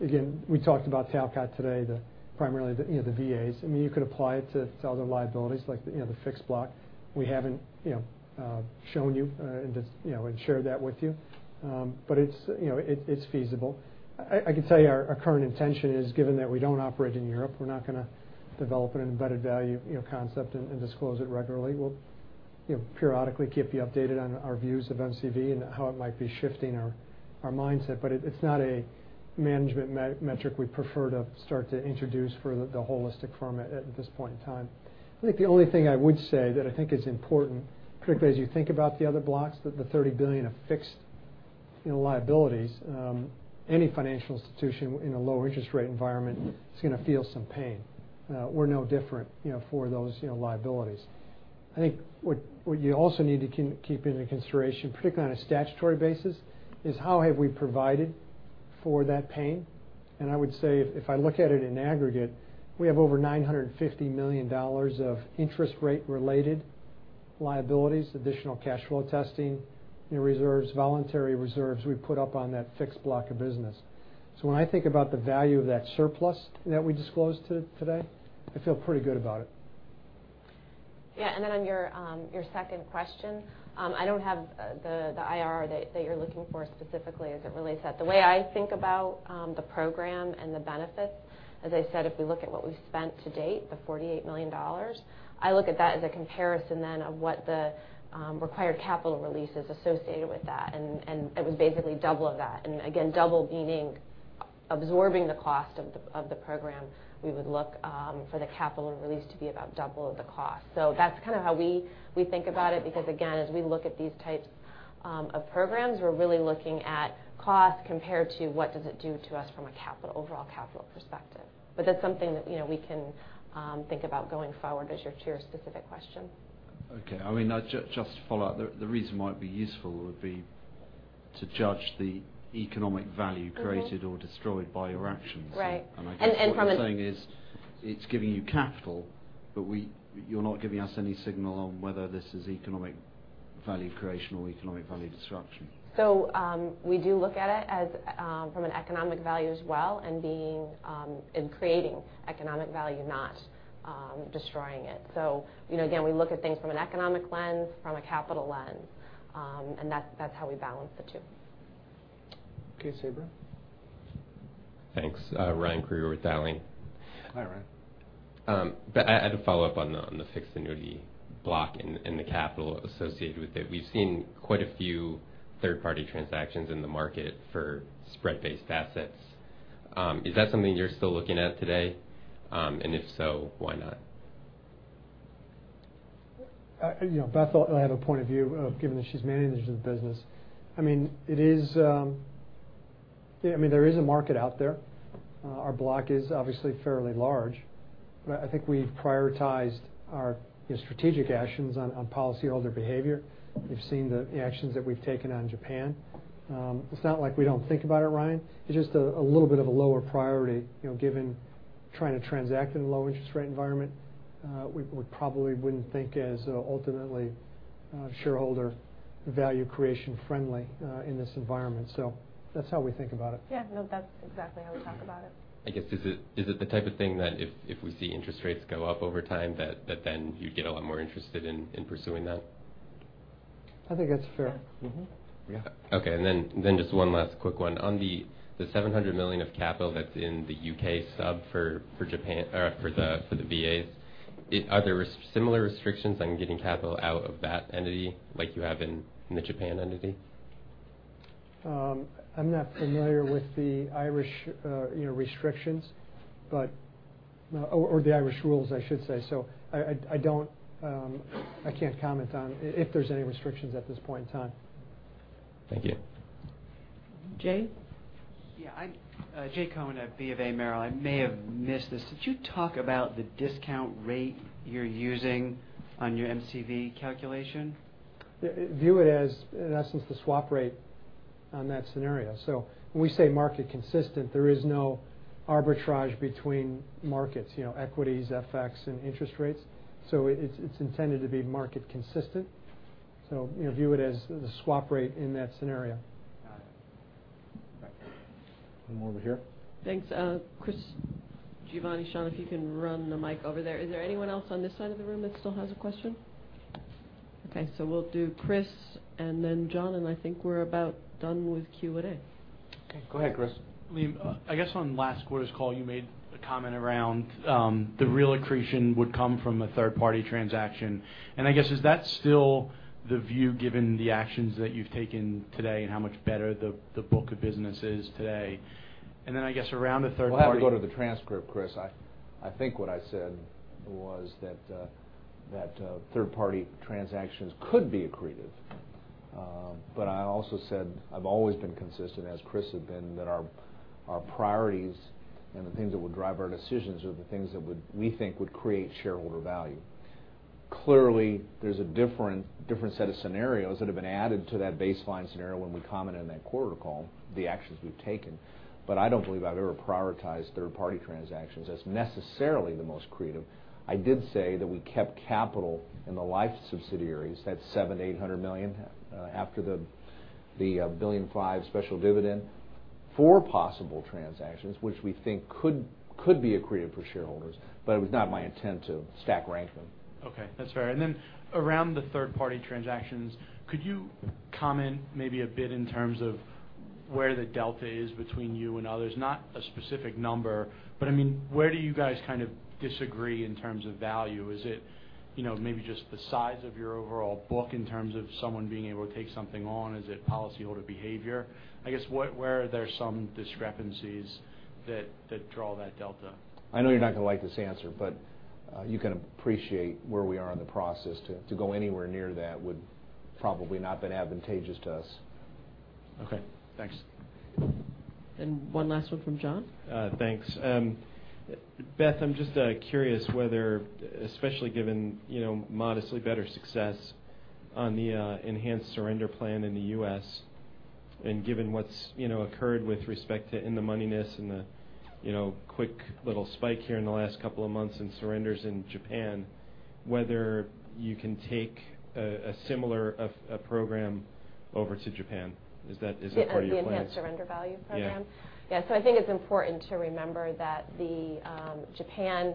Again, we talked about Talcott today, primarily, the VAs. You could apply it to other liabilities like the fixed block. We haven't shown you and shared that with you. It's feasible. I can tell you our current intention is, given that we don't operate in Europe, we're not going to develop an embedded value concept and disclose it regularly. We'll periodically keep you updated on our views of MCV and how it might be shifting our mindset. It's not a management metric we prefer to start to introduce for the holistic firm at this point in time. I think the only thing I would say that I think is important, particularly as you think about the other blocks, the $30 billion of fixed liabilities. Any financial institution in a low interest rate environment is going to feel some pain. We're no different for those liabilities. I think what you also need to keep into consideration, particularly on a statutory basis, is how have we provided for that pain. I would say if I look at it in aggregate, we have over $950 million of interest rate-related liabilities, additional cash flow testing, reserves, voluntary reserves we've put up on that fixed block of business. When I think about the value of that surplus that we disclosed today, I feel pretty good about it. Yeah. On your second question, I don't have the IRR that you're looking for specifically as it relates. The way I think about the program and the benefits, as I said, if we look at what we've spent to date, the $48 million, I look at that as a comparison then of what the required capital release is associated with that, and it was basically double of that. Again, double meaning absorbing the cost of the program, we would look for the capital release to be about double the cost. That's kind of how we think about it, because again, as we look at these types of programs, we're really looking at cost compared to what does it do to us from an overall capital perspective. That's something that we can think about going forward as to your specific question. Okay. Just to follow up, the reason why it'd be useful would be to judge the economic value created or destroyed by your actions. Right. I guess what you're saying is, it's giving you capital, but you're not giving us any signal on whether this is economic value creation or economic value destruction. We do look at it from an economic value as well and creating economic value, not destroying it. Again, we look at things from an economic lens, from a capital lens. That's how we balance the two. Okay. Sabra? Thanks. Ryan Krueger with Dowling. Hi, Ryan. I had a follow-up on the fixed annuity block and the capital associated with it. We've seen quite a few third-party transactions in the market for spread-based assets. Is that something you're still looking at today? If so, why not? Beth will have a point of view, given that she's managing the business. There is a market out there. Our block is obviously fairly large. I think we've prioritized our strategic actions on policyholder behavior. You've seen the actions that we've taken on Japan. It's not like we don't think about it, Ryan. It's just a little bit of a lower priority, given trying to transact in a low interest rate environment. We probably wouldn't think as ultimately shareholder value creation friendly in this environment. That's how we think about it. Yeah, no, that's exactly how we talk about it. I guess is it the type of thing that if we see interest rates go up over time, that then you'd get a lot more interested in pursuing that? I think that's fair. Yeah. Yeah. Then just one last quick one. On the $700 million of capital that's in the U.K. sub for the VAs, are there similar restrictions on getting capital out of that entity like you have in the Japan entity? I'm not familiar with the Irish restrictions or the Irish rules, I should say. I can't comment on if there's any restrictions at this point in time. Thank you. Jay? Yeah. Jay Cohen at BofA Merrill. I may have missed this. Did you talk about the discount rate you're using on your MCV calculation? View it as, in essence, the swap rate on that scenario. When we say market consistent, there is no arbitrage between markets, equities, FX, and interest rates. It's intended to be market consistent. View it as the swap rate in that scenario. Got it. Right. One more over here. Thanks. Chris Giovanni, Sean, if you can run the mic over there. Is there anyone else on this side of the room that still has a question? We'll do Chris and then John, and I think we're about done with Q&A. Okay, go ahead, Chris. Liam, I guess on last quarter's call, you made a comment around the real accretion would come from a third-party transaction. I guess, is that still the view given the actions that you've taken today and how much better the book of business is today? Then I guess around a third party. We'll have to go to the transcript, Chris. I think what I said was that third-party transactions could be accretive I also said I've always been consistent, as Chris has been, that our priorities and the things that would drive our decisions are the things that we think would create shareholder value. Clearly, there's a different set of scenarios that have been added to that baseline scenario when we commented on that quarter call, the actions we've taken. I don't believe I've ever prioritized third-party transactions as necessarily the most accretive. I did say that we kept capital in the life subsidiaries. That's $700 million, $800 million after the $1.5 billion special dividend for possible transactions, which we think could be accretive for shareholders. It was not my intent to stack rank them. Okay. That's fair. Then around the third-party transactions, could you comment maybe a bit in terms of where the delta is between you and others? Not a specific number, but where do you guys disagree in terms of value? Is it maybe just the size of your overall book in terms of someone being able to take something on? Is it policyholder behavior? I guess, where are there some discrepancies that draw that delta? I know you're not going to like this answer, you can appreciate where we are in the process. To go anywhere near that would probably not been advantageous to us. Okay, thanks. One last one from John. Thanks. Beth, I'm just curious whether, especially given modestly better success on the enhanced surrender plan in the U.S., given what's occurred with respect to in-the-money-ness and the quick little spike here in the last couple of months in surrenders in Japan, whether you can take a similar program over to Japan. Is that part of your plan? The enhanced surrender value program? Yeah. Yeah. I think it's important to remember that the Japan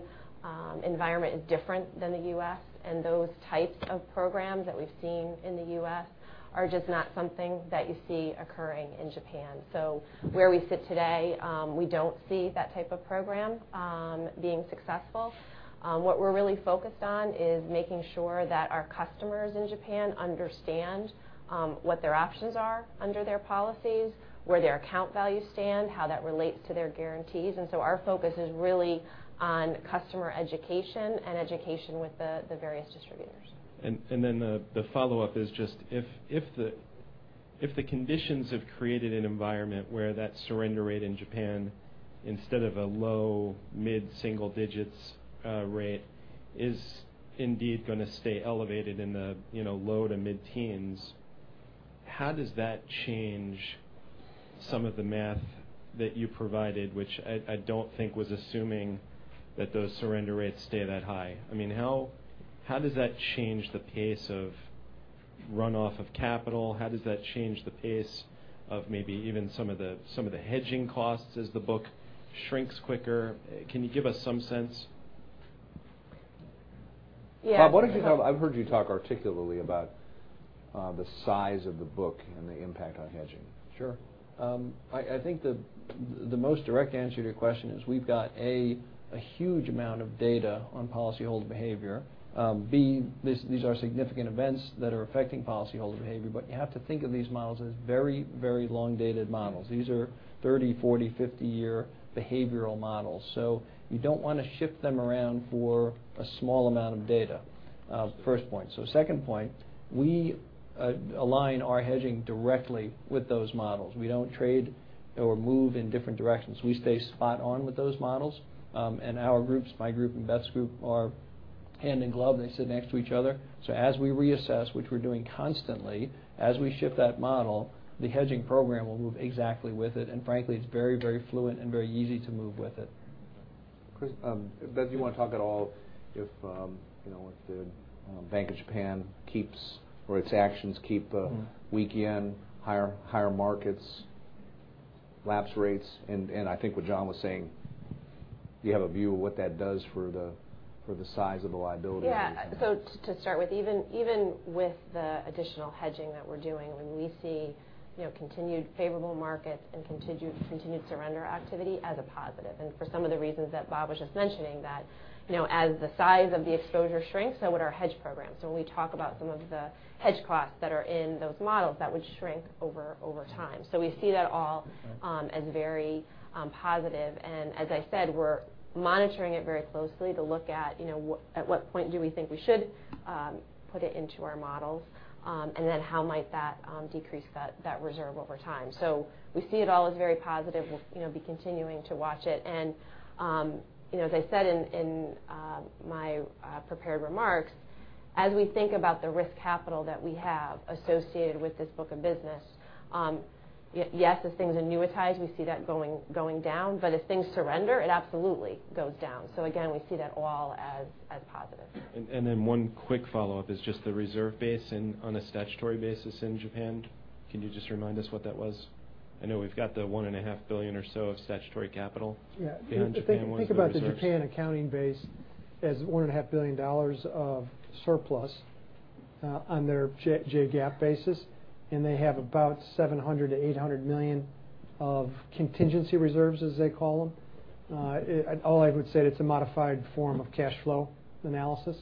environment is different than the U.S., and those types of programs that we've seen in the U.S. are just not something that you see occurring in Japan. Where we sit today, we don't see that type of program being successful. What we're really focused on is making sure that our customers in Japan understand what their options are under their policies, where their account values stand, how that relates to their guarantees. Our focus is really on customer education and education with the various distributors. The follow-up is just, if the conditions have created an environment where that surrender rate in Japan, instead of a low- to mid-single-digit rate, is indeed going to stay elevated in the low- to mid-teens, how does that change some of the math that you provided, which I don't think was assuming that those surrender rates stay that high? How does that change the pace of runoff of capital? How does that change the pace of maybe even some of the hedging costs as the book shrinks quicker? Can you give us some sense? Yeah. Bob, I've heard you talk articulately about the size of the book and the impact on hedging. Sure. I think the most direct answer to your question is we've got, A, a huge amount of data on policyholder behavior. B, these are significant events that are affecting policyholder behavior, but you have to think of these models as very long-dated models. These are 30, 40, 50-year behavioral models. You don't want to shift them around for a small amount of data. First point. Second point, we align our hedging directly with those models. We don't trade or move in different directions. We stay spot on with those models. Our groups, my group and Beth's group, are hand in glove. They sit next to each other. As we reassess, which we're doing constantly, as we shift that model, the hedging program will move exactly with it. Frankly, it's very fluid and very easy to move with it. Chris, Beth, do you want to talk at all if the Bank of Japan keeps or its actions keep a weak yen, higher markets, lapse rates, and I think what John was saying, do you have a view of what that does for the size of the liability? Yeah. To start with, even with the additional hedging that we're doing, when we see continued favorable markets and continued surrender activity as a positive. For some of the reasons that Bob was just mentioning, that as the size of the exposure shrinks, so would our hedge programs. When we talk about some of the hedge costs that are in those models, that would shrink over time. We see that all as very positive. As I said, we're monitoring it very closely to look at what point do we think we should put it into our models, and then how might that decrease that reserve over time. We see it all as very positive. We'll be continuing to watch it. As I said in my prepared remarks, as we think about the risk capital that we have associated with this book of business, yes, as things annuitize, we see that going down. If things surrender, it absolutely goes down. Again, we see that all as positive. One quick follow-up is just the reserve base and on a statutory basis in Japan. Can you just remind us what that was? I know we've got the $1.5 billion or so of statutory capital. Yeah. Japan, what's the reserve? If you think about the Japan accounting base as $1.5 billion of surplus on their J-GAAP basis, and they have about $700 million-$800 million of contingency reserves, as they call them. All I would say it's a modified form of cash flow analysis.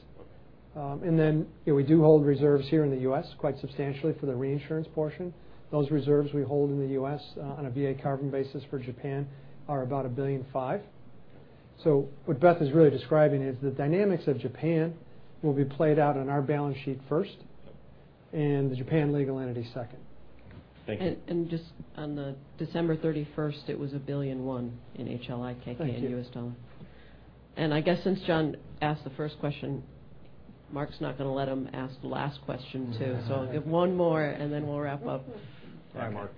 We do hold reserves here in the U.S. quite substantially for the reinsurance portion. Those reserves we hold in the U.S. on a VA carve-out basis for Japan are about $1.5 billion. What Beth is really describing is the dynamics of Japan will be played out on our balance sheet first and the Japan legal entity second. Thank you. Just on the December 31st, it was $1,000,000,001 in HLI, KKR, and US Telephone. Thank you. I guess since John asked the first question, Mark's not going to let him ask the last question, too. I'll give one more, and then we'll wrap up. Hi, Mark.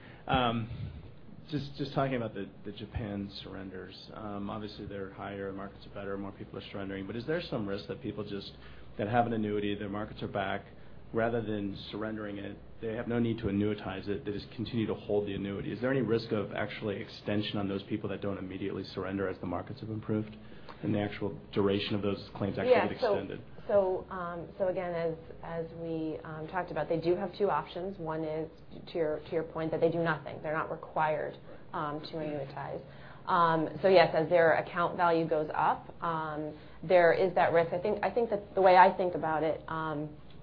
Just talking about the Japan surrenders. Obviously, they're higher, markets are better, more people are surrendering. Is there some risk that people just that have an annuity, their markets are back, rather than surrendering it, they have no need to annuitize it, they just continue to hold the annuity. Is there any risk of actually extension on those people that don't immediately surrender as the markets have improved and the actual duration of those claims actually get extended? Yeah. Again, as we talked about, they do have two options. One is to your point that they do nothing. They're not required to annuitize. Yes, as their account value goes up, there is that risk. I think that the way I think about it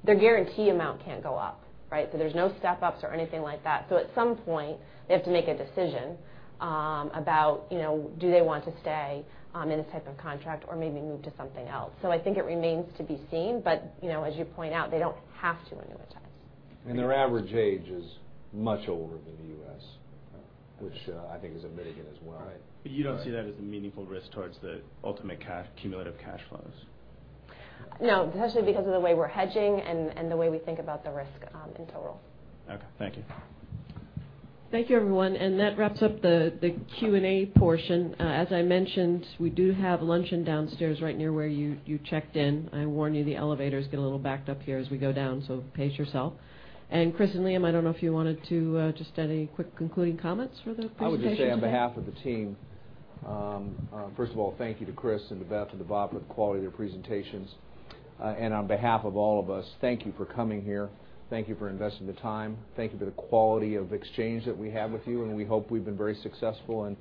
their guarantee amount can't go up, right? There's no step-ups or anything like that. At some point, they have to make a decision about do they want to stay in this type of contract or maybe move to something else. I think it remains to be seen. As you point out, they don't have to annuitize. Their average age is much older than the U.S. which I think is a mitigant as well. You don't see that as a meaningful risk towards the ultimate cumulative cash flows? No, especially because of the way we're hedging and the way we think about the risk in total. Okay. Thank you. Thank you, everyone. That wraps up the Q&A portion. As I mentioned, we do have luncheon downstairs right near where you checked in. I warn you, the elevators get a little backed up here as we go down, so pace yourself. Chris and Liam, I don't know if you wanted to just add any quick concluding comments for the presentation today. I would just say on behalf of the team first of all, thank you to Chris and to Beth and to Bob for the quality of their presentations. On behalf of all of us, thank you for coming here. Thank you for investing the time. Thank you for the quality of exchange that we have with you, and we hope we've been very successful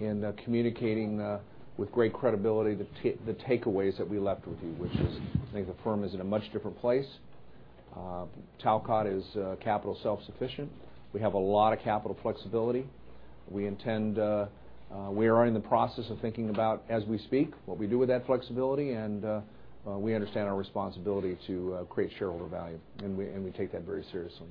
in communicating with great credibility the takeaways that we left with you, which is I think the firm is in a much different place. Talcott is capital self-sufficient. We have a lot of capital flexibility. We are in the process of thinking about as we speak what we do with that flexibility and we understand our responsibility to create shareholder value, and we take that very seriously.